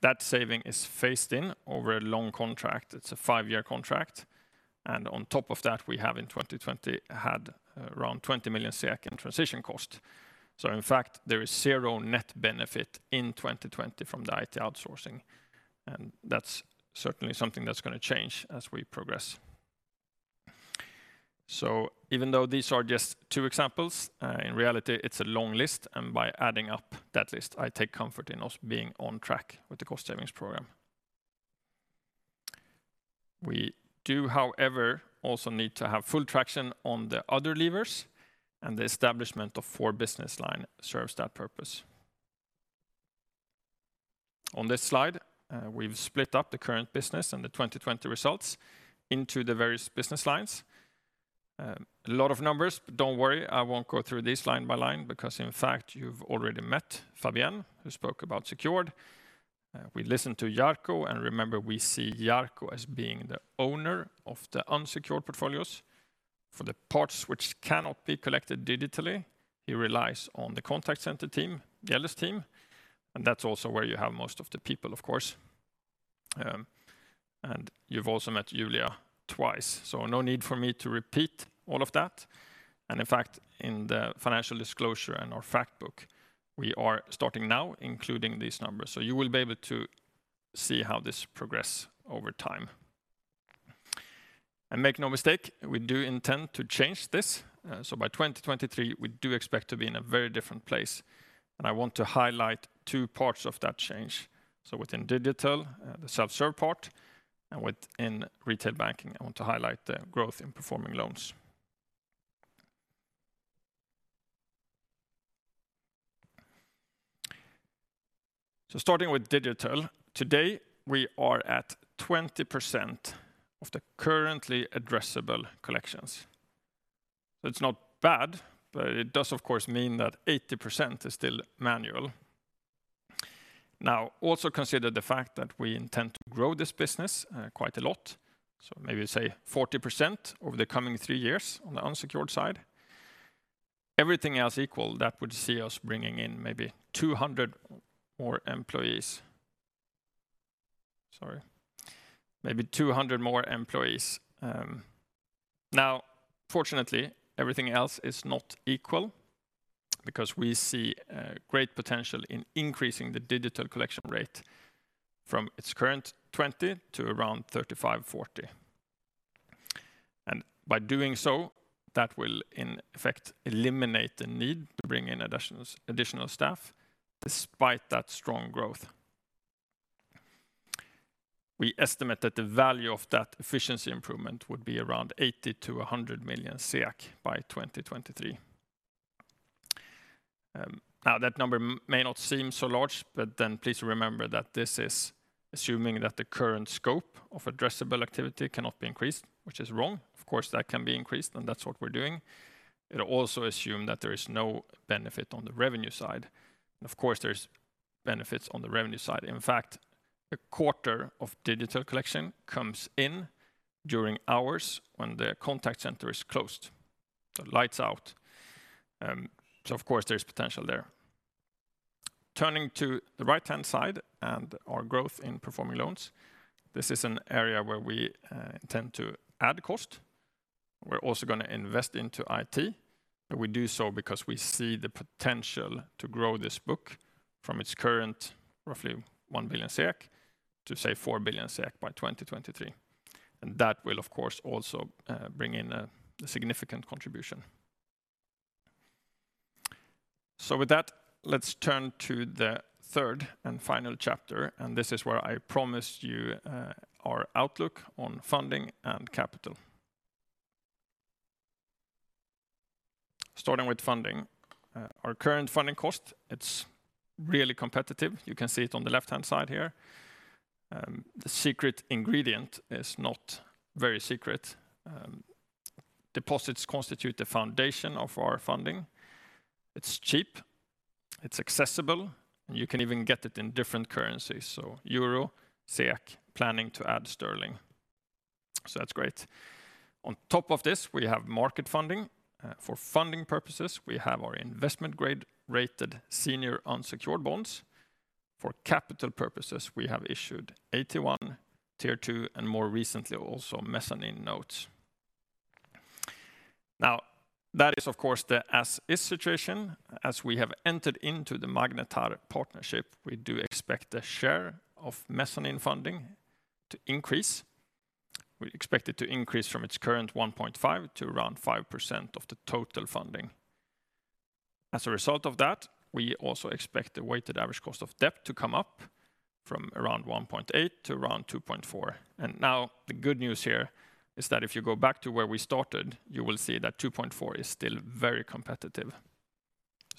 S13: That saving is phased in over a long contract. It's a five-year contract. On top of that, we have in 2020 had around 20 million in transition cost. In fact, there is zero net benefit in 2020 from the IT outsourcing, and that's certainly something that's going to change as we progress. Even though these are just two examples, in reality it's a long list, and by adding up that list, I take comfort in us being on track with the cost savings program. We do, however, also need to have full traction on the other levers, and the establishment of four business line serves that purpose. On this slide, we've split up the current business and the 2020 results into the various business lines. A lot of numbers, but don't worry, I won't go through this line by line because, in fact, you've already met Fabian, who spoke about secured. We listened to Jarkko, and remember, we see Jarkko as being the owner of the unsecured portfolios. For the parts which cannot be collected digitally, he relies on the contact center team, Jelle's team, and that's also where you have most of the people, of course. You've also met Julia twice, so no need for me to repeat all of that. In fact, in the financial disclosure and our fact book, we are starting now including these numbers, so you will be able to see how this progress over time. Make no mistake, we do intend to change this. By 2023, we do expect to be in a very different place. I want to highlight two parts of that change. Within digital, the self-serve part, and within retail banking, I want to highlight the growth in performing loans. Starting with digital, today we are at 20% of the currently addressable collections. It's not bad, but it does of course mean that 80% is still manual. Now also consider the fact that we intend to grow this business quite a lot. Maybe say 40% over the coming three years on the unsecured side. Everything else equal, that would see us bringing in maybe 200 more employees. Sorry. Maybe 200 more employees. Fortunately, everything else is not equal because we see great potential in increasing the digital collection rate from its current 20% to around 35%-40%. By doing so, that will in effect eliminate the need to bring in additional staff despite that strong growth. We estimate that the value of that efficiency improvement would be around 80 million-100 million by 2023. That number may not seem so large, please remember that this is assuming that the current scope of addressable activity cannot be increased, which is wrong. Of course, that can be increased, and that's what we're doing. It also assume that there is no benefit on the revenue side. Of course, there's benefits on the revenue side. In fact, a quarter of digital collection comes in during hours when the contact center is closed, so lights out. Of course, there's potential there. Turning to the right-hand side and our growth in performing loans. This is an area where we intend to add cost. We're also going to invest into IT, and we do so because we see the potential to grow this book from its current roughly 1 billion to say 4 billion by 2023. That will, of course, also bring in a significant contribution. With that, let's turn to the third and final chapter, and this is where I promised you our outlook on funding and capital. Starting with funding. Our current funding cost, it's really competitive. You can see it on the left-hand side here. The secret ingredient is not very secret. Deposits constitute the foundation of our funding. It's cheap, it's accessible, and you can even get it in different currencies. EUR, SEK, planning to add GBP. That's great. On top of this, we have market funding. For funding purposes, we have our investment grade rated senior unsecured bonds. For capital purposes, we have issued AT1, Tier 2, and more recently also mezzanine notes. That is of course the as-is situation. As we have entered into the Magnetar partnership, we do expect the share of mezzanine funding to increase. We expect it to increase from its current 1.5% to around 5% of the total funding. As a result of that, we also expect the weighted average cost of debt to come up from around 1.8% to around 2.4%. Now the good news here is that if you go back to where we started, you will see that 2.4% is still very competitive.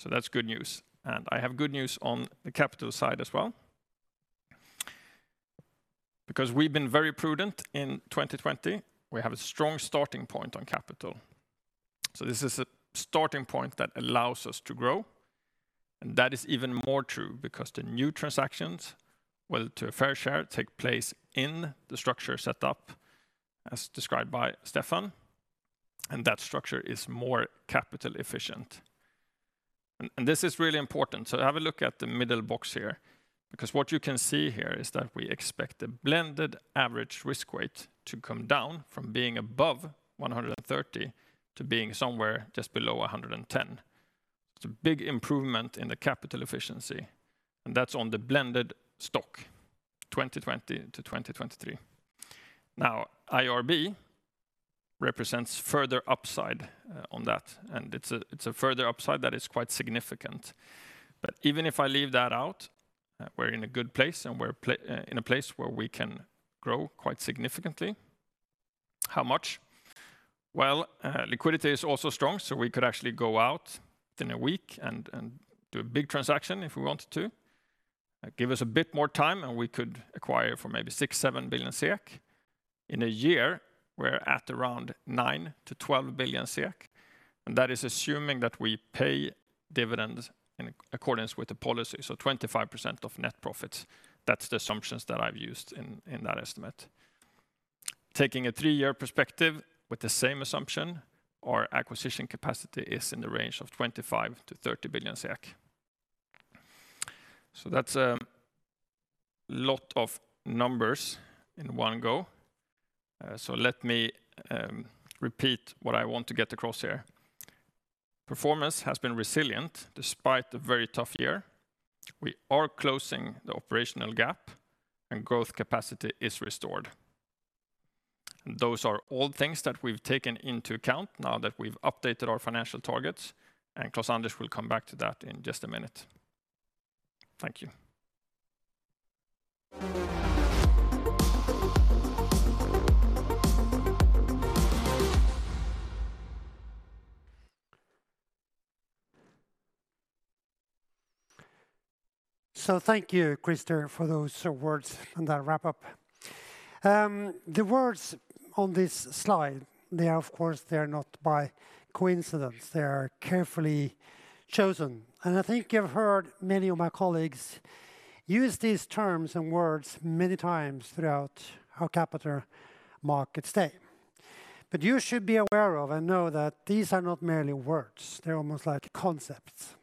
S13: That's good news, and I have good news on the capital side as well. Because we've been very prudent in 2020, we have a strong starting point on capital. This is a starting point that allows us to grow, and that is even more true because the new transactions, well, to a fair share, take place in the structure set up as described by Stephan, and that structure is more capital efficient. This is really important. Have a look at the middle box here, because what you can see here is that we expect the blended average risk weight to come down from being above 130 to being somewhere just below 110. It's a big improvement in the capital efficiency, and that's on the blended stock, 2020 to 2023. Now, IRB represents further upside on that, and it's a further upside that is quite significant. Even if I leave that out, we're in a good place, and we're in a place where we can grow quite significantly. How much? Well, liquidity is also strong, so we could actually go out within a week and do a big transaction if we wanted to. Give us a bit more time and we could acquire for maybe 6 billion-7 billion SEK. In a year, we're at around 9 billion-12 billion SEK, and that is assuming that we pay dividends in accordance with the policy. 25% of net profits. That's the assumptions that I've used in that estimate. Taking a three-year perspective with the same assumption, our acquisition capacity is in the range of 25 billion-30 billion SEK. That's a lot of numbers in one go. Let me repeat what I want to get across here. Performance has been resilient despite the very tough year. We are closing the operational gap and growth capacity is restored. Those are all things that we've taken into account now that we've updated our financial targets, and Klaus-Anders will come back to that in just a minute. Thank you.
S2: Thank you, Christer, for those words and that wrap-up. The words on this slide, of course, they're not by coincidence. They are carefully chosen, and I think you've heard many of my colleagues use these terms and words many times throughout our Capital Markets Day. You should be aware of and know that these are not merely words. They're almost like concepts.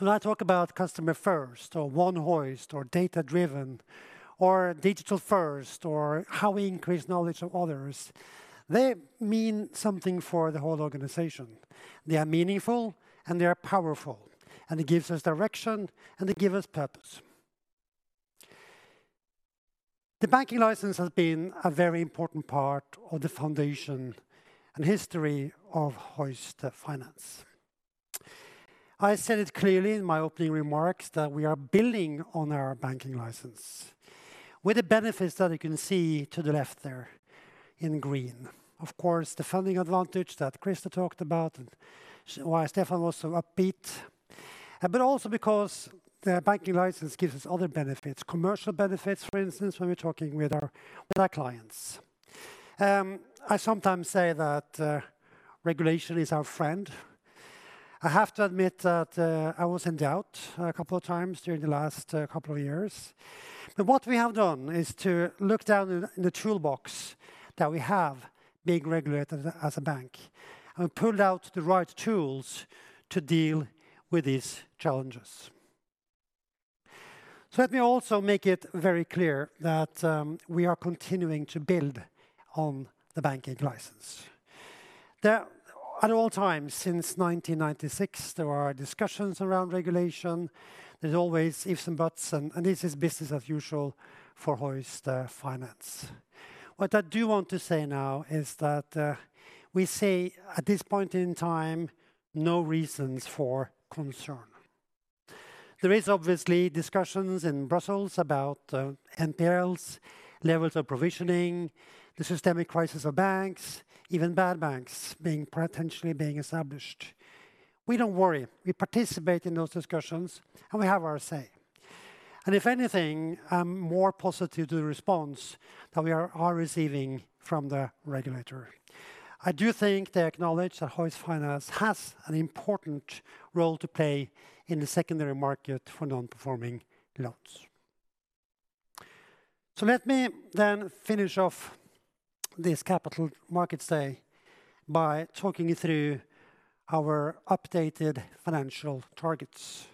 S2: When I talk about customer first or One Hoist or data-driven or digital first, or how we increase knowledge of others, they mean something for the whole organization. They are meaningful, and they are powerful, and they give us direction, and they give us purpose. The banking license has been a very important part of the foundation and history of Hoist Finance. I said it clearly in my opening remarks that we are building on our banking license with the benefits that you can see to the left there in green. Of course, the funding advantage that Christer talked about and why Stephan was so upbeat. Also because the banking license gives us other benefits, commercial benefits, for instance, when we're talking with our clients. I sometimes say that regulation is our friend. I have to admit that I was in doubt a couple of times during the last couple of years. What we have done is to look down in the toolbox that we have being regulated as a bank and pulled out the right tools to deal with these challenges. Let me also make it very clear that we are continuing to build on the banking license. At all times since 1996, there are discussions around regulation. There's always ifs and buts. This is business as usual for Hoist Finance. What I do want to say now is that we say at this point in time, no reasons for concern. There is obviously discussions in Brussels about NPLs, levels of provisioning, the systemic crisis of banks, even bad banks potentially being established. We don't worry. We participate in those discussions, and we have our say. If anything, I'm more positive to the response that we are receiving from the regulator. I do think they acknowledge that Hoist Finance has an important role to play in the secondary market for non-performing loans. Let me then finish off this Capital Markets Day by talking you through our updated financial targets.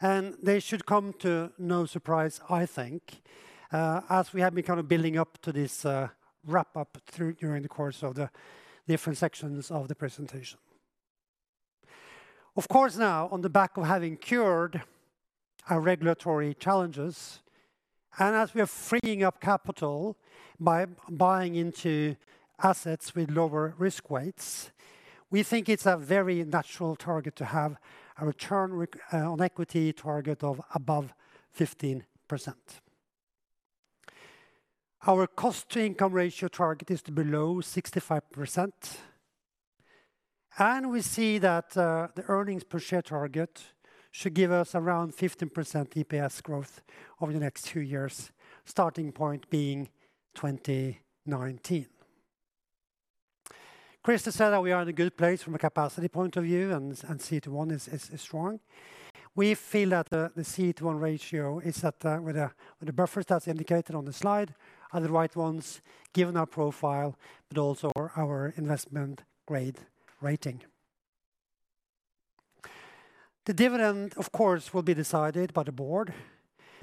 S2: They should come to no surprise, I think, as we have been building up to this wrap up during the course of the different sections of the presentation. Of course now, on the back of having cured our regulatory challenges, and as we are freeing up capital by buying into assets with lower risk weights, we think it's a very natural target to have a return on equity target of above 15%. Our cost to income ratio target is to below 65%, and we see that the earnings per share target should give us around 15% EPS growth over the next two years, starting point being 2019. Christer said that we are in a good place from a capacity point of view, and CET1 is strong. We feel that the CET1 ratio is at with the buffers that's indicated on the slide, are the right ones given our profile, but also our investment grade rating. The dividend, of course, will be decided by the board,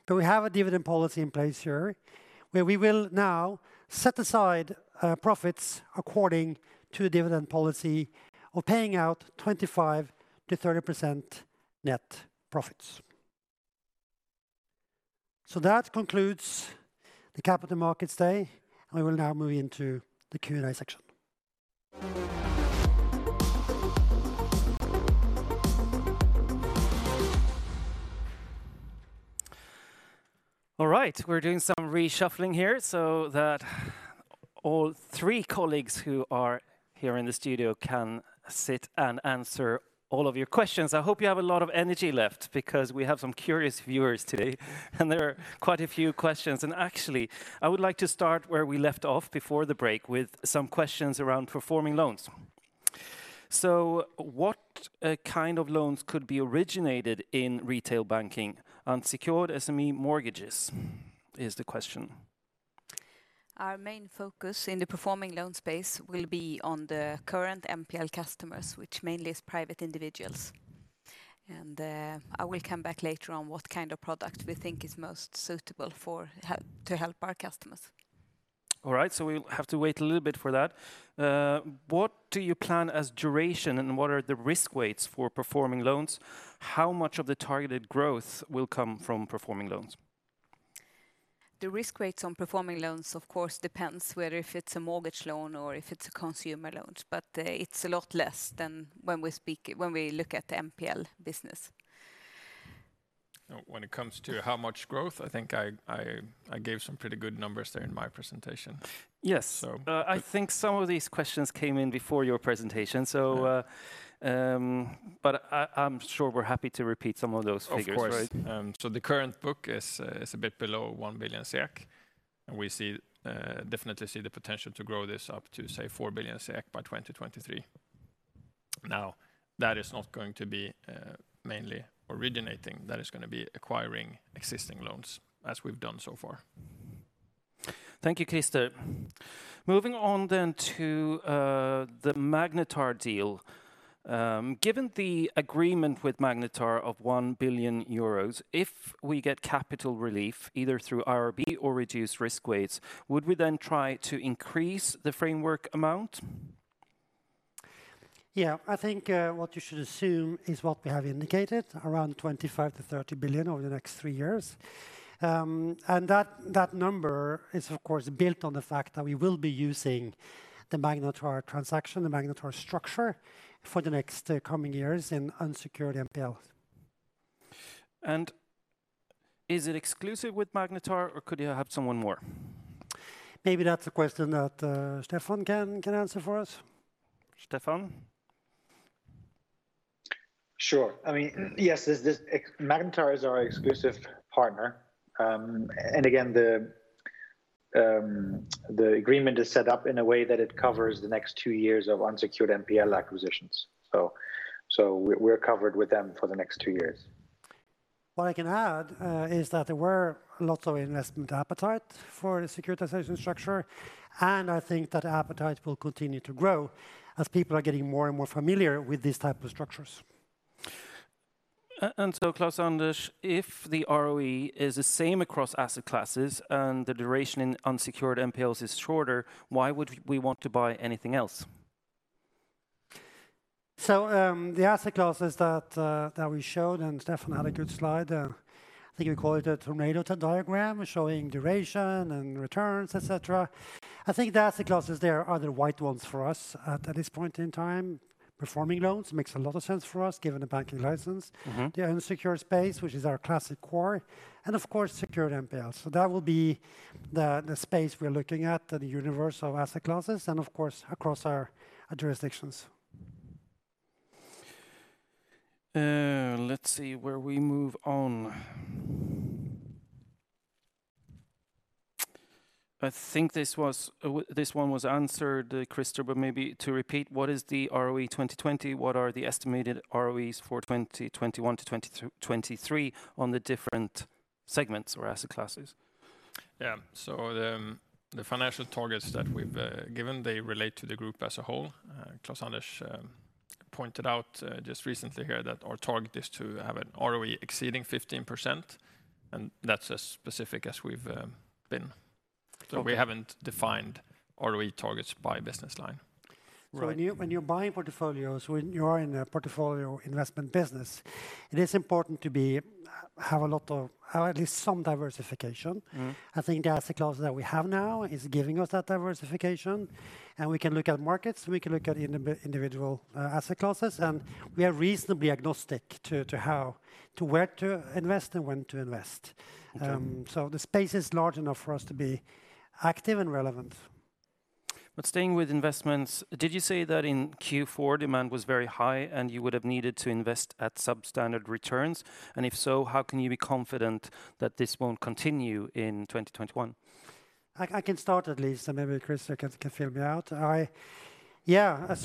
S2: but we have a dividend policy in place here where we will now set aside profits according to dividend policy of paying out 25%-30% net profits. That concludes the Capital Markets Day, and we will now move into the Q&A section.
S1: All right. We're doing some reshuffling here so that all three colleagues who are here in the studio can sit and answer all of your questions. I hope you have a lot of energy left because we have some curious viewers today, and there are quite a few questions. Actually, I would like to start where we left off before the break with some questions around performing loans. What kind of loans could be originated in retail banking? Unsecured SME mortgages is the question.
S3: Our main focus in the performing loan space will be on the current NPL customers, which mainly is private individuals. I will come back later on what kind of product we think is most suitable to help our customers.
S1: All right, we'll have to wait a little bit for that. What do you plan as duration? What are the risk weights for performing loans? How much of the targeted growth will come from performing loans?
S3: The risk rates on performing loans of course depends whether if it's a mortgage loan or if it's a consumer loans, but it's a lot less than when we look at the NPL business.
S13: When it comes to how much growth, I think I gave some pretty good numbers there in my presentation.
S1: Yes.
S13: So-
S1: I think some of these questions came in before your presentation.
S13: Yeah.
S1: I'm sure we're happy to repeat some of those figures, right?
S13: Of course. The current book is a bit below 1 billion SEK, and we definitely see the potential to grow this up to say 4 billion SEK by 2023. That is not going to be mainly originating. That is going to be acquiring existing loans as we've done so far.
S1: Thank you, Christer. Moving on to the Magnetar deal. Given the agreement with Magnetar of 1 billion euros, if we get capital relief either through IRB or reduced risk weights, would we try to increase the framework amount?
S2: Yeah. I think what you should assume is what we have indicated, around 25 billion-30 billion over the next three years. That number is of course built on the fact that we will be using the Magnetar transaction, the Magnetar structure for the next coming years in unsecured NPLs.
S1: Is it exclusive with Magnetar, or could you have someone more?
S2: Maybe that's a question that Stephan can answer for us.
S1: Stephan?
S12: Sure. Yes, Magnetar is our exclusive partner. The agreement is set up in a way that it covers the next two years of unsecured NPL acquisitions. We're covered with them for the next two years.
S2: What I can add is that there were lots of investment appetite for the securitization structure, and I think that appetite will continue to grow as people are getting more and more familiar with these type of structures.
S1: Klaus-Anders, if the ROE is the same across asset classes and the duration in unsecured NPLs is shorter, why would we want to buy anything else?
S2: The asset classes that we showed, and Stephan had a good slide there. I think we call it a tornado diagram, showing duration and returns, et cetera. I think the asset classes there are the right ones for us at this point in time. Performing loans makes a lot of sense for us given the banking license. The unsecured space, which is our classic core, and of course secured NPLs. That will be the space we're looking at, the universe of asset classes and of course across our jurisdictions.
S1: Let's see where we move on. I think this one was answered, Christer. Maybe to repeat, what is the ROE 2020? What are the estimated ROEs for 2021-2023 on the different segments or asset classes?
S13: Yeah. The financial targets that we've given, they relate to the group as a whole. Klaus-Anders pointed out just recently here that our target is to have an ROE exceeding 15%, and that's as specific as we've been. We haven't defined ROE targets by business line.
S1: Right.
S2: When you're buying portfolios, when you are in a portfolio investment business, it is important to have at least some diversification. I think the asset class that we have now is giving us that diversification, and we can look at markets, we can look at individual asset classes, and we are reasonably agnostic to where to invest and when to invest.
S1: Okay.
S2: The space is large enough for us to be active and relevant.
S1: Staying with investments, did you say that in Q4, demand was very high, and you would have needed to invest at substandard returns? If so, how can you be confident that this won't continue in 2021?
S2: I can start at least, maybe Christer can fill me out. Yeah.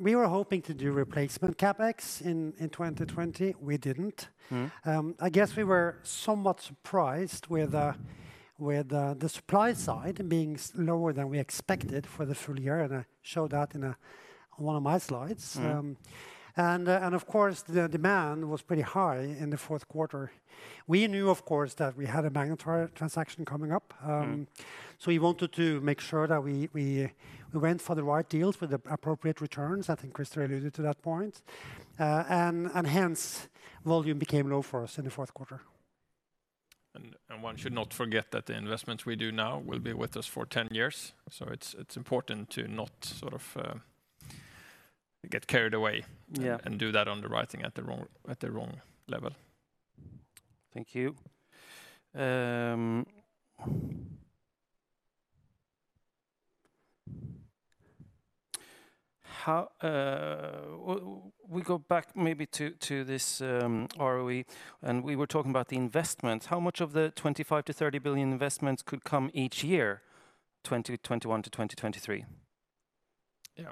S2: We were hoping to do replacement CapEx in 2020. We didn't. I guess we were somewhat surprised with the supply side being lower than we expected for the full year, and I showed that on one of my slides. Of course, the demand was pretty high in the fourth quarter. We knew, of course, that we had a Magnetar transaction coming up. We wanted to make sure that we went for the right deals with the appropriate returns. I think Christer alluded to that point. Hence, volume became low for us in the fourth quarter.
S13: One should not forget that the investments we do now will be with us for 10 years. It's important to not get carried away.
S1: Yeah
S13: Do that on the right thing at the wrong level.
S1: Thank you. We go back maybe to this ROE, and we were talking about the investments. How much of the 25 billion-30 billion investments could come each year, 2021-2023?
S13: Yeah.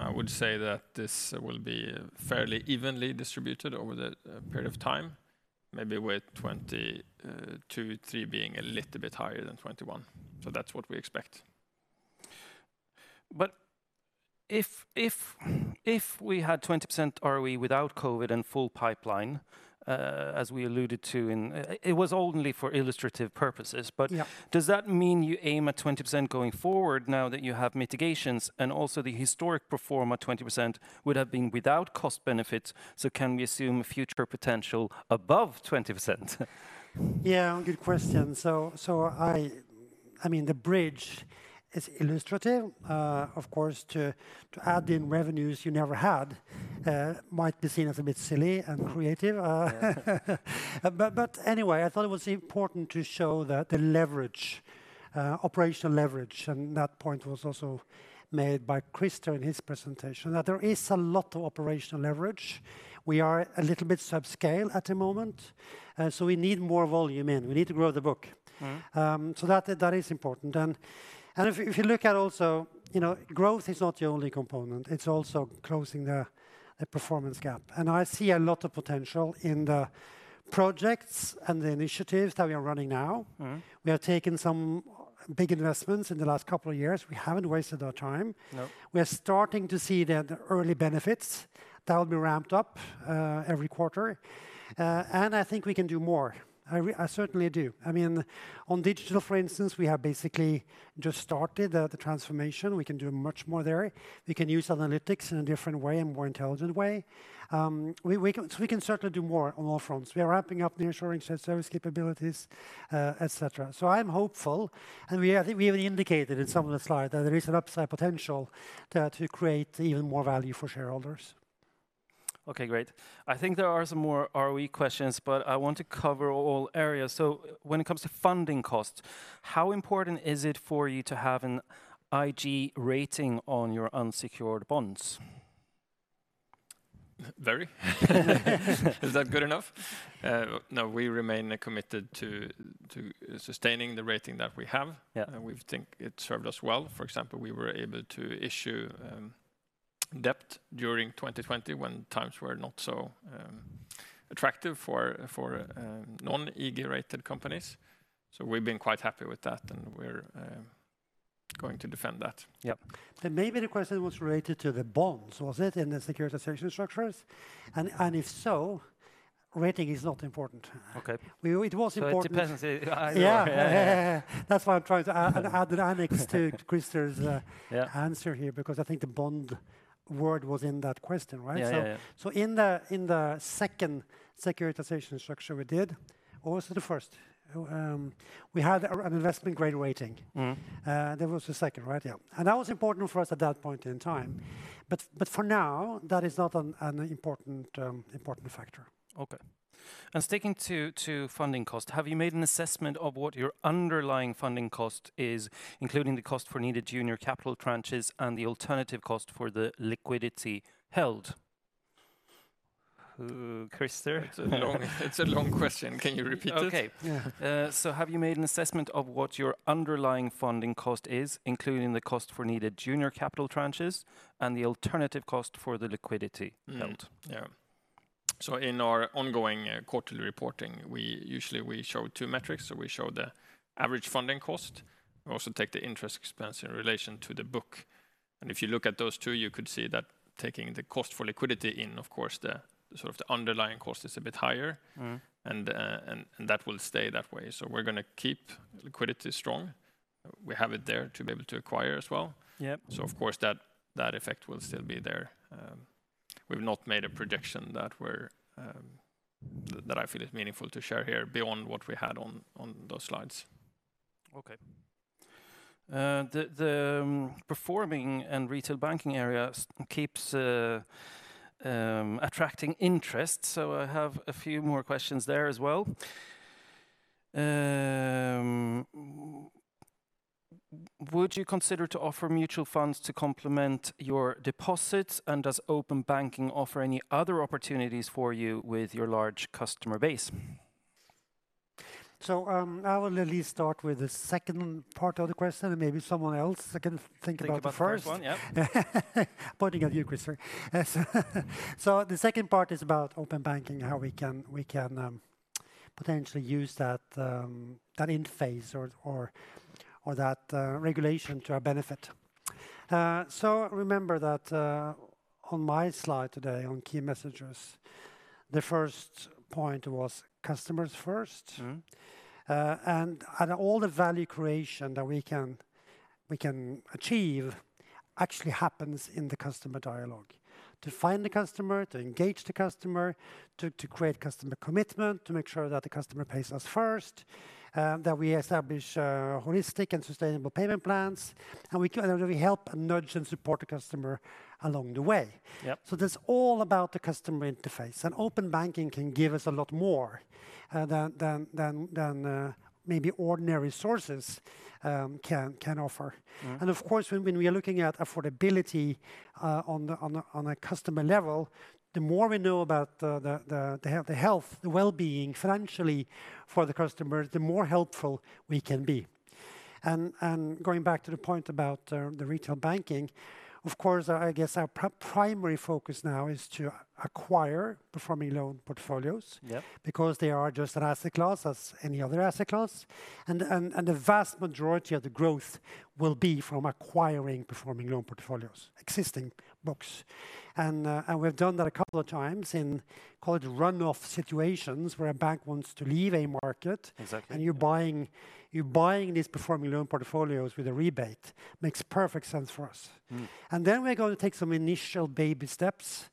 S13: I would say that this will be fairly evenly distributed over the period of time, maybe with 2022, 2023 being a little bit higher than 2021. That's what we expect.
S1: If we had 20% ROE without COVID-19 and full pipeline, as we alluded to, it was only for illustrative purposes.
S2: Yeah
S1: Does that mean you aim at 20% going forward now that you have mitigations and also the historic perform at 20% would have been without cost benefits. Can we assume future potential above 20%?
S2: Yeah. Good question. The bridge is illustrative. Of course, to add in revenues you never had might be seen as a bit silly and creative.
S1: Yeah.
S2: Anyway, I thought it was important to show that the leverage, operational leverage, and that point was also made by Christer in his presentation, that there is a lot of operational leverage. We are a little bit subscale at the moment, so we need more volume in. We need to grow the book. That is important. If you look at also, growth is not the only component. It's also closing the performance gap. I see a lot of potential in the projects and the initiatives that we are running now. We are taking some big investments in the last couple of years. We haven't wasted our time.
S1: No.
S2: We are starting to see the early benefits that will be ramped up every quarter. I think we can do more. I certainly do. On digital, for instance, we have basically just started the transformation. We can do much more there. We can use analytics in a different way and more intelligent way. We can certainly do more on all fronts. We are ramping up the insurance service capabilities, et cetera. I am hopeful, and I think we even indicated in some of the slides that there is an upside potential to create even more value for shareholders.
S1: Okay, great. I think there are some more ROE questions. I want to cover all areas. When it comes to funding costs, how important is it for you to have an IG rating on your unsecured bonds?
S13: Very. Is that good enough? No, we remain committed to sustaining the rating that we have.
S1: Yeah.
S13: We think it served us well. For example, we were able to issue debt during 2020 when times were not so attractive for non-IG-rated companies. We've been quite happy with that, and we're going to defend that.
S1: Yep.
S2: Maybe the question was related to the bonds. Was it in the securitization structures? If so, rating is not important.
S1: Okay.
S2: It was important.
S1: It depends.
S2: Yeah. That's why I'm trying to add an annex to Christer's-
S1: Yeah
S2: answer here, because I think the bond word was in that question, right?
S1: Yeah.
S2: In the second securitization structure we did, or was it the first? We had an investment-grade rating. That was the second, right? Yeah. That was important for us at that point in time. For now, that is not an important factor.
S1: Okay. Sticking to funding cost, have you made an assessment of what your underlying funding cost is, including the cost for needed junior capital tranches and the alternative cost for the liquidity held? Christer?
S13: It's a long question. Can you repeat it?
S1: Okay.
S13: Yeah.
S1: Have you made an assessment of what your underlying funding cost is, including the cost for needed junior capital tranches and the alternative cost for the liquidity held?
S13: Yeah. In our ongoing quarterly reporting, usually we show two metrics. We show the average funding cost. We also take the interest expense in relation to the book. If you look at those two, you could see that taking the cost for liquidity in, of course, the underlying cost is a bit higher. That will stay that way. We're going to keep liquidity strong. We have it there to be able to acquire as well.
S1: Yep.
S13: Of course that effect will still be there. We've not made a projection that I feel is meaningful to share here beyond what we had on those slides.
S1: Okay. The performing and retail banking area keeps attracting interest, so I have a few more questions there as well. Would you consider to offer mutual funds to complement your deposits, and does open banking offer any other opportunities for you with your large customer base?
S2: I will at least start with the 2nd part of the question, and maybe someone else can think about the first one.
S1: Think about the first one, yeah.
S2: Pointing at you, Christer. The 2nd part is about open banking, how we can potentially use that interface or that regulation to our benefit. Remember that on my slide today on key messages, the first point was customers first. All the value creation that we can achieve actually happens in the customer dialogue. To find the customer, to engage the customer, to create customer commitment, to make sure that the customer pays us first, that we establish holistic and sustainable payment plans, and we help and nudge and support the customer along the way.
S1: Yep.
S2: That's all about the customer interface, and open banking can give us a lot more than maybe ordinary sources can offer. Of course, when we are looking at affordability on a customer level, the more we know about the health, the wellbeing financially for the customer, the more helpful we can be. Going back to the point about the retail banking, of course, I guess our primary focus now is to acquire performing loan portfolios.
S1: Yep.
S2: They are just an asset class as any other asset class. The vast majority of the growth will be from acquiring performing loan portfolios, existing books. We've done that a couple of times in call it run-off situations where a bank wants to leave a market.
S1: Exactly.
S2: You're buying these performing loan portfolios with a rebate. Makes perfect sense for us. We're going to take some initial baby steps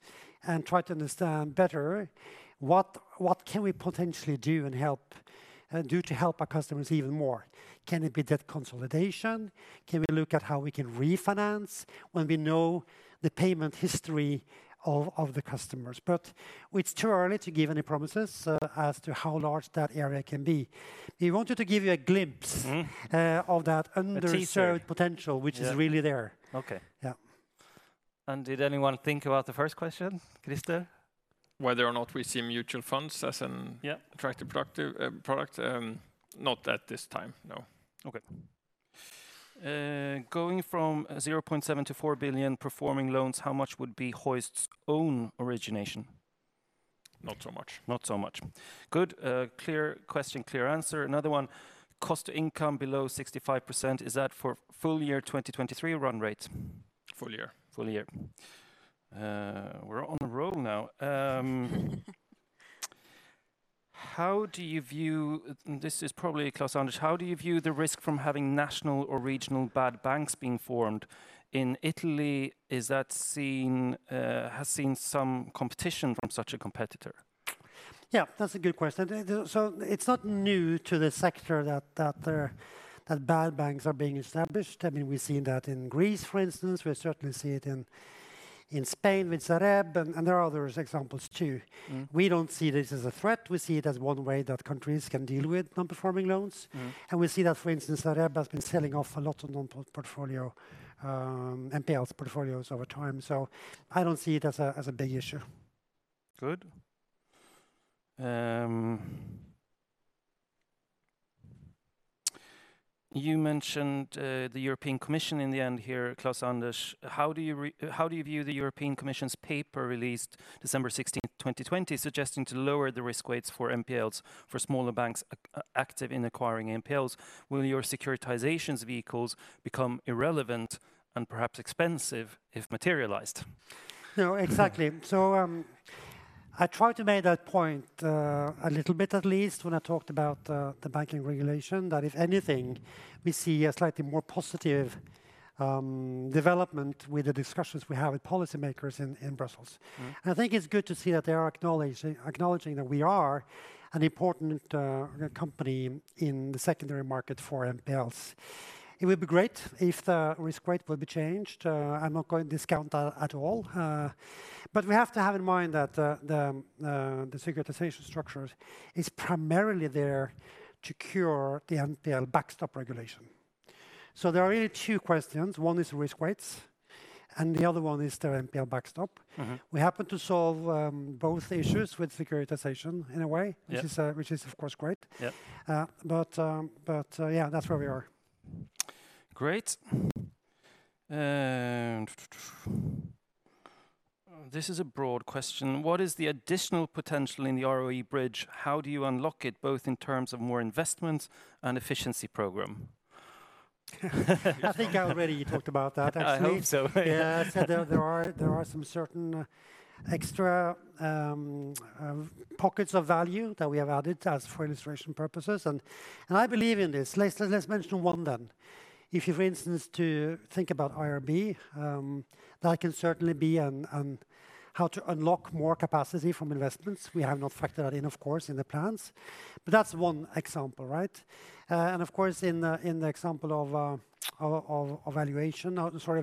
S2: and try to understand better what can we potentially do to help our customers even more. Can it be debt consolidation? Can we look at how we can refinance when we know the payment history of the customers? It's too early to give any promises as to how large that area can be. We wanted to give you a glimpse. Of that underserved potential.
S1: Yeah
S2: Which is really there.
S1: Okay.
S2: Yeah.
S1: Did anyone think about the first question, Christer?
S13: Whether or not we see mutual funds as.
S1: Yeah
S13: Attractive product? Not at this time, no.
S1: Okay. Going from 0.7 billion-4 billion performing loans, how much would be Hoist's own origination?
S13: Not so much.
S1: Not so much. Good. Clear question, clear answer. Another one, cost to income below 65%, is that for full year 2023 run rate?
S13: Full year.
S1: Full year. We're on a roll now. This is probably Klaus-Anders. How do you view the risk from having national or regional bad banks being formed in Italy? Has seen some competition from such a competitor.
S2: Yeah, that's a good question. It's not new to the sector that bad banks are being established. We've seen that in Greece, for instance. We certainly see it in Spain with Sareb, and there are other examples too. We don't see this as a threat. We see it as one way that countries can deal with non-performing loans. We see that, for instance, Sareb has been selling off a lot of NPL portfolios over time. I don't see it as a big issue.
S1: Good. You mentioned the European Commission in the end here, Klaus-Anders. How do you view the European Commission's paper released December 16th, 2020, suggesting to lower the risk weights for NPLs for smaller banks active in acquiring NPLs? Will your securitizations vehicles become irrelevant and perhaps expensive if materialized?
S2: No, exactly. I tried to make that point a little bit at least when I talked about the banking regulation, that if anything, we see a slightly more positive development with the discussions we have with policymakers in Brussels. I think it is good to see that they are acknowledging that we are an important company in the secondary market for NPLs. It would be great if the risk weight would be changed. I'm not going to discount that at all. We have to have in mind that the securitization structure is primarily there to cure the NPL Backstop regulation. There are really two questions. One is risk weights, and the other one is the NPL Backstop. We happen to solve both issues with securitization in a way.
S1: Yeah
S2: Which is of course great.
S1: Yeah.
S2: Yeah, that's where we are.
S1: Great. This is a broad question. What is the additional potential in the ROE bridge? How do you unlock it, both in terms of more investment and efficiency program?
S2: I think I already talked about that, actually.
S1: I hope so.
S2: Yeah. I said there are some certain extra pockets of value that we have added as for illustration purposes, and I believe in this. Let's mention one. If you, for instance, to think about IRB, that can certainly be how to unlock more capacity from investments. We have not factored that in, of course, in the plans, but that's one example, right? Of course, in the example of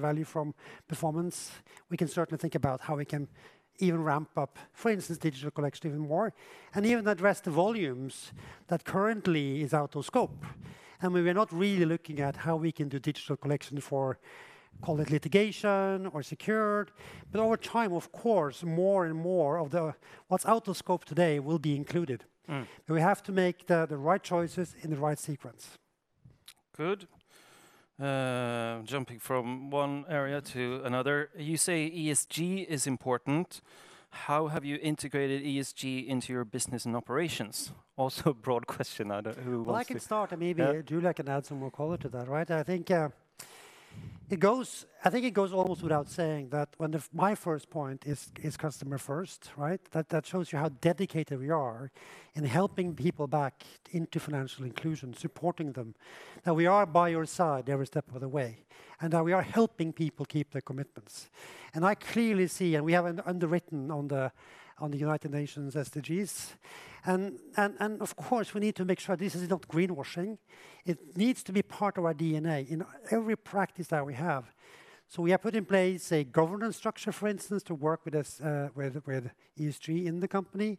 S2: value from performance, we can certainly think about how we can even ramp up, for instance, digital collection even more, and even address the volumes that currently is out of scope. We are not really looking at how we can do digital collection for call it litigation or secured. Over time, of course, more and more of what's out of scope today will be included. We have to make the right choices in the right sequence.
S1: Good. Jumping from one area to another. You say ESG is important. How have you integrated ESG into your business and operations? Also a broad question. I don't who wants to.
S2: Well, I can start.
S1: Yeah
S2: Julia can add some more color to that. I think it goes almost without saying that my first point is customer first, right? That shows you how dedicated we are in helping people back into financial inclusion, supporting them. That we are by your side every step of the way, that we are helping people keep their commitments. I clearly see, and we have underwritten on the United Nations SDGs. Of course, we need to make sure this is not greenwashing. It needs to be part of our DNA in every practice that we have. We have put in place a governance structure, for instance, to work with ESG in the company.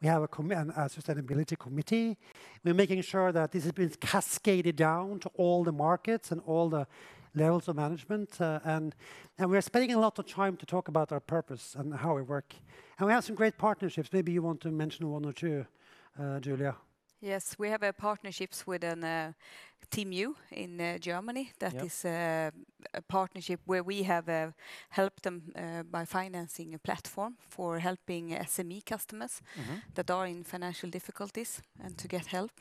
S2: We have a sustainability committee. We're making sure that this has been cascaded down to all the markets and all the levels of management. We are spending a lot of time to talk about our purpose and how we work. We have some great partnerships. Maybe you want to mention one or two, Julia.
S3: Yes. We have a partnerships with Team U in Germany.
S2: Yeah.
S3: That is a partnership where we have helped them by financing a platform for helping SME customers. That are in financial difficulties, and to get help.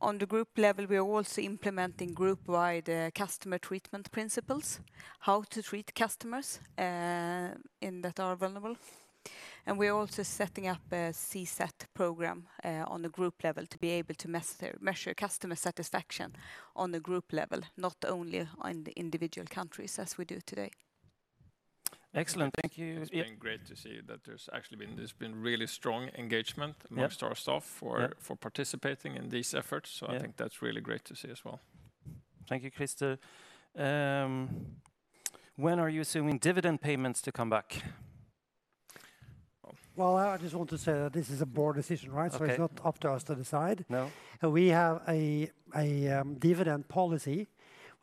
S3: On the group level, we are also implementing group-wide customer treatment principles, how to treat customers that are vulnerable. We are also setting up a CSAT program on the group level to be able to measure customer satisfaction on the group level, not only on the individual countries as we do today.
S1: Excellent. Thank you.
S2: Yeah.
S13: It's been great to see that there's actually been this really strong engagement.
S1: Yeah
S13: Amongst our staff for participating in these efforts.
S1: Yeah.
S13: I think that's really great to see as well.
S1: Thank you, Christer. When are you assuming dividend payments to come back?
S2: Well, I just want to say that this is a board decision, right?
S1: Okay.
S2: It's not up to us to decide.
S1: No.
S2: We have a dividend policy,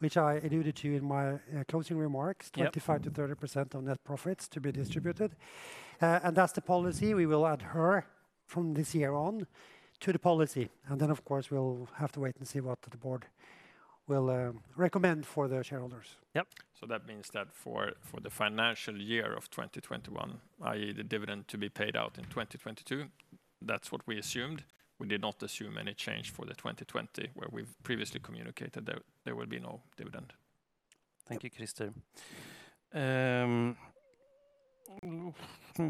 S2: which I alluded to in my closing remarks.
S1: Yeah.
S2: 25%-30% of net profits to be distributed. That's the policy. We will adhere from this year on to the policy. Then, of course, we'll have to wait and see what the board will recommend for the shareholders.
S1: Yep.
S13: That means that for the financial year of 2021, i.e., the dividend to be paid out in 2022, that's what we assumed. We did not assume any change for the 2020, where we've previously communicated there will be no dividend.
S1: Thank you, Christer.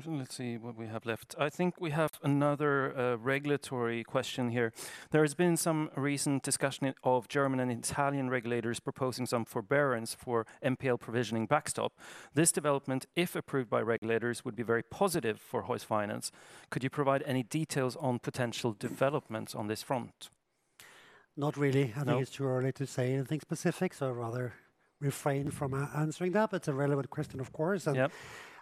S1: Let's see what we have left. I think we have another regulatory question here. There has been some recent discussion of German and Italian regulators proposing some forbearance for NPL provisioning backstop. This development, if approved by regulators, would be very positive for Hoist Finance. Could you provide any details on potential developments on this front?
S2: Not really.
S1: No?
S2: I think it's too early to say anything specific, so I rather refrain from answering that. It's a relevant question, of course.
S1: Yep.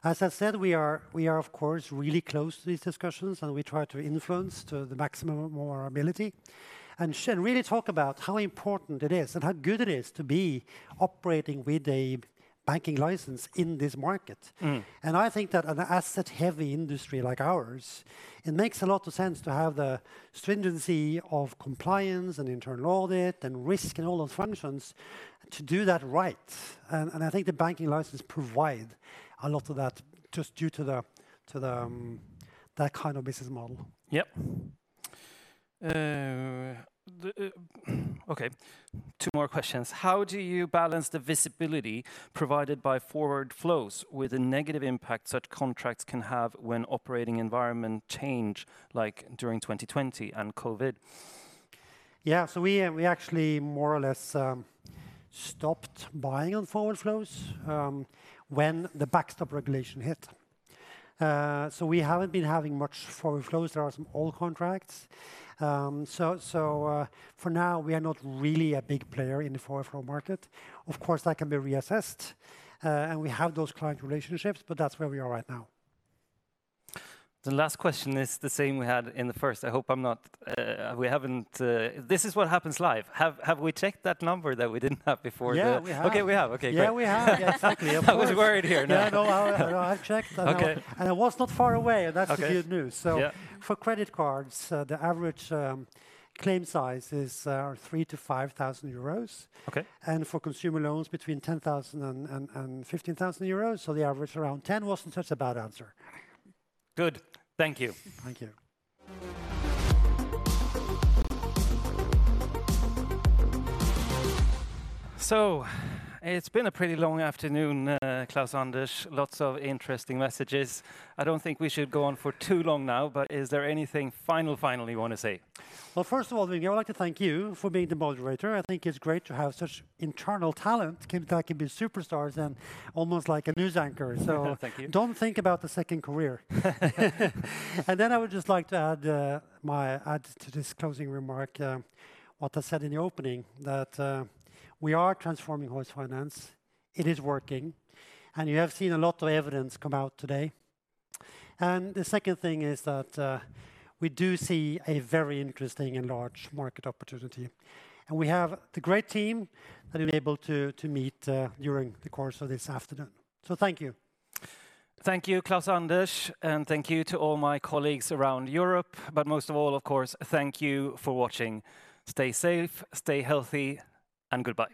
S2: As I said, we are of course, really close to these discussions, and we try to influence to the maximum of our ability, and should really talk about how important it is and how good it is to be operating with a banking license in this market. I think that an asset-heavy industry like ours, it makes a lot of sense to have the stringency of compliance and internal audit and risk and all those functions to do that right. I think the banking license provide a lot of that just due to that kind of business model.
S1: Yep. Okay. Two more questions. How do you balance the visibility provided by forward flows with the negative impact such contracts can have when operating environment change, like during 2020 and COVID-19?
S2: Yeah. We actually more or less stopped buying on forward flows when the backstop regulation hit. We haven't been having much forward flows. There are some old contracts. For now, we are not really a big player in the forward flow market. Of course, that can be reassessed, and we have those client relationships, but that's where we are right now.
S1: The last question is the same we had in the first. This is what happens live. Have we checked that number that we didn't have before?
S2: Yeah, we have.
S1: Okay, we have. Okay, great.
S2: Yeah, we have. Exactly. Of course.
S1: I was worried here.
S2: No, I've checked.
S1: Okay.
S2: It was not far away, and that's the good news.
S1: Yeah.
S2: For credit cards, the average claim size is 3,000- 5,000 euros.
S1: Okay.
S2: For consumer loans, between 10,000 and 15,000 euros. The average around 10,000 wasn't such a bad answer.
S1: Good. Thank you.
S2: Thank you.
S1: It's been a pretty long afternoon, Klaus-Anders. Lots of interesting messages. I don't think we should go on for too long now. Is there anything final you want to say?
S2: Well, first of all, Yngve, I'd like to thank you for being the moderator. I think it's great to have such internal talent that can be superstars and almost like a news anchor.
S1: Thank you
S2: Don't think about the second career. I would just like to add to this closing remark what I said in the opening, that we are transforming Hoist Finance. It is working, and you have seen a lot of evidence come out today. The 2nd thing is that we do see a very interesting and large market opportunity, and we have the great team that you're able to meet during the course of this afternoon. Thank you.
S1: Thank you, Klaus-Anders, and thank you to all my colleagues around Europe, but most of all, of course, thank you for watching. Stay safe, stay healthy, and goodbye.